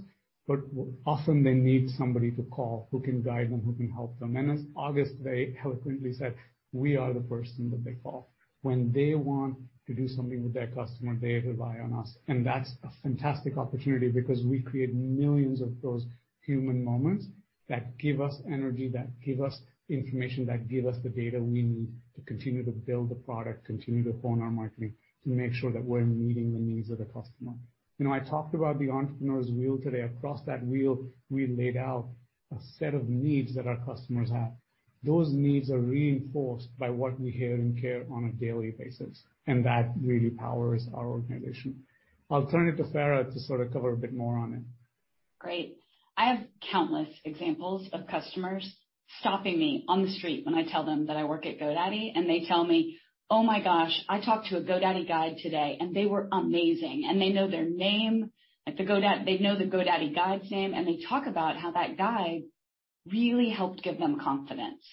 B: Often they need somebody to call who can guide them, who can help them. As August very eloquently said, we are the person that they call. When they want to do something with their customer, they rely on us, and that's a fantastic opportunity because we create millions of those human moments that give us energy, that give us information, that give us the data we need to continue to build the product, continue to hone our marketing, to make sure that we're meeting the needs of the customer. You know, I talked about the entrepreneur's wheel today. Across that wheel, we laid out a set of needs that our customers have. Those needs are reinforced by what we hear in Care on a daily basis, and that really powers our organization. I'll turn it to Fara to sort of cover a bit more on it.
F: Great. I have countless examples of customers stopping me on the street when I tell them that I work at GoDaddy, and they tell me, "Oh, my gosh, I talked to a GoDaddy Guide today, and they were amazing." They know their name. They know the GoDaddy Guide's name, and they talk about how that Guide really helped give them confidence.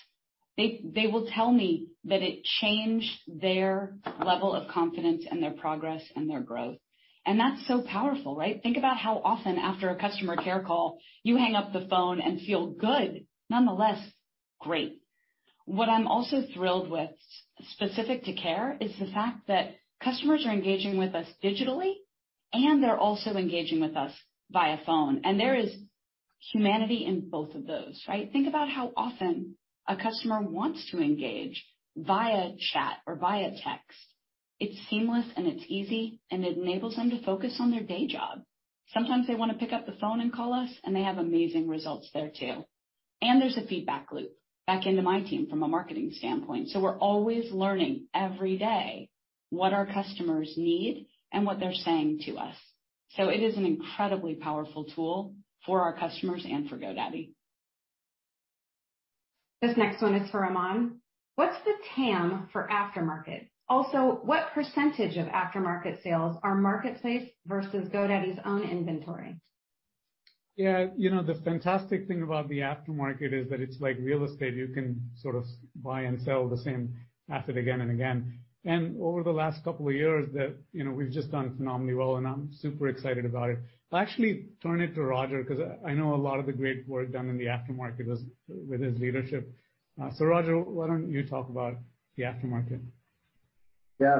F: They will tell me that it changed their level of confidence and their progress and their growth. That's so powerful, right? Think about how often after a customer care call you hang up the phone and feel good nonetheless. Great. What I'm also thrilled with specific to care is the fact that customers are engaging with us digitally, and they're also engaging with us via phone. There is humanity in both of those, right? Think about how often a customer wants to engage via chat or via text. It's seamless, and it's easy, and it enables them to focus on their day job. Sometimes they wanna pick up the phone and call us, and they have amazing results there too. There's a feedback loop back into my team from a marketing standpoint. We're always learning every day what our customers need and what they're saying to us. It is an incredibly powerful tool for our customers and for GoDaddy.
A: This next one is for Aman. What's the TAM for aftermarket? Also, what percentage of aftermarket sales are marketplace versus GoDaddy's own inventory?
B: Yeah. You know, the fantastic thing about the aftermarket is that it's like real estate. You can sort of buy and sell the same asset again and again. Over the last couple of years that, you know, we've just done phenomenally well, and I'm super excited about it. I'll actually turn it to Roger, 'cause I know a lot of the great work done in the aftermarket was with his leadership. Roger, why don't you talk about the aftermarket?
C: Yeah.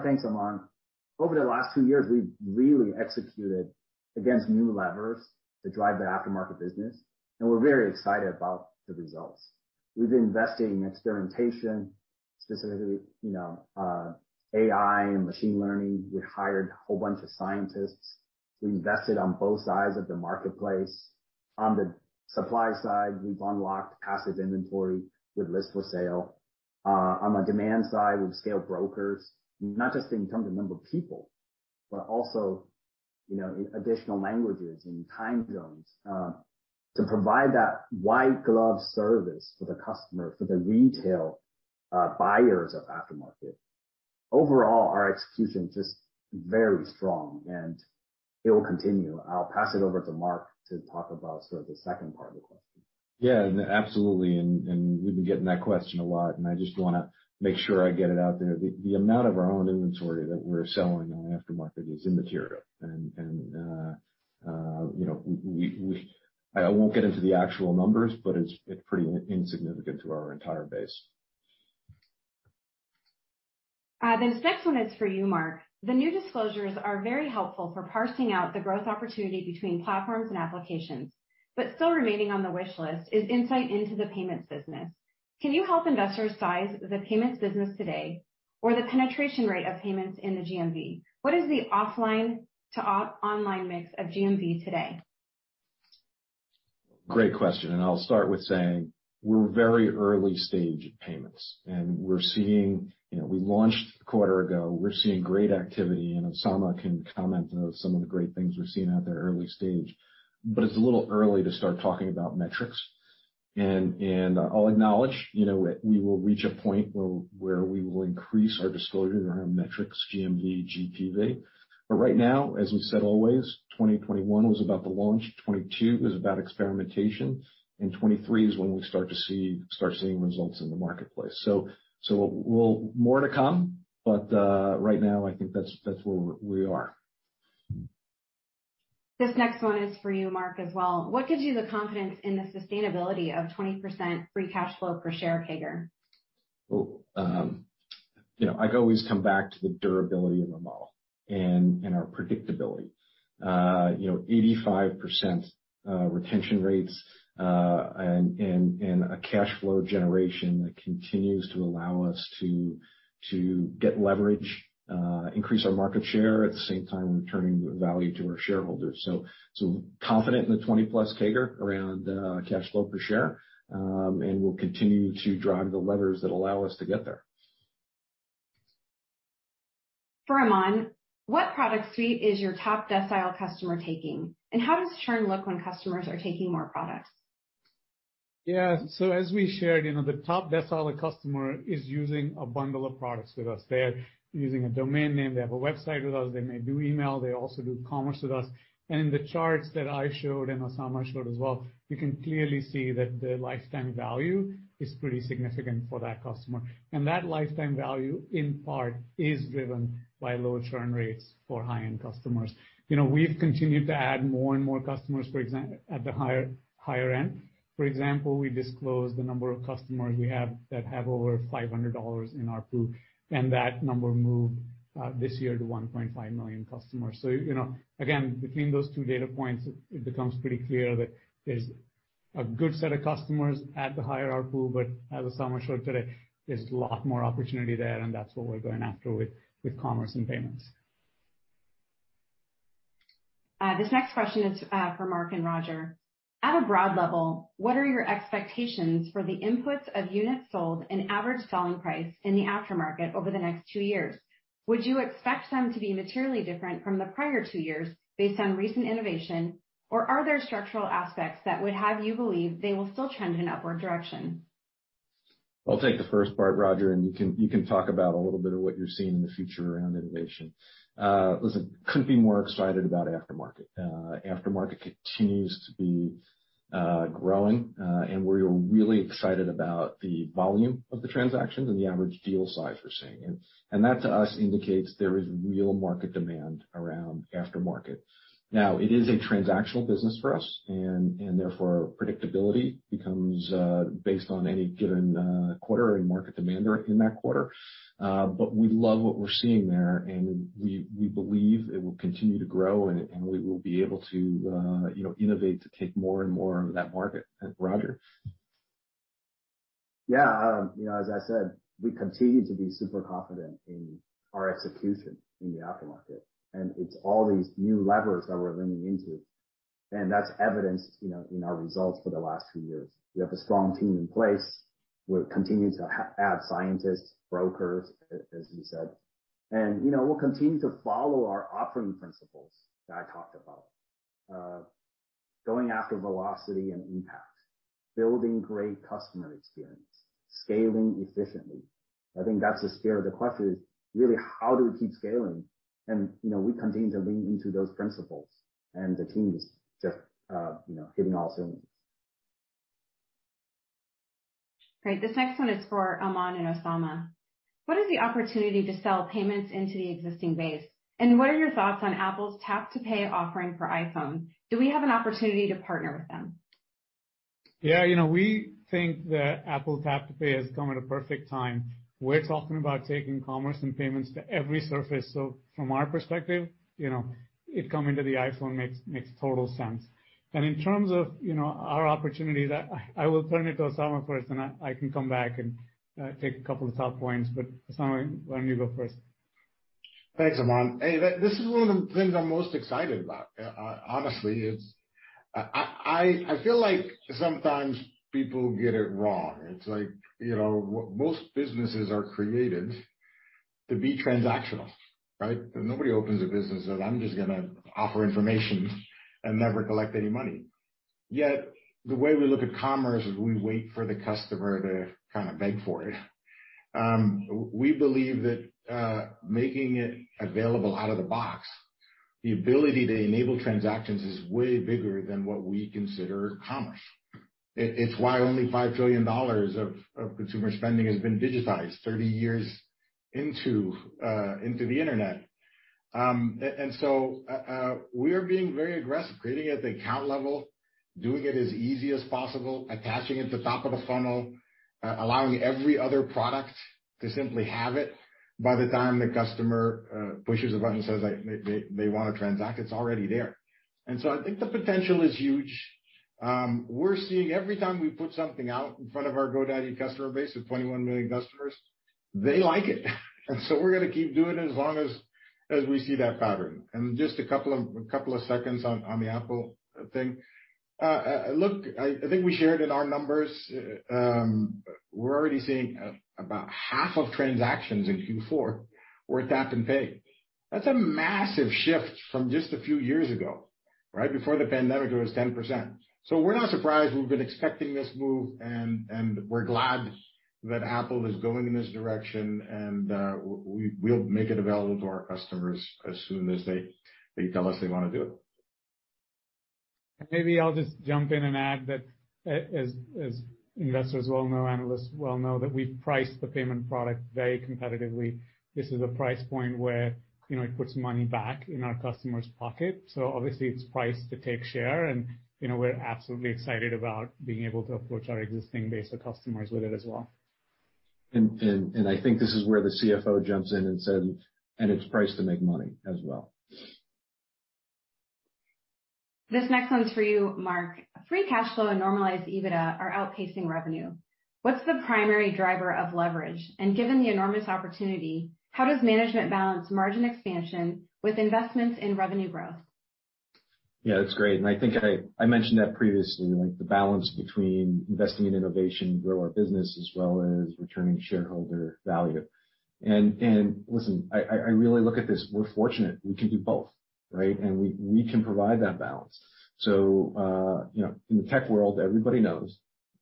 C: Thanks Aman. Over the last two years, we've really executed against new levers to drive the aftermarket business, and we're very excited about the results. We've been investing in experimentation, specifically, you know, AI and machine learning. We hired a whole bunch of scientists. We invested on both sides of the marketplace. On the supply side, we've unlocked passive inventory with lists for sale. On the demand side, we've scaled brokers, not just in terms of number of people, but also, you know, in additional languages and time zones, to provide that white glove service for the customer, for the retail buyers of aftermarket. Overall, our execution is just very strong, and it will continue. I'll pass it over to Mark to talk about sort of the second part of the question.
I: Yeah, absolutely, we've been getting that question a lot, and I just wanna make sure I get it out there. The amount of our own inventory that we're selling on aftermarket is immaterial. You know, I won't get into the actual numbers, but it's pretty insignificant to our entire base.
A: This next one is for you, Mark. The new disclosures are very helpful for parsing out the growth opportunity between platforms and applications, but still remaining on the wish list is insight into the payments business. Can you help investors size the payments business today or the penetration rate of payments in the GMV? What is the offline to online mix of GMV today?
I: Great question. I'll start with saying we're very early stage in payments. You know, we launched a quarter ago. We're seeing great activity, and Osama can comment on some of the great things we've seen at the early stage. It's a little early to start talking about metrics. I'll acknowledge, you know, we will reach a point where we will increase our disclosure around metrics, GMV, GPV. Right now, as we said always, 2021 was about the launch, 2022 is about experimentation, and 2023 is when we start seeing results in the marketplace. More to come, but right now I think that's where we are.
A: This next one is for you, Mark, as well. What gives you the confidence in the sustainability of 20% free cash flow per share CAGR?
I: Well, you know, I always come back to the durability of our model and our predictability. You know, 85% retention rates, and a cash flow generation that continues to allow us to get leverage, increase our market share. At the same time, we're returning value to our shareholders. So confident in the 20+ CAGR around cash flow per share, and we'll continue to drive the levers that allow us to get there.
A: For Aman, what product suite is your top decile customer taking, and how does churn look when customers are taking more products?
B: Yeah. As we shared, you know, the top decile customer is using a bundle of products with us. They're using a domain name, they have a website with us, they may do email, they also do commerce with us. In the charts that I showed, and Osama showed as well, you can clearly see that the lifetime value is pretty significant for that customer. That lifetime value, in part, is driven by low churn rates for high-end customers. You know, we've continued to add more and more customers at the higher end. For example, we disclosed the number of customers we have that have over $500 in ARPU, and that number moved this year to 1.5 million customers. You know, again, between those two data points, it becomes pretty clear that there's a good set of customers at the higher ARPU, but as Osama showed today, there's a lot more opportunity there, and that's what we're going after with commerce and payments.
A: This next question is for Mark and Roger. At a broad level, what are your expectations for the inputs of units sold and average selling price in the aftermarket over the next two years? Would you expect them to be materially different from the prior two years based on recent innovation, or are there structural aspects that would have you believe they will still trend in an upward direction?
I: I'll take the first part, Roger, and you can talk about a little bit of what you're seeing in the future around innovation. Listen, couldn't be more excited about aftermarket. Aftermarket continues to be growing, and we're really excited about the volume of the transactions and the average deal size we're seeing. That, to us, indicates there is real market demand around aftermarket. Now, it is a transactional business for us and therefore predictability becomes based on any given quarter and market demand in that quarter. We love what we're seeing there, and we believe it will continue to grow and we will be able to, you know, innovate to take more and more of that market. Roger.
C: You know, as I said, we continue to be super confident in our execution in the aftermarket. It's all these new levers that we're leaning into, and that's evidenced, you know, in our results for the last two years. We have a strong team in place. We're continuing to hire and add scientists, brokers, as you said. You know, we'll continue to follow our operating principles that I talked about, going after velocity and impact, building great customer experience, scaling efficiently. I think that's the spirit of the question, is really how do we keep scaling? You know, we continue to lean into those principles, and the team is just, you know, firing on all cylinders.
A: Great. This next one is for Aman and Osama. What is the opportunity to sell payments into the existing base? What are your thoughts on Apple's tap-to-pay offering for iPhone? Do we have an opportunity to partner with them?
B: Yeah. You know, we think that Apple's tap-to-pay has come at a perfect time. We're talking about taking commerce and payments to every surface. From our perspective, you know, it coming to the iPhone makes total sense. In terms of, you know, our opportunity, that I will turn it to Osama first, and I can come back and take a couple of top points. Osama, why don't you go first?
D: Thanks Aman. Hey, this is one of the things I'm most excited about. Honestly, it's. I feel like sometimes people get it wrong. It's like, you know, most businesses are created to be transactional, right? Nobody opens a business saying, "I'm just gonna offer information and never collect any money." Yet the way we look at commerce is we wait for the customer to kinda beg for it. We believe that making it available out of the box, the ability to enable transactions is way bigger than what we consider commerce. It's why only $5 trillion of consumer spending has been digitized 30 years into the Internet. We are being very aggressive, creating it at the account level, doing it as easy as possible, attaching it to top of the funnel, allowing every other product to simply have it. By the time the customer pushes a button and says they wanna transact, it's already there. I think the potential is huge. We're seeing every time we put something out in front of our GoDaddy customer base of 21 million customers, they like it. We're gonna keep doing it as long as we see that pattern. Just a couple of seconds on the Apple thing. Look, I think we shared in our numbers, we're already seeing about half of transactions in Q4 were tap-to-pay. That's a massive shift from just a few years ago, right? Before the pandemic, it was 10%. We're not surprised. We've been expecting this move, and we're glad that Apple is going in this direction, and we will make it available to our customers as soon as they tell us they wanna do it.
B: Maybe I'll just jump in and add that as investors well know, analysts well know that we've priced the payment product very competitively. This is a price point where, you know, it puts money back in our customer's pocket. Obviously it's priced to take share and, you know, we're absolutely excited about being able to approach our existing base of customers with it as well.
I: I think this is where the CFO jumps in and says, "And it's priced to make money as well.
A: This next one's for you, Mark. Free cash flow and normalized EBITDA are outpacing revenue. What's the primary driver of leverage? Given the enormous opportunity, how does management balance margin expansion with investments in revenue growth?
I: Yeah, that's great. I think I mentioned that previously, like the balance between investing in innovation to grow our business as well as returning shareholder value. Listen, I really look at this, we're fortunate we can do both, right? We can provide that balance. You know, in the tech world, everybody knows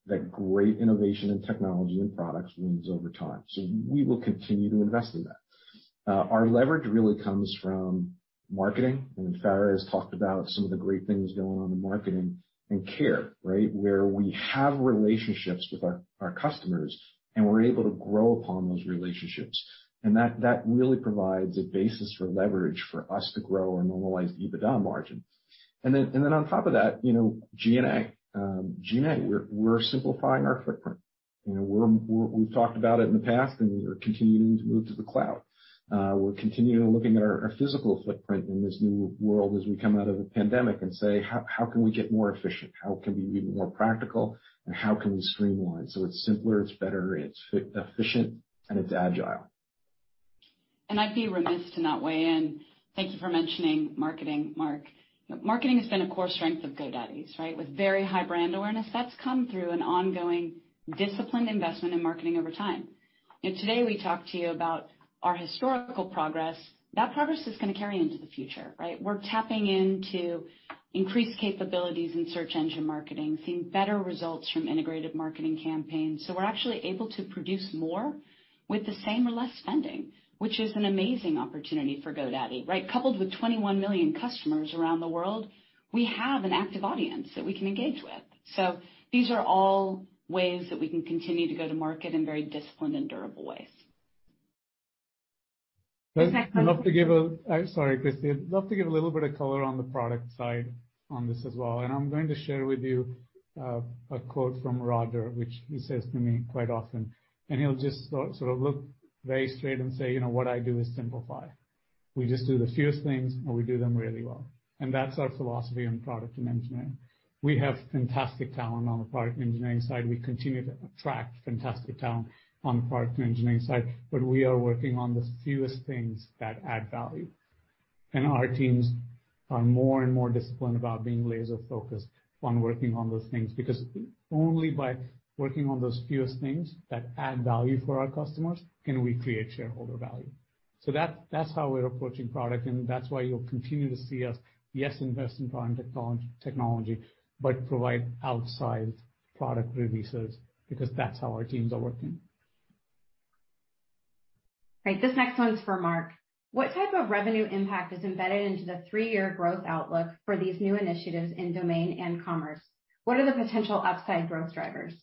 I: that great innovation in technology and products wins over time. We will continue to invest in that. Our leverage really comes from marketing, and Fara has talked about some of the great things going on in marketing and Care, right? Where we have relationships with our customers, and we're able to grow upon those relationships. That really provides a basis for leverage for us to grow our normalized EBITDA margin. On top of that, you know, G&A, we're simplifying our footprint. You know, we've talked about it in the past, and we're continuing to move to the cloud. We're continuing looking at our physical footprint in this new world as we come out of the pandemic and say, how can we get more efficient? How can we be more practical, and how can we streamline so it's simpler, it's better, it's efficient, and it's agile.
F: I'd be remiss to not weigh in. Thank you for mentioning marketing, Mark. Marketing has been a core strength of GoDaddy's, right? With very high brand awareness, that's come through an ongoing disciplined investment in marketing over time. You know, today, we talked to you about our historical progress. That progress is gonna carry into the future, right? We're tapping into increased capabilities in search engine marketing, seeing better results from integrated marketing campaigns. We're actually able to produce more with the same or less spending, which is an amazing opportunity for GoDaddy, right? Coupled with 21 million customers around the world, we have an active audience that we can engage with. These are all ways that we can continue to go to market in very disciplined and durable ways.
B: Sorry, Christie. I'd love to give a little bit of color on the product side on this as well, and I'm going to share with you a quote from Roger, which he says to me quite often, and he'll just sort of look very straight and say, "You know, what I do is simplify. We just do the fewest things, and we do them really well." That's our philosophy on product and engineering. We have fantastic talent on the product engineering side. We continue to attract fantastic talent on the product and engineering side, but we are working on the fewest things that add value. Our teams are more and more disciplined about being laser-focused on working on those things, because only by working on those fewest things that add value for our customers can we create shareholder value. That's how we're approaching product, and that's why you'll continue to see us, yes, invest in product technology, but provide outsized product releases, because that's how our teams are working.
A: Right. This next one is for Mark. What type of revenue impact is embedded into the three-year growth outlook for these new initiatives in domain and commerce? What are the potential upside growth drivers?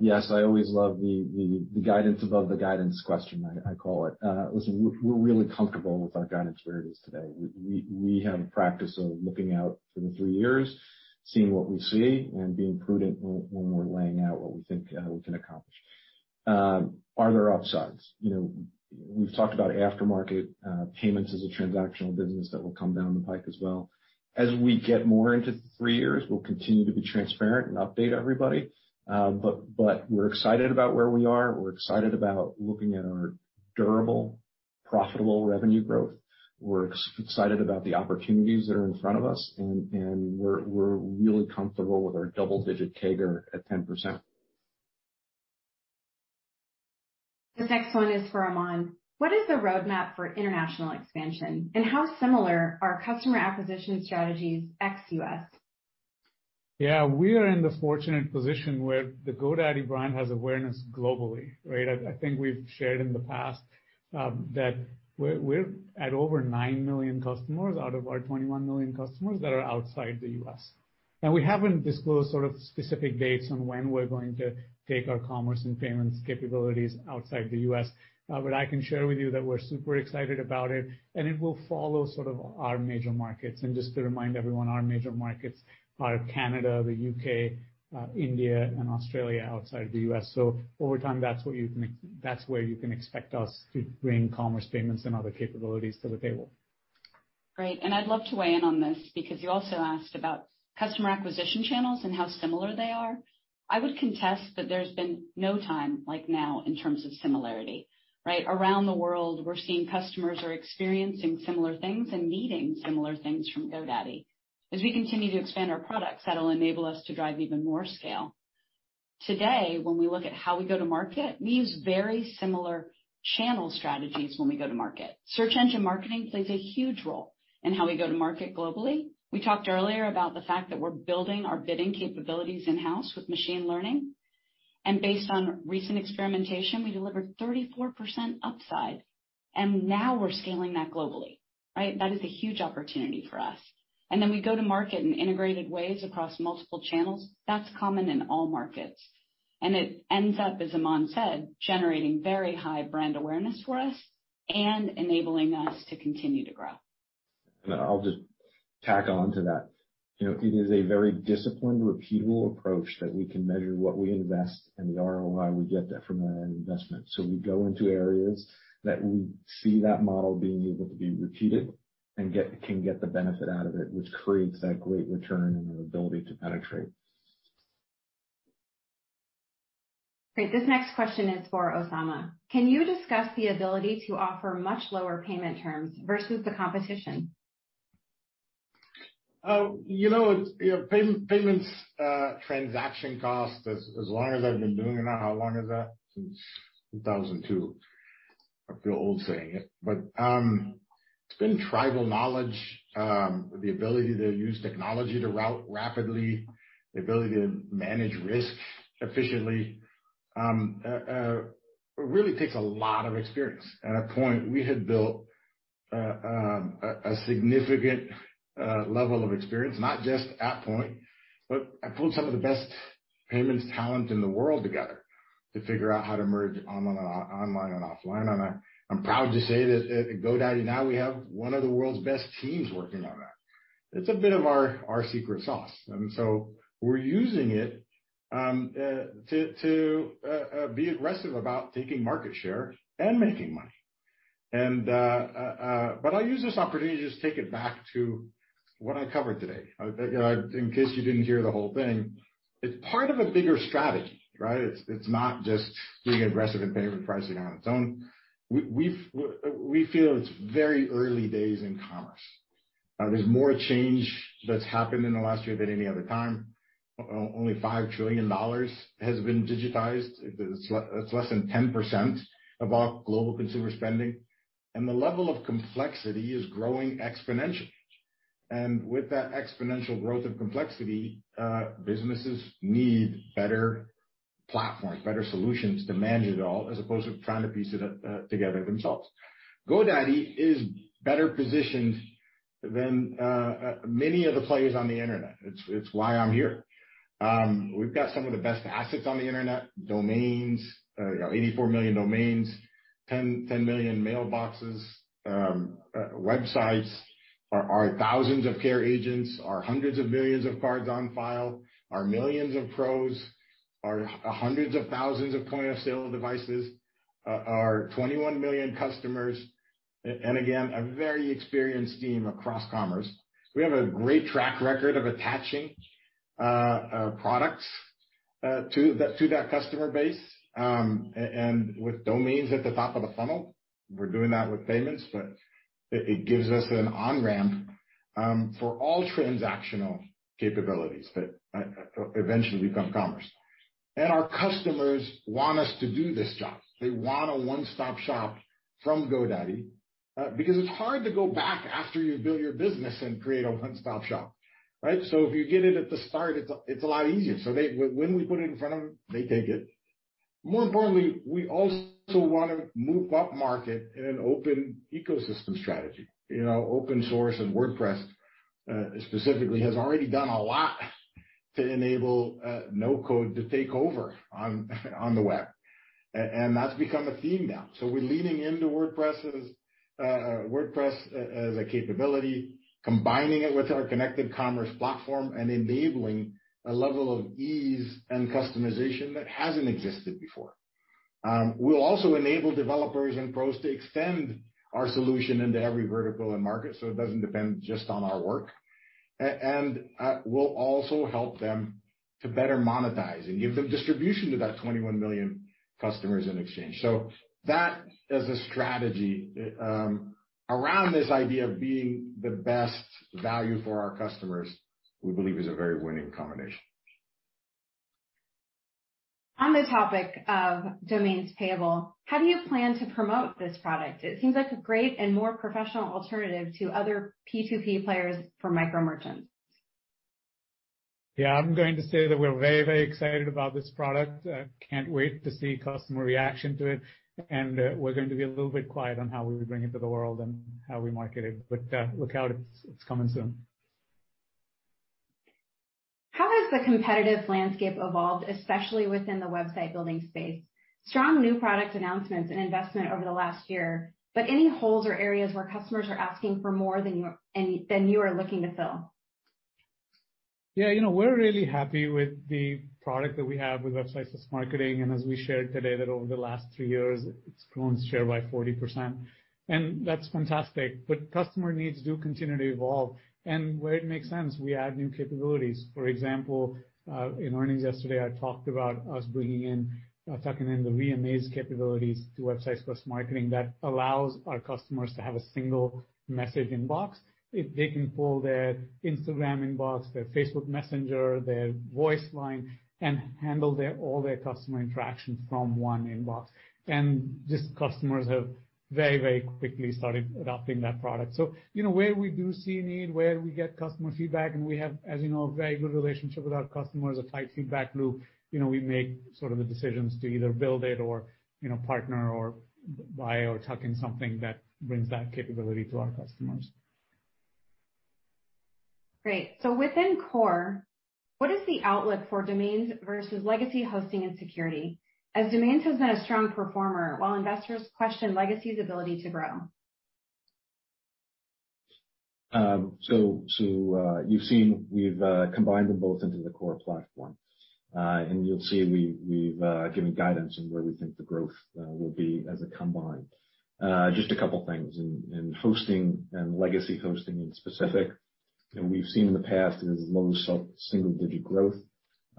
I: Yes, I always love the guidance above the guidance question, I call it. Listen, we're really comfortable with our guidance where it is today. We have a practice of looking out for the three years, seeing what we see and being prudent when we're laying out what we think we can accomplish. Are there upsides? You know, we've talked about aftermarket payments as a transactional business that will come down the pike as well. As we get more into three years, we'll continue to be transparent and update everybody. We're excited about where we are. We're excited about looking at our durable, profitable revenue growth. We're excited about the opportunities that are in front of us, and we're really comfortable with our double-digit CAGR at 10%.
A: This next one is for Aman. What is the roadmap for international expansion, and how similar are customer acquisition strategies ex-U.S.?
B: Yeah. We are in the fortunate position where the GoDaddy brand has awareness globally, right? I think we've shared in the past that we're at over 9 million customers out of our 21 million customers that are outside the U.S. Now we haven't disclosed sort of specific dates on when we're going to take our commerce and payments capabilities outside the U.S., but I can share with you that we're super excited about it, and it will follow sort of our major markets. Just to remind everyone, our major markets are Canada, the U.K., India and Australia, outside the U.S. Over time, that's where you can expect us to bring commerce payments and other capabilities to the table.
F: Great. I'd love to weigh in on this because you also asked about customer acquisition channels and how similar they are. I would contest that there's been no time like now in terms of similarity, right? Around the world, we're seeing customers are experiencing similar things and needing similar things from GoDaddy. As we continue to expand our products, that'll enable us to drive even more scale. Today, when we look at how we go to market, we use very similar channel strategies when we go to market. Search engine marketing plays a huge role in how we go to market globally. We talked earlier about the fact that we're building our bidding capabilities in-house with machine learning, and based on recent experimentation, we delivered 34% upside, and now we're scaling that globally, right? That is a huge opportunity for us. We go to market in integrated ways across multiple channels. That's common in all markets. It ends up, as Aman said, generating very high brand awareness for us and enabling us to continue to grow.
I: I'll just tack on to that. You know, it is a very disciplined, repeatable approach that we can measure what we invest and the ROI we get from that investment. We go into areas that we see that model being able to be repeated and can get the benefit out of it, which creates that great return and the ability to penetrate.
A: Great. This next question is for Osama. Can you discuss the ability to offer much lower payment terms versus the competition?
D: You know, it's payments, transaction costs, as long as I've been doing it now, how long is that? Since 2002. I feel old saying it, but it's been tribal knowledge, the ability to use technology to route rapidly, the ability to manage risk efficiently. It really takes a lot of experience. At Poynt, we had built a significant level of experience, not just at Poynt, but I pulled some of the best payments talent in the world together to figure out how to merge online and offline, and I'm proud to say that at GoDaddy now we have one of the world's best teams working on that. It's a bit of our secret sauce, and so we're using it to be aggressive about taking market share and making money. I'll use this opportunity to just take it back to what I covered today. You know, in case you didn't hear the whole thing, it's part of a bigger strategy, right? It's not just being aggressive in payment pricing on its own. We feel it's very early days in commerce. There's more change that's happened in the last year than any other time. Only $5 trillion has been digitized. It's less than 10% of all global consumer spending, and the level of complexity is growing exponentially. With that exponential growth of complexity, businesses need better platforms, better solutions to manage it all, as opposed to trying to piece it together themselves. GoDaddy is better positioned than many of the players on the internet. It's why I'm here. We've got some of the best assets on the internet, domains, you know, 84 million domains, 10 million mailboxes, websites. Our thousands of Care agents, our hundreds of millions of cards on file, our millions of pros, our hundreds of thousands of point-of-sale devices, our 21 million customers, and again, a very experienced team across commerce. We have a great track record of attaching products to that customer base, and with domains at the top of the funnel. We're doing that with payments, but it gives us an on-ramp for all transactional capabilities that eventually become commerce. Our customers want us to do this job. They want a one-stop shop from GoDaddy, because it's hard to go back after you build your business and create a one-stop shop, right? If you get it at the start, it's a lot easier. When we put it in front of them, they take it. More importantly, we also wanna move upmarket in an open ecosystem strategy. Open source and WordPress specifically has already done a lot to enable no code to take over on the web. And that's become a theme now. We're leaning into WordPress as a capability, combining it with our connected commerce platform and enabling a level of ease and customization that hasn't existed before. We'll also enable developers and pros to extend our solution into every vertical and market, so it doesn't depend just on our work. We'll also help them to better monetize and give them distribution to that 21 million customers in exchange. That as a strategy around this idea of being the best value for our customers, we believe is a very winning combination.
A: On the topic of Payable Domains, how do you plan to promote this product? It seems like a great and more professional alternative to other P2P players for micro merchants.
B: Yeah. I'm going to say that we're very, very excited about this product. Can't wait to see customer reaction to it, and we're going to be a little bit quiet on how we would bring it to the world and how we market it, but look out, it's coming soon.
A: How has the competitive landscape evolved, especially within the website building space? Strong new product announcements and investment over the last year, but any holes or areas where customers are asking for more than you are looking to fill?
B: Yeah. You know, we're really happy with the product that we have with Websites + Marketing, and as we shared today, that over the last three years, it's grown share by 40%, and that's fantastic. But customer needs do continue to evolve, and where it makes sense, we add new capabilities. For example, in earnings yesterday, I talked about us bringing in, tucking in the Reamaze capabilities to Websites + Marketing that allows our customers to have a single message inbox. They can pull their Instagram inbox, their Facebook Messenger, their voice line, and handle all their customer interactions from one inbox. These customers have very, very quickly started adopting that product. you know, where we do see a need, where we get customer feedback, and we have, as you know, a very good relationship with our customers, a tight feedback loop, you know, we make sort of the decisions to either build it or, you know, partner or buy or tuck in something that brings that capability to our customers.
A: Great. Within Core, what is the outlook for domains versus legacy hosting and security, as domains has been a strong performer while investors question legacy's ability to grow?
I: You've seen we've combined them both into the Core Platform. You'll see we've given guidance on where we think the growth will be as a combined. Just a couple things. In hosting and legacy hosting in specific, you know, we've seen in the past is low single-digit% growth.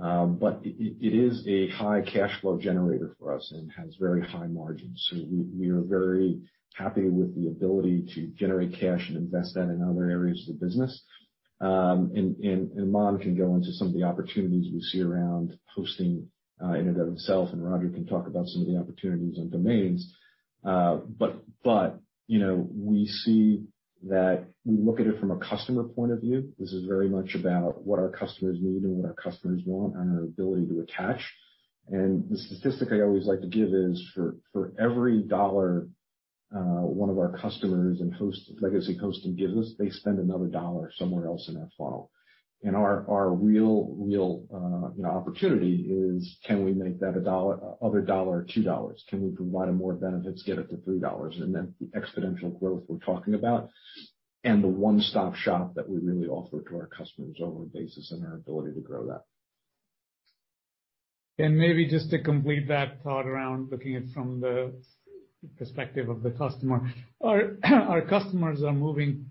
I: It is a high cash flow generator for us and has very high margins. We are very happy with the ability to generate cash and invest that in other areas of the business. Aman can go into some of the opportunities we see around hosting, internet itself, and Roger can talk about some of the opportunities on domains. You know, we see that we look at it from a customer point of view. This is very much about what our customers need and what our customers want and our ability to attach. The statistic I always like to give is for every dollar one of our customers in legacy hosting gives us, they spend another dollar somewhere else in their funnel. Our real opportunity is, can we make that a dollar, another dollar or $2? Can we provide more benefits, get it to $3, and then the exponential growth we're talking about and the one-stop shop that we really offer to our customers on a basis and our ability to grow that.
B: Maybe just to complete that thought around looking at it from the perspective of the customer. Our customers are moving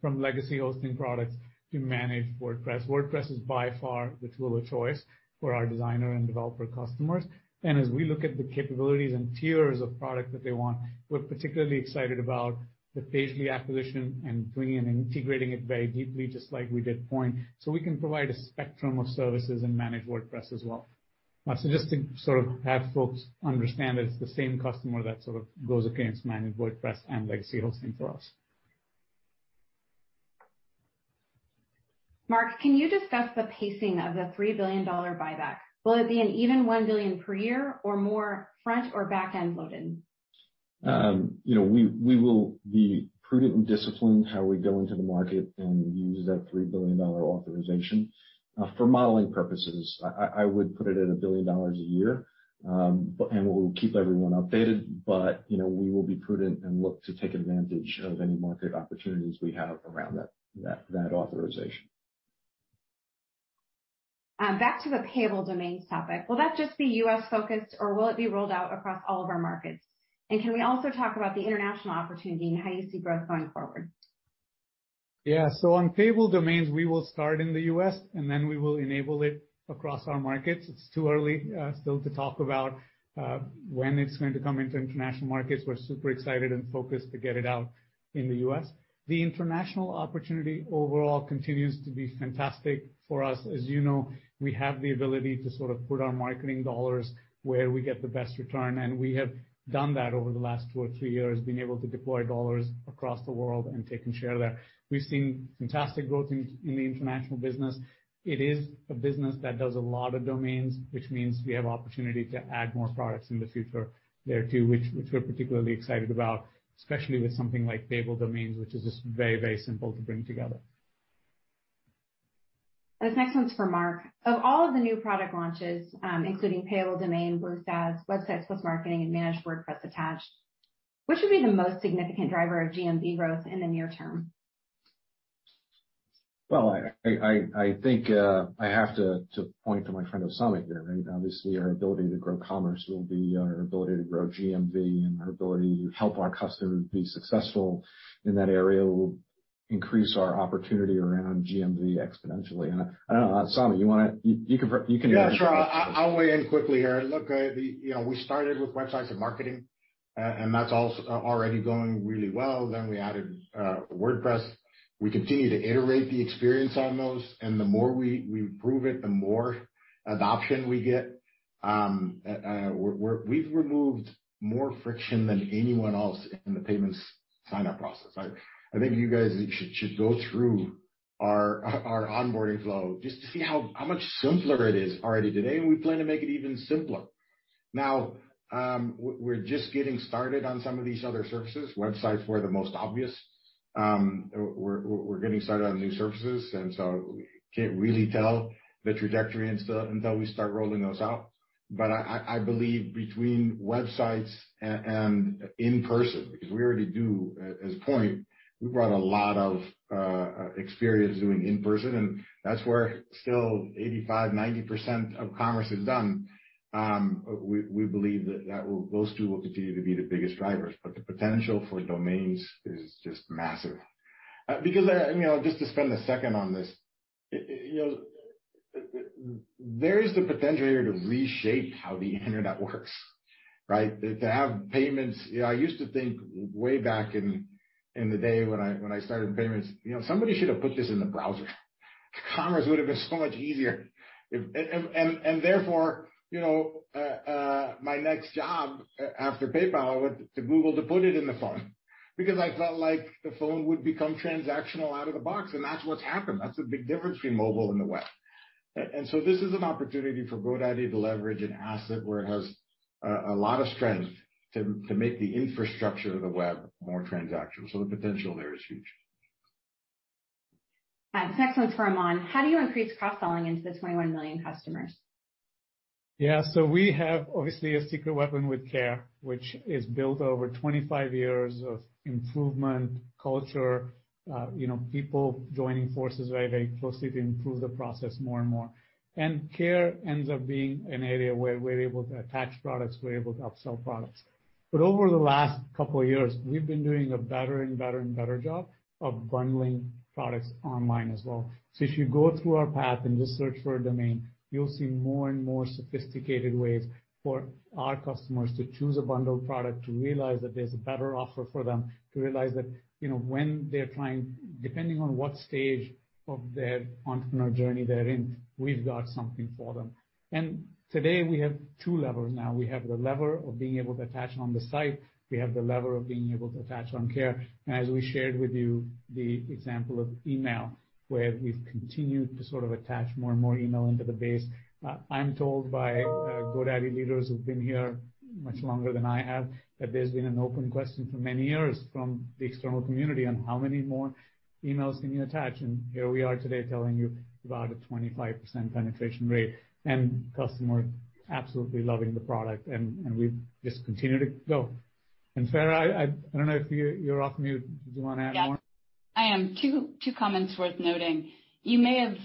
B: from legacy hosting products to Managed WordPress. WordPress is by far the tool of choice for our designer and developer customers. As we look at the capabilities and tiers of product that they want, we're particularly excited about the Pagely acquisition and bringing and integrating it very deeply, just like we did Poynt. We can provide a spectrum of services and Managed WordPress as well. Just to sort of have folks understand that it's the same customer that sort of goes against Managed WordPress and legacy hosting for us.
A: Mark, can you discuss the pacing of the $3 billion buyback? Will it be an even $1 billion per year or more front or back-end loaded?
I: You know, we will be prudent and disciplined how we go into the market and use that $3 billion authorization. For modeling purposes, I would put it at $1 billion a year. We'll keep everyone updated, but you know, we will be prudent and look to take advantage of any market opportunities we have around that authorization.
A: Back to the Payable Domains topic. Will that just be U.S.-focused or will it be rolled out across all of our markets? Can we also talk about the international opportunity and how you see growth going forward?
B: Yeah. On Payable Domains, we will start in the U.S., and then we will enable it across our markets. It's too early, still to talk about when it's going to come into international markets. We're super excited and focused to get it out in the U.S. The international opportunity overall continues to be fantastic for us. As you know, we have the ability to sort of put our marketing dollars where we get the best return, and we have done that over the last two or three years, being able to deploy dollars across the world and taking share there. We've seen fantastic growth in the international business. It is a business that does a lot of domains, which means we have opportunity to add more products in the future there too, which we're particularly excited about, especially with something like Payable Domains, which is just very, very simple to bring together.
A: This next one's for Mark. Of all of the new product launches, including Payable Domains, WordAds, Websites + Marketing and Managed WordPress, which would be the most significant driver of GMV growth in the near term?
I: Well, I think I have to point to my friend Osama here, right? Obviously, our ability to grow commerce will be our ability to grow GMV, and our ability to help our customers be successful in that area will increase our opportunity around GMV exponentially. I don't know, Osama, you can
D: Yeah, sure. I'll weigh in quickly here. Look, you know, we started with Websites and Marketing, and that's also already going really well. We added WordPress. We continue to iterate the experience on those, and the more we improve it, the more adoption we get. We've removed more friction than anyone else in the payments sign-up process, right? I think you guys should go through our onboarding flow just to see how much simpler it is already today, and we plan to make it even simpler. Now we're just getting started on some of these other services. Websites were the most obvious. We're getting started on new services, can't really tell the trajectory and stuff until we start rolling those out. I believe between websites and in-person, because we already do, as Poynt, we brought a lot of experience doing in-person, and that's where still 85%-90% of commerce is done. We believe that will—those two will continue to be the biggest drivers. The potential for domains is just massive. Because, you know, just to spend a second on this, you know, there is the potential here to reshape how the internet works, right? To have payments. You know, I used to think way back in the day when I started payments, you know, somebody should have put this in the browser. Commerce would have been so much easier. Therefore, you know, my next job after PayPal, I went to Google to put it in the phone because I felt like the phone would become transactional out of the box, and that's what's happened. That's the big difference between mobile and the web. This is an opportunity for GoDaddy to leverage an asset where it has a lot of strength to make the infrastructure of the web more transactional. The potential there is huge.
A: This next one's for Aman. How do you increase cross-selling into the 21 million customers?
B: Yeah. We have obviously a secret weapon with Care, which is built over 25 years of improvement, culture, you know, people joining forces very, very closely to improve the process more and more. Care ends up being an area where we're able to attach products, we're able to upsell products. Over the last couple of years, we've been doing a better and better and better job of bundling products online as well. If you go through our path and just search for a domain, you'll see more and more sophisticated ways for our customers to choose a bundled product, to realize that there's a better offer for them, to realize that, you know, when they're trying depending on what stage of their entrepreneurial journey they're in, we've got something for them. Today we have two levers now. We have the lever of being able to attach on the site. We have the lever of being able to attach on care. As we shared with you the example of email, where we've continued to sort of attach more and more email into the base. I'm told by GoDaddy leaders who've been here much longer than I have that there's been an open question for many years from the external community on how many more emails can you attach, and here we are today telling you about a 25% penetration rate and customers absolutely loving the product, and we just continue to go. Fara, I don't know if you're off mute. Did you want to add more?
F: Yeah. I am. Two comments worth noting. You may have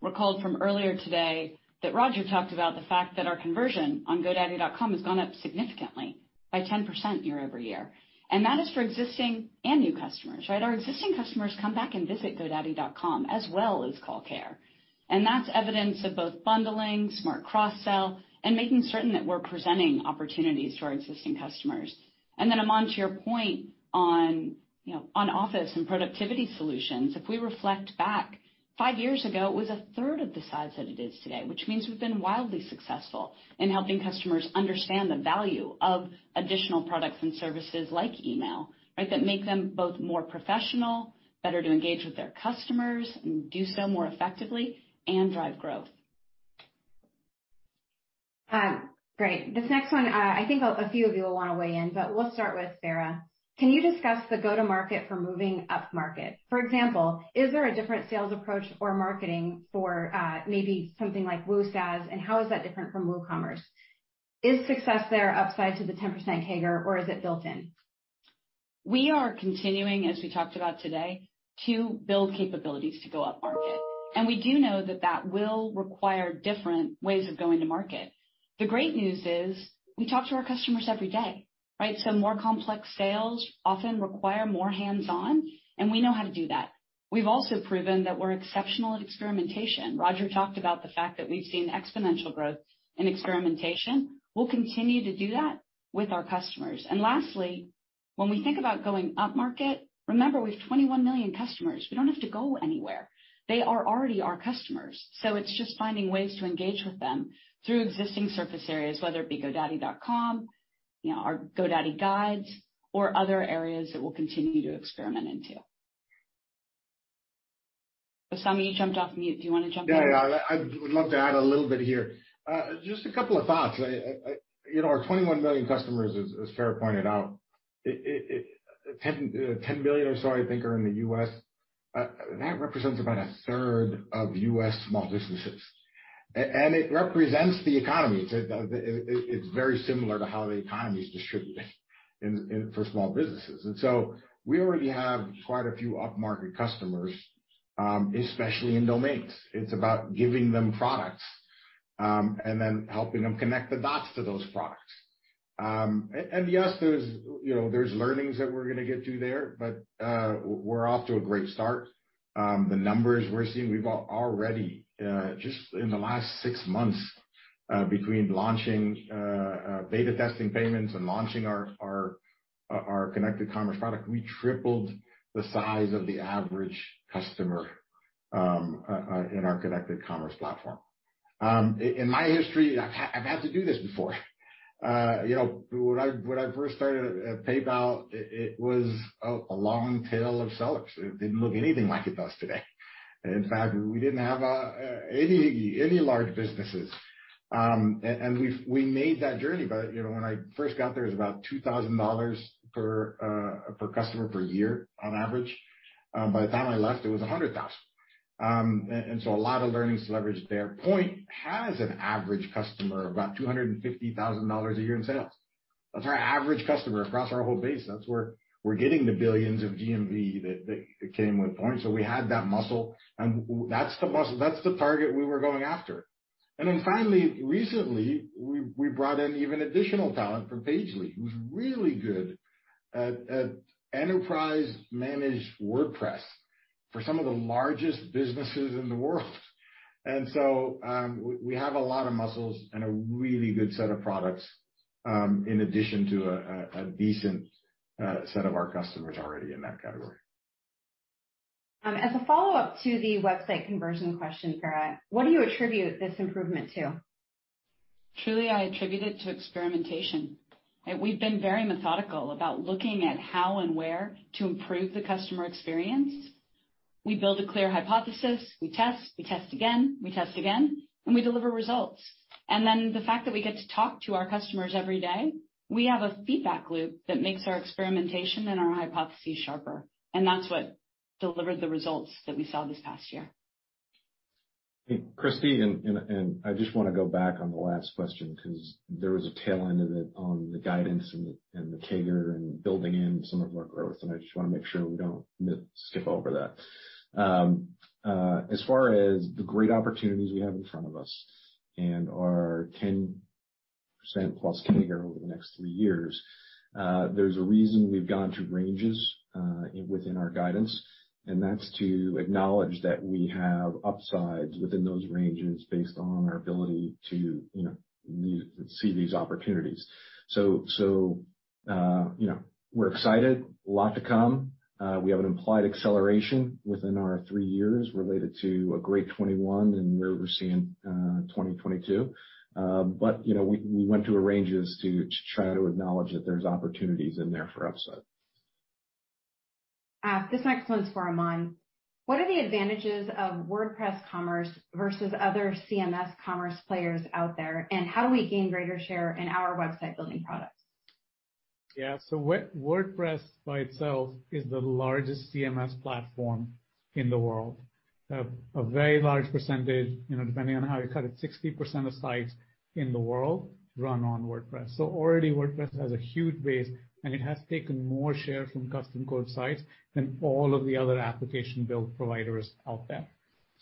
F: recalled from earlier today that Roger talked about the fact that our conversion on godaddy.com has gone up significantly by 10% year-over-year. That is for existing and new customers, right? Our existing customers come back and visit godaddy.com as well as call Care. That's evidence of both bundling, smart cross-sell, and making certain that we're presenting opportunities to our existing customers. Then, Aman, to your point on, you know, on office and productivity solutions, if we reflect back, five years ago, it was a third of the size that it is today, which means we've been wildly successful in helping customers understand the value of additional products and services like email, right? That make them both more professional, better to engage with their customers and do so more effectively and drive growth.
A: Great. This next one, I think a few of you will wanna weigh in, but we'll start with Fara. Can you discuss the go-to-market for moving upmarket? For example, is there a different sales approach or marketing for, maybe something like WooSaaS, and how is that different from WooCommerce? Is success there upside to the 10% CAGR, or is it built in?
F: We are continuing, as we talked about today, to build capabilities to go upmarket. We do know that that will require different ways of going to market. The great news is we talk to our customers every day, right? More complex sales often require more hands-on, and we know how to do that. We've also proven that we're exceptional at experimentation. Roger talked about the fact that we've seen exponential growth in experimentation. We'll continue to do that with our customers. Lastly, when we think about going upmarket, remember, we've 21 million customers. We don't have to go anywhere. They are already our customers. It's just finding ways to engage with them through existing surface areas, whether it be godaddy.com, you know, our GoDaddy Guides or other areas that we'll continue to experiment into. Osama, you jumped off mute. Do you wanna jump in?
D: Yeah, yeah. I would love to add a little bit here. Just a couple of thoughts. You know, our 21 million customers, as Fara pointed out, 10 million or so I think are in the U.S. That represents about a third of U.S. small businesses. It represents the economy. It's very similar to how the economy is distributed in income for small businesses. We already have quite a few upmarket customers, especially in domains. It's about giving them products and then helping them connect the dots to those products. Yes, there's learnings that we're gonna get to there, but we're off to a great start. The numbers we're seeing, we've got already, just in the last six months, between launching beta testing payments and launching our connected commerce product, we tripled the size of the average customer in our connected commerce platform. In my history, I've had to do this before. You know, when I first started at PayPal, it was a long tail of sellers. It didn't look anything like it does today. In fact, we didn't have any large businesses. We've made that journey. You know, when I first got there, it was about $2,000 per customer per year on average. By the time I left, it was $100,000. A lot of learnings leveraged there. Poynt has an average customer of about $250,000 a year in sales. That's our average customer across our whole base. That's where we're getting the billions of GMV that came with Poynt. We had that muscle, and that's the muscle, that's the target we were going after. Then finally, recently, we brought in even additional talent from Pagely, who's really good at enterprise-managed WordPress for some of the largest businesses in the world. We have a lot of muscles and a really good set of products, in addition to a decent set of our customers already in that category.
A: As a follow-up to the website conversion question, Fara, what do you attribute this improvement to?
F: Truly, I attribute it to experimentation. We've been very methodical about looking at how and where to improve the customer experience. We build a clear hypothesis, we test, we test again, we test again, and we deliver results. The fact that we get to talk to our customers every day, we have a feedback loop that makes our experimentation and our hypotheses sharper, and that's what delivered the results that we saw this past year.
I: Hey, Christie, I just wanna go back on the last question 'cause there was a tail end of it on the guidance and the CAGR and building in some of our growth, and I just wanna make sure we don't skip over that. As far as the great opportunities we have in front of us and our 10%+ CAGR over the next three years, there's a reason we've gone to ranges within our guidance, and that's to acknowledge that we have upsides within those ranges based on our ability to, you know, see these opportunities. You know, we're excited. A lot to come. We have an implied acceleration within our three years related to a great 2021, and where we're seeing 2022. You know, we went to a range to try to acknowledge that there's opportunities in there for upside.
A: This next one's for Aman. What are the advantages of WordPress Commerce versus other CMS commerce players out there, and how do we gain greater share in our website building products?
B: Yeah. WordPress by itself is the largest CMS platform in the world. A very large percentage, you know, depending on how you cut it, 60% of sites in the world run on WordPress. Already WordPress has a huge base, and it has taken more shares from custom code sites than all of the other application build providers out there.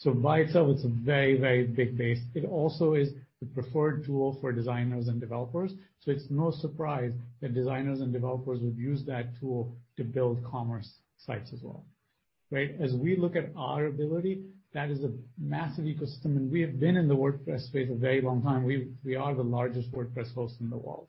B: By itself, it's a very, very big base. It also is the preferred tool for designers and developers, so it's no surprise that designers and developers would use that tool to build commerce sites as well. Right? As we look at our ability, that is a massive ecosystem, and we have been in the WordPress space a very long time. We are the largest WordPress host in the world,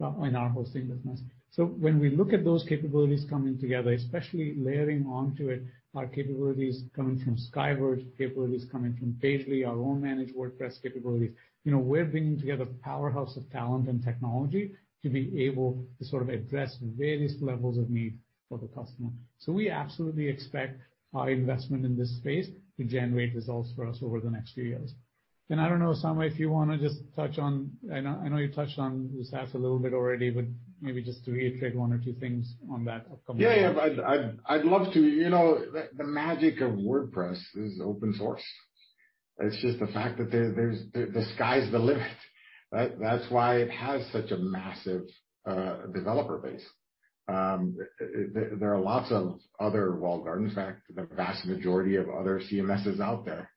B: in our hosting business. When we look at those capabilities coming together, especially layering onto it our capabilities coming from SkyVerge, capabilities coming from Pagely, our own Managed WordPress capabilities, you know, we're bringing together a powerhouse of talent and technology to be able to sort of address various levels of need for the customer. We absolutely expect our investment in this space to generate results for us over the next few years. I don't know, Osama Bedier, if you wanna just touch on. I know you touched on this, Osama Bedier, a little bit already, but maybe just to reiterate one or two things on that upcoming-
D: Yeah, yeah. I'd love to. You know, the magic of WordPress is open source. It's just the fact that the sky's the limit. That's why it has such a massive developer base. There are lots of other walled gardens. In fact, the vast majority of other CMSs out there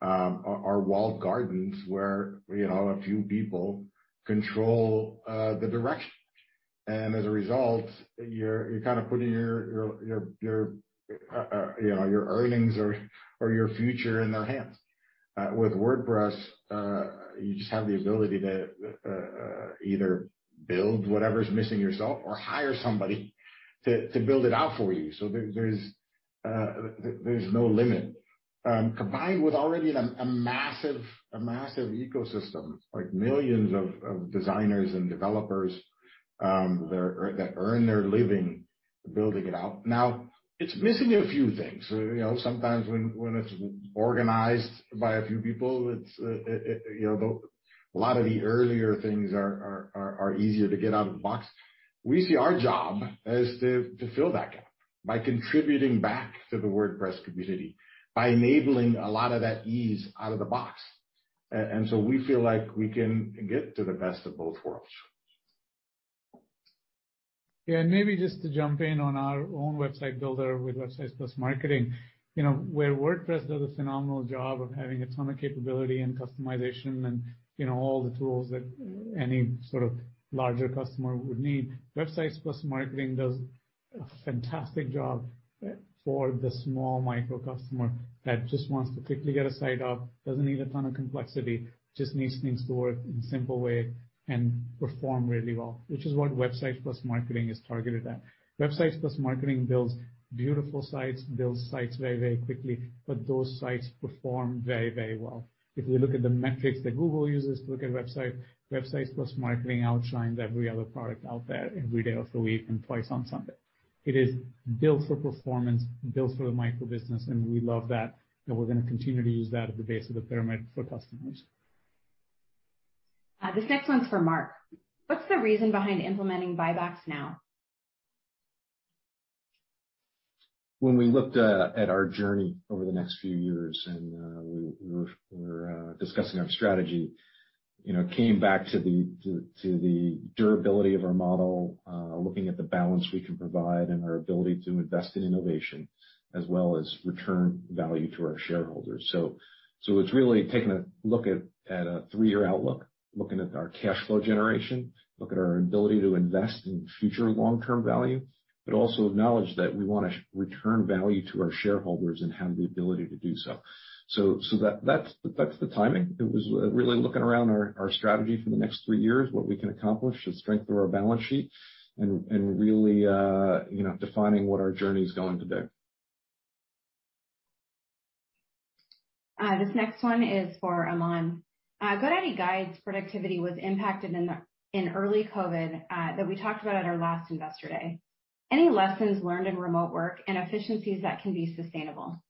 D: are walled gardens where, you know, a few people control the direction. As a result, you're kinda putting your you know, your earnings or your future in their hands. With WordPress, you just have the ability to either build whatever's missing yourself or hire somebody to build it out for you. There's no limit. Combined with already a massive ecosystem, like millions of designers and developers that earn their living building it out. Now, it's missing a few things. You know, sometimes when it's organized by a few people, it's you know a lot of the earlier things are easier to get out of the box. We see our job is to fill that gap by contributing back to the WordPress community, by enabling a lot of that ease out of the box. We feel like we can get to the best of both worlds.
B: Yeah. Maybe just to jump in on our own website builder with Websites + Marketing, you know, where WordPress does a phenomenal job of having a ton of capability and customization and, you know, all the tools that any sort of larger customer would need, Websites + Marketing does a fantastic job for the small micro customer that just wants to quickly get a site up, doesn't need a ton of complexity, just needs things to work in a simple way and perform really well, which is what Websites + Marketing is targeted at. Websites + Marketing builds beautiful sites, builds sites very, very quickly, but those sites perform very, very well. If you look at the metrics that Google uses to look at a website, Websites + Marketing outshines every other product out there every day of the week and twice on Sunday. It is built for performance and built for the micro business, and we love that, and we're gonna continue to use that at the base of the pyramid for customers.
A: This next one's for Mark. What's the reason behind implementing buybacks now?
I: When we looked at our journey over the next few years and we were discussing our strategy, you know, came back to the durability of our model, looking at the balance we can provide and our ability to invest in innovation as well as return value to our shareholders. It's really taking a look at a three-year outlook, looking at our cash flow generation, look at our ability to invest in future long-term value, but also acknowledge that we wanna return value to our shareholders and have the ability to do so. That's the timing. It was really looking around our strategy for the next three years, what we can accomplish to strengthen our balance sheet and really you know, defining what our journey's going to be.
A: This next one is for Aman. GoDaddy Guides' productivity was impacted in early COVID that we talked about at our last Investor Day. Any lessons learned in remote work and efficiencies that can be sustainable?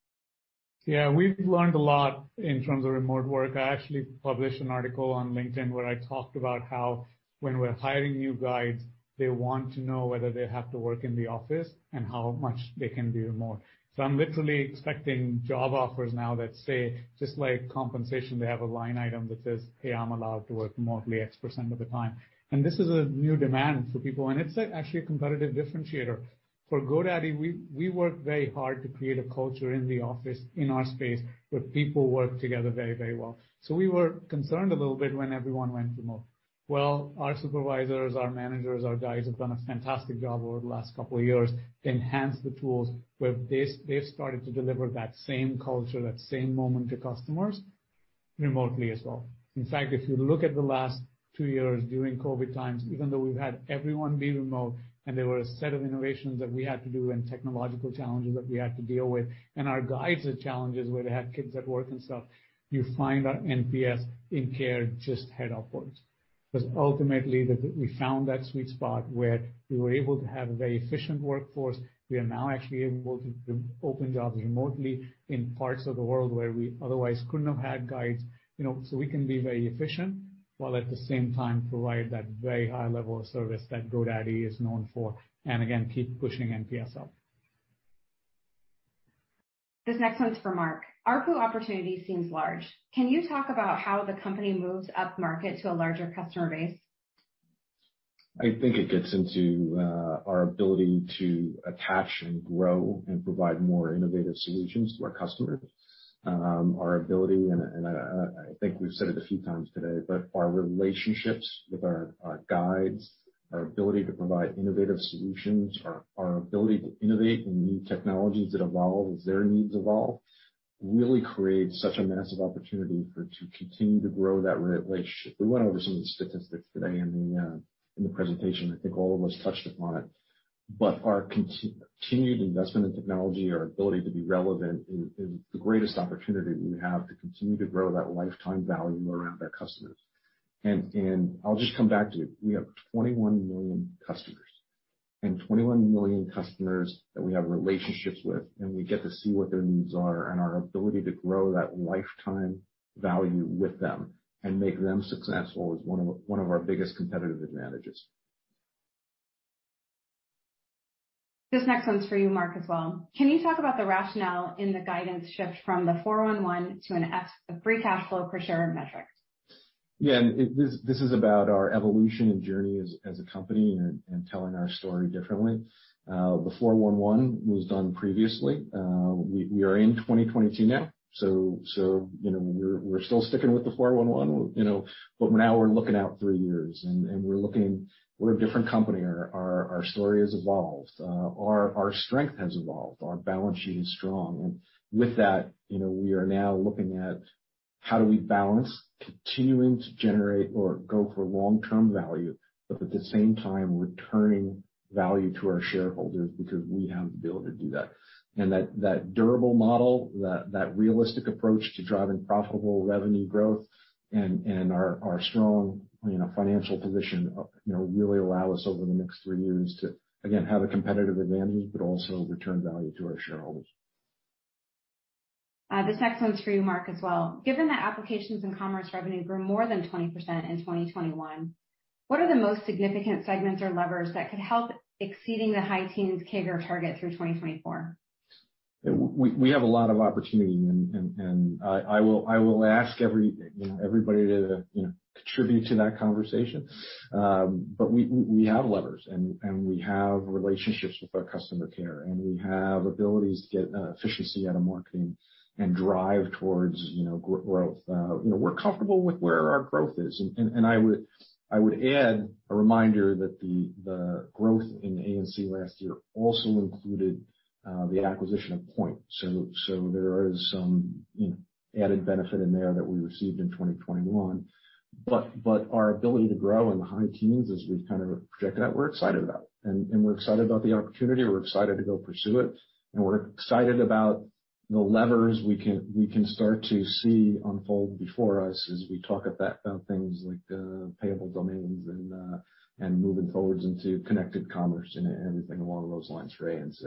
B: Yeah, we've learned a lot in terms of remote work. I actually published an article on LinkedIn where I talked about how when we're hiring new guides, they want to know whether they have to work in the office and how much they can be remote. I'm literally expecting job offers now that say, just like compensation, they have a line item that says, "Hey, I'm allowed to work remotely X% of the time." This is a new demand for people, and it's, like, actually a competitive differentiator. For GoDaddy, we work very hard to create a culture in the office, in our space, where people work together very, very well. We were concerned a little bit when everyone went remote. Well, our supervisors, our managers, our guides have done a fantastic job over the last couple of years to enhance the tools where they've started to deliver that same culture, that same moment to customers remotely as well. In fact, if you look at the last two years during COVID times, even though we've had everyone be remote, and there were a set of innovations that we had to do and technological challenges that we had to deal with, and our guides had challenges where they had kids at work and stuff, you find our NPS in Care just head upwards. Because ultimately, the, we found that sweet spot where we were able to have a very efficient workforce. We are now actually able to open jobs remotely in parts of the world where we otherwise couldn't have had guides. You know, we can be very efficient, while at the same time provide that very high level of service that GoDaddy is known for, and again, keep pushing NPS up.
A: This next one's for Mark. ARPU opportunity seems large. Can you talk about how the company moves upmarket to a larger customer base?
I: I think it gets into our ability to attach and grow and provide more innovative solutions to our customers. Our ability, and I think we've said it a few times today, but our relationships with our Guides, our ability to provide innovative solutions, our ability to innovate in new technologies that evolve as their needs evolve, really creates such a massive opportunity for to continue to grow that relationship. We went over some of the statistics today in the presentation. I think all of us touched upon it. Our continued investment in technology, our ability to be relevant is the greatest opportunity we have to continue to grow that lifetime value around our customers. I'll just come back to, we have 21 million customers. 21 million customers that we have relationships with, and we get to see what their needs are, and our ability to grow that lifetime value with them and make them successful is one of our biggest competitive advantages.
A: This next one's for you, Mark, as well. Can you talk about the rationale in the guidance shift from the 411 to the free cash flow per share metric?
I: Yeah. This is about our evolution and journey as a company and telling our story differently. The 411 was done previously. We are in 2022 now, so you know, we're still sticking with the 411, you know, but now we're looking out three years and we're looking. We're a different company. Our story has evolved. Our strength has evolved. Our balance sheet is strong. With that, you know, we are now looking at how do we balance continuing to generate or go for long-term value, but at the same time, returning value to our shareholders because we have the ability to do that. That durable model, that realistic approach to driving profitable revenue growth and our strong, you know, financial position, you know, really allow us over the next three years to again have a competitive advantage, but also return value to our shareholders.
A: This next one's for you, Mark, as well. Given that Applications and Commerce revenue grew more than 20% in 2021, what are the most significant segments or levers that could help exceeding the high teens CAGR target through 2024?
I: We have a lot of opportunity, and I will ask everybody, you know, to contribute to that conversation. We have levers, and we have relationships with our customer care, and we have abilities to get efficiency out of marketing and drive towards, you know, growth. You know, we're comfortable with where our growth is. I would add a reminder that the growth in A&C last year also included the acquisition of Poynt. There is some, you know, added benefit in there that we received in 2021. Our ability to grow in the high teens as we've kind of projected that, we're excited about. We're excited about the opportunity, we're excited to go pursue it, and we're excited about the levers we can start to see unfold before us as we talk about things like Payable Domains and moving forward into connected commerce and everything along those lines for A&C.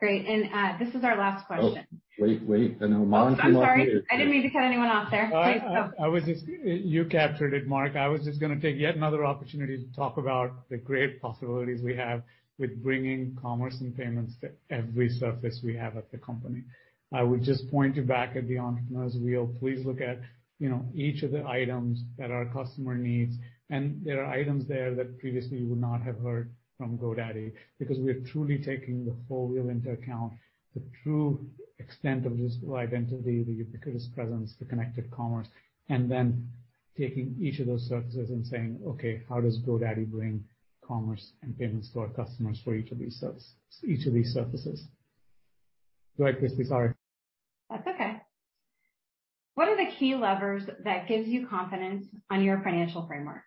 A: Great. This is our last question.
I: Oh, wait. I know Aman.
A: Oh, I'm sorry. I didn't mean to cut anyone off there.
B: All right. I was just gonna take yet another opportunity to talk about the great possibilities we have with bringing commerce and payments to every surface we have at the company. I would just point you back at the entrepreneur's wheel. Please look at, you know, each of the items that our customer needs, and there are items there that previously you would not have heard from GoDaddy because we are truly taking the whole wheel into account, the true extent of digital identity, the ubiquitous presence, the connected commerce, and then taking each of those surfaces and saying, "Okay, how does GoDaddy bring commerce and payments to our customers for each of these surfaces?" Go ahead, Christie. Sorry.
A: That's okay. What are the key levers that gives you confidence on your financial framework?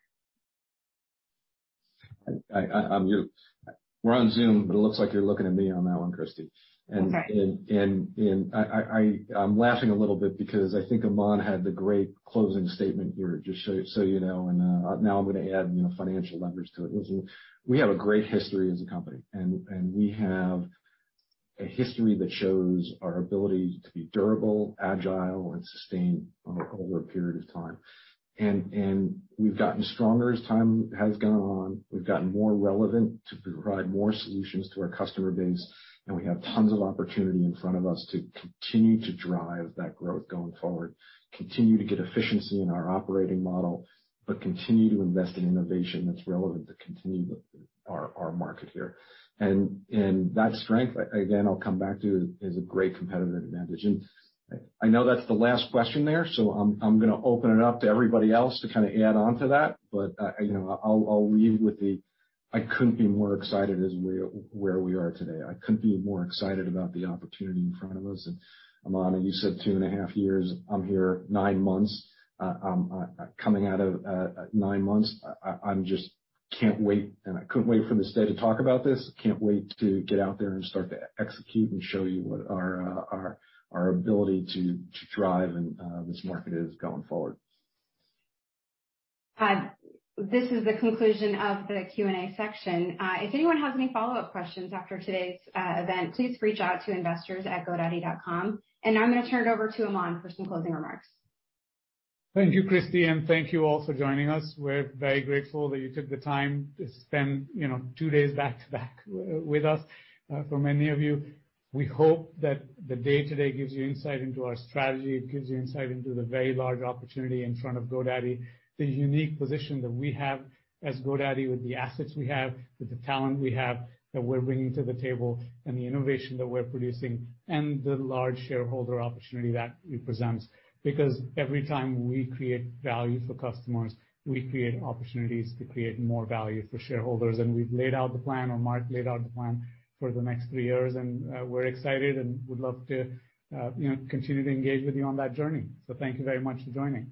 I: I'm mute. We're on Zoom, but it looks like you're looking at me on that one, Christie.
A: Okay.
I: I'm laughing a little bit because I think Aman had the great closing statement here, just so you know, now I'm gonna add, you know, financial levers to it. Listen, we have a great history as a company, we have a history that shows our ability to be durable, agile, and sustained over a period of time. We've gotten stronger as time has gone on. We've gotten more relevant to provide more solutions to our customer base, and we have tons of opportunity in front of us to continue to drive that growth going forward, continue to get efficiency in our operating model, but continue to invest in innovation that's relevant to continue our market here. That strength, again, I'll come back to, is a great competitive advantage. I know that's the last question there, so I'm gonna open it up to everybody else to kinda add on to that. You know, I'll leave with the I couldn't be more excited about where we are today. I couldn't be more excited about the opportunity in front of us. Aman, you said 2.5 years, I'm here nine months. Coming out of nine months, I'm just, I can't wait, and I couldn't wait for this day to talk about this. I can't wait to get out there and start to execute and show you what our ability to drive in this market is going forward.
A: This is the conclusion of the Q&A section. If anyone has any follow-up questions after today's event, please reach out to investors@godaddy.com. Now I'm gonna turn it over to Aman for some closing remarks.
B: Thank you, Christie, and thank you all for joining us. We're very grateful that you took the time to spend, you know, two days back to back with us. For many of you, we hope that the day today gives you insight into our strategy, it gives you insight into the very large opportunity in front of GoDaddy, the unique position that we have as GoDaddy with the assets we have, with the talent we have that we're bringing to the table, and the innovation that we're producing, and the large shareholder opportunity that represents. Because every time we create value for customers, we create opportunities to create more value for shareholders. We've laid out the plan, or Mark laid out the plan for the next three years, and we're excited and would love to, you know, continue to engage with you on that journey. Thank you very much for joining.